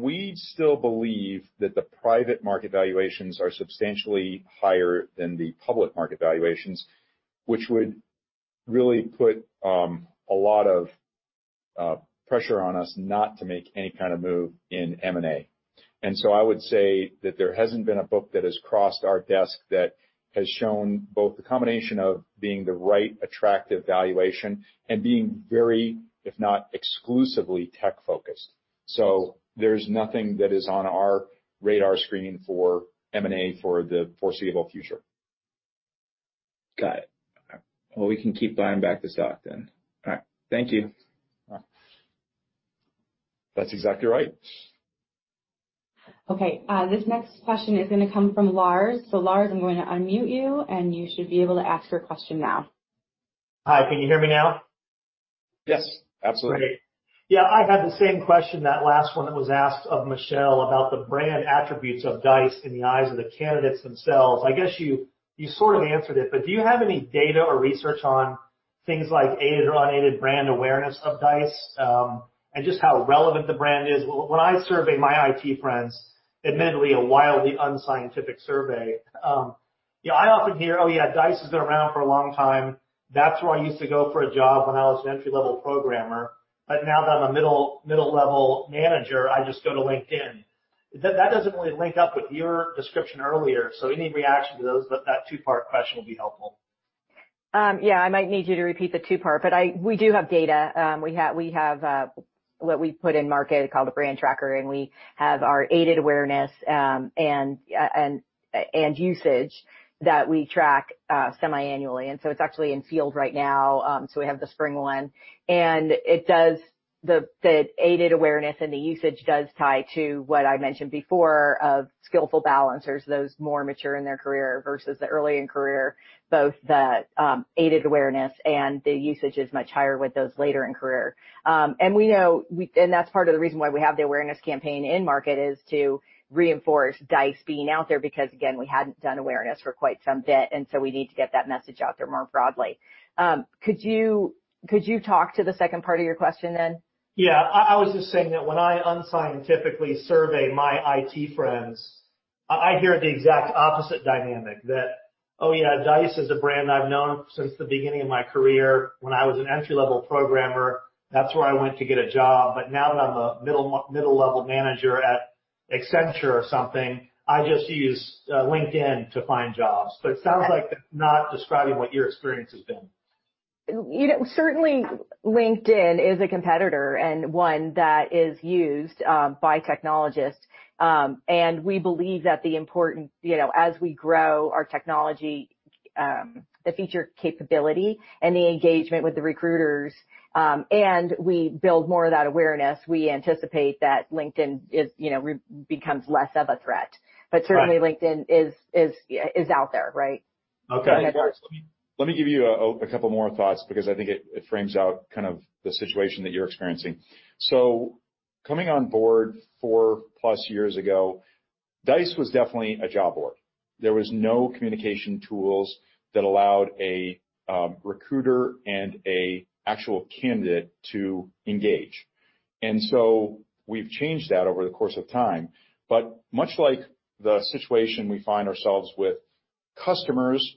Speaker 2: We still believe that the private market valuations are substantially higher than the public market valuations, which would really put a lot of pressure on us not to make any kind of move in M&A. I would say that there hasn't been a book that has crossed our desk that has shown both the combination of being the right attractive valuation and being very, if not exclusively, tech-focused. There's nothing that is on our radar screen for M&A for the foreseeable future.
Speaker 5: Got it. Well, we can keep buying back the stock then. All right. Thank you.
Speaker 2: That's exactly right.
Speaker 1: Okay, this next question is gonna come from Lars. Lars, I'm going to unmute you, and you should be able to ask your question now.
Speaker 17: Hi. Can you hear me now?
Speaker 2: Yes. Absolutely.
Speaker 17: Great. Yeah, I had the same question, that last one that was asked of Michelle about the brand attributes of Dice in the eyes of the candidates themselves. I guess you sort of answered it, but do you have any data or research on things like aided or unaided brand awareness of Dice, and just how relevant the brand is? When I survey my IT friends, admittedly a wildly unscientific survey, yeah, I often hear, "Oh, yeah. Dice has been around for a long time. That's where I used to go for a job when I was an entry-level programmer. But now that I'm a middle-level manager, I just go to LinkedIn." That doesn't really link up with your description earlier. So any reaction to that two-part question would be helpful.
Speaker 6: Yeah. I might need you to repeat the two-part, but we do have data. We have what we put in market called a brand tracker, and we have our aided awareness and usage that we track semiannually. It's actually in field right now, we have the spring one. It does the aided awareness and the usage does tie to what I mentioned before of skillful balancers, those more mature in their career versus the early in career. Both the aided awareness and the usage is much higher with those later in career. We know that's part of the reason why we have the awareness campaign in market is to reinforce Dice being out there because, again, we hadn't done awareness for quite some time, and so we need to get that message out there more broadly. Could you talk to the second part of your question then?
Speaker 17: Yeah. I was just saying that when I unscientifically survey my IT friends, I hear the exact opposite dynamic. Oh, yeah, Dice is a brand I've known since the beginning of my career. When I was an entry-level programmer, that's where I went to get a job. Now that I'm a middle-level manager at Accenture or something, I just use LinkedIn to find jobs. It sounds like that's not describing what your experience has been.
Speaker 6: You know, certainly LinkedIn is a competitor and one that is used by technologists. We believe that the important, you know, as we grow our technology, the feature capability and the engagement with the recruiters, and we build more of that awareness, we anticipate that LinkedIn is, you know, becomes less of a threat.
Speaker 17: Right.
Speaker 6: Certainly LinkedIn is out there, right?
Speaker 17: Okay.
Speaker 2: Let me give you a couple more thoughts because I think it frames out kind of the situation that you're experiencing. Coming on board 4+ years ago, Dice was definitely a job board. There was no communication tools that allowed a recruiter and an actual candidate to engage. We've changed that over the course of time. Much like the situation we find ourselves with customers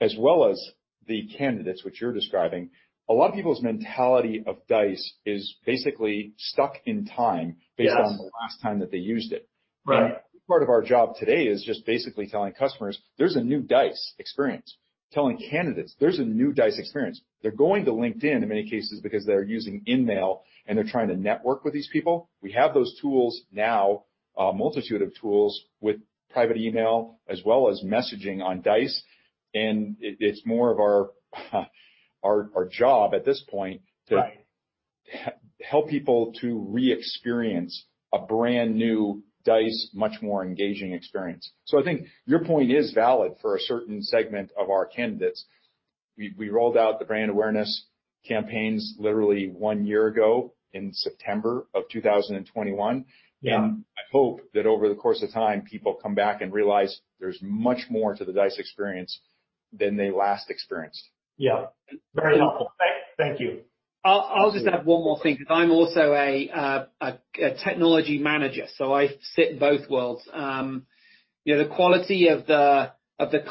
Speaker 2: as well as the candidates, which you're describing, a lot of people's mentality of Dice is basically stuck in time.
Speaker 17: Yes
Speaker 2: Based on the last time that they used it.
Speaker 17: Right.
Speaker 2: Part of our job today is just basically telling customers there's a new Dice experience, telling candidates there's a new Dice experience. They're going to LinkedIn in many cases because they're using InMail, and they're trying to network with these people. We have those tools now, a multitude of tools with private email as well as messaging on Dice, and it's more of our job at this point to.
Speaker 17: Right
Speaker 2: Help people to re-experience a brand new Dice, much more engaging experience. I think your point is valid for a certain segment of our candidates. We rolled out the brand awareness campaigns literally one year ago in September 2021.
Speaker 17: Yeah.
Speaker 2: I hope that over the course of time, people come back and realize there's much more to the Dice experience than they last experienced.
Speaker 17: Yeah. Very helpful. Thank you.
Speaker 3: I'll just add one more thing, 'cause I'm also a technology manager, so I sit in both worlds. You know, the quality of the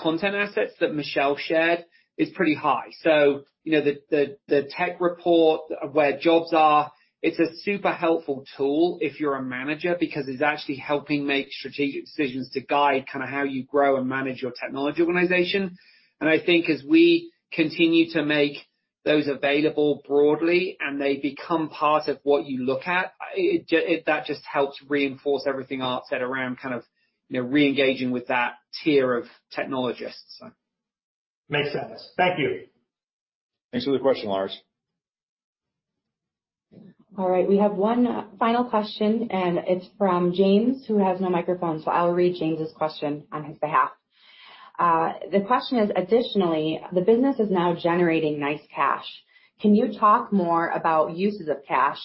Speaker 3: content assets that Michelle shared is pretty high. You know, the tech report of where jobs are, it's a super helpful tool if you're a manager because it's actually helping make strategic decisions to guide kind of how you grow and manage your technology organization. I think as we continue to make those available broadly, and they become part of what you look at, that just helps reinforce everything Art said around kind of, you know, re-engaging with that tier of technologists.
Speaker 17: Makes sense. Thank you.
Speaker 2: Thanks for the question, Lars.
Speaker 1: All right, we have one final question, and it's from James, who has no microphone, so I'll read James' question on his behalf. The question is additionally, the business is now generating nice cash. Can you talk more about uses of cash?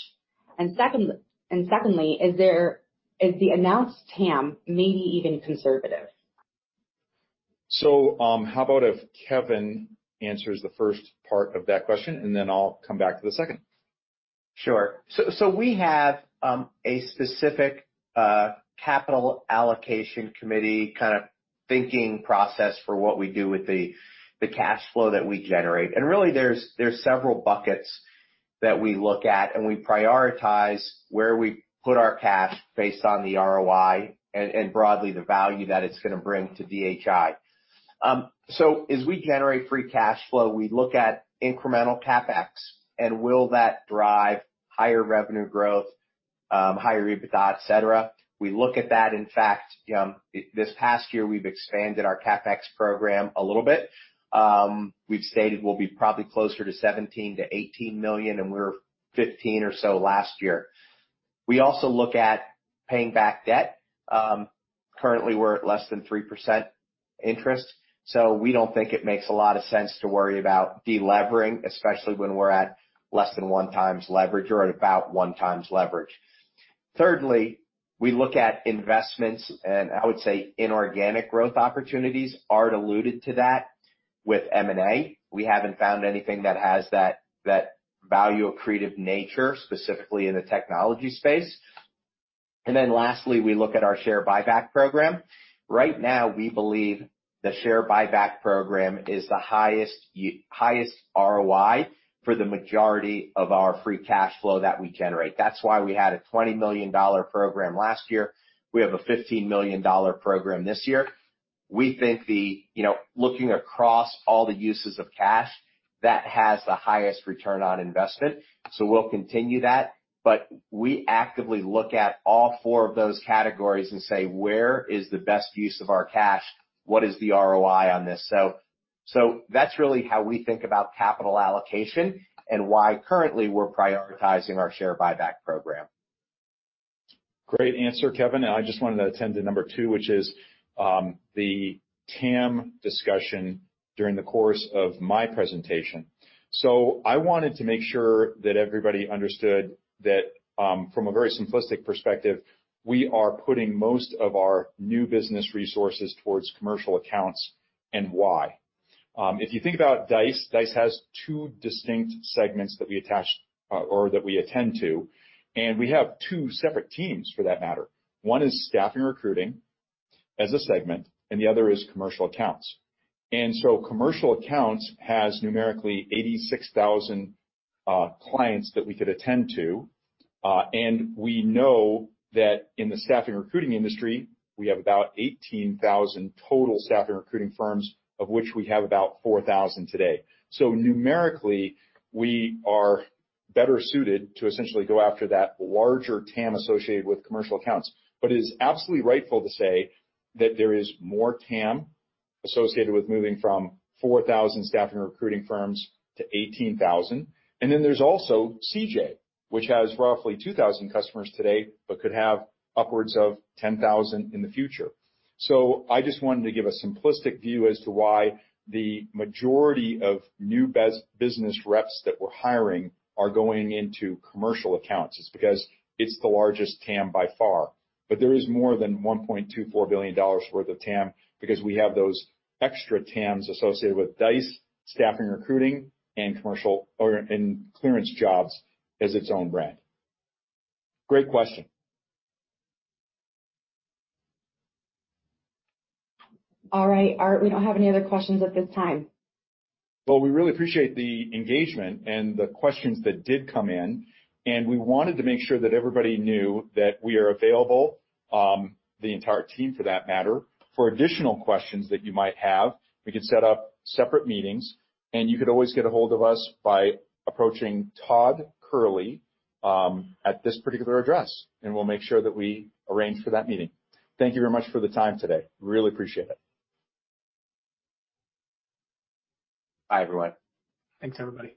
Speaker 1: And secondly, is the announced TAM maybe even conservative?
Speaker 2: How about if Kevin answers the first part of that question, and then I'll come back to the second.
Speaker 13: Sure. We have a specific capital allocation committee kind of thinking process for what we do with the cash flow that we generate. Really, there's several buckets that we look at, and we prioritize where we put our cash based on the ROI and broadly, the value that it's gonna bring to DHI. As we generate free cash flow, we look at incremental CapEx and will that drive higher revenue growth, higher EBITDA, et cetera. We look at that. In fact, this past year, we've expanded our CapEx program a little bit. We've stated we'll be probably closer to $17-$18 million, and we were $15 million or so last year. We also look at paying back debt. Currently, we're at less than 3% interest, so we don't think it makes a lot of sense to worry about delevering, especially when we're at less than one times leverage or at about one times leverage. Thirdly, we look at investments, and I would say inorganic growth opportunities. Art alluded to that with M&A. We haven't found anything that has that value accretive nature, specifically in the technology space. Lastly, we look at our share buyback program. Right now, we believe the share buyback program is the highest ROI for the majority of our free cash flow that we generate. That's why we had a $20 million program last year. We have a $15 million program this year. We think, you know, looking across all the uses of cash, that has the highest return on investment, so we'll continue that. We actively look at all four of those categories and say, "Where is the best use of our cash? What is the ROI on this?" So that's really how we think about capital allocation and why currently we're prioritizing our share buyback program.
Speaker 2: Great answer, Kevin. I just wanted to attend to number two, which is the TAM discussion during the course of my presentation. I wanted to make sure that everybody understood that, from a very simplistic perspective, we are putting most of our new business resources towards commercial accounts and why. If you think about Dice has two distinct segments that we attach or that we attend to, and we have two separate teams for that matter. One is staffing recruiting as a segment, and the other is commercial accounts. Commercial accounts has numerically 86,000 clients that we could attend to. We know that in the staffing recruiting industry, we have about 18,000 total staffing recruiting firms, of which we have about 4,000 today. Numerically, we are better suited to essentially go after that larger TAM associated with commercial accounts. It is absolutely rightful to say that there is more TAM associated with moving from 4,000 staffing recruiting firms to 18,000. Then there's also CJ, which has roughly 2,000 customers today, but could have upwards of 10,000 in the future. I just wanted to give a simplistic view as to why the majority of new business reps that we're hiring are going into commercial accounts. It's because it's the largest TAM by far. There is more than $1.24 billion worth of TAM because we have those extra TAMs associated with Dice, staffing, recruiting, and commercial, and ClearanceJobs as its own brand. Great question.
Speaker 1: All right. Art, we don't have any other questions at this time.
Speaker 2: Well, we really appreciate the engagement and the questions that did come in, and we wanted to make sure that everybody knew that we are available, the entire team for that matter, for additional questions that you might have. We could set up separate meetings, and you could always get ahold of us by approaching Todd Kehrli, at this particular address, and we'll make sure that we arrange for that meeting. Thank you very much for the time today. Really appreciate it. Bye, everyone.
Speaker 18: Thanks, everybody.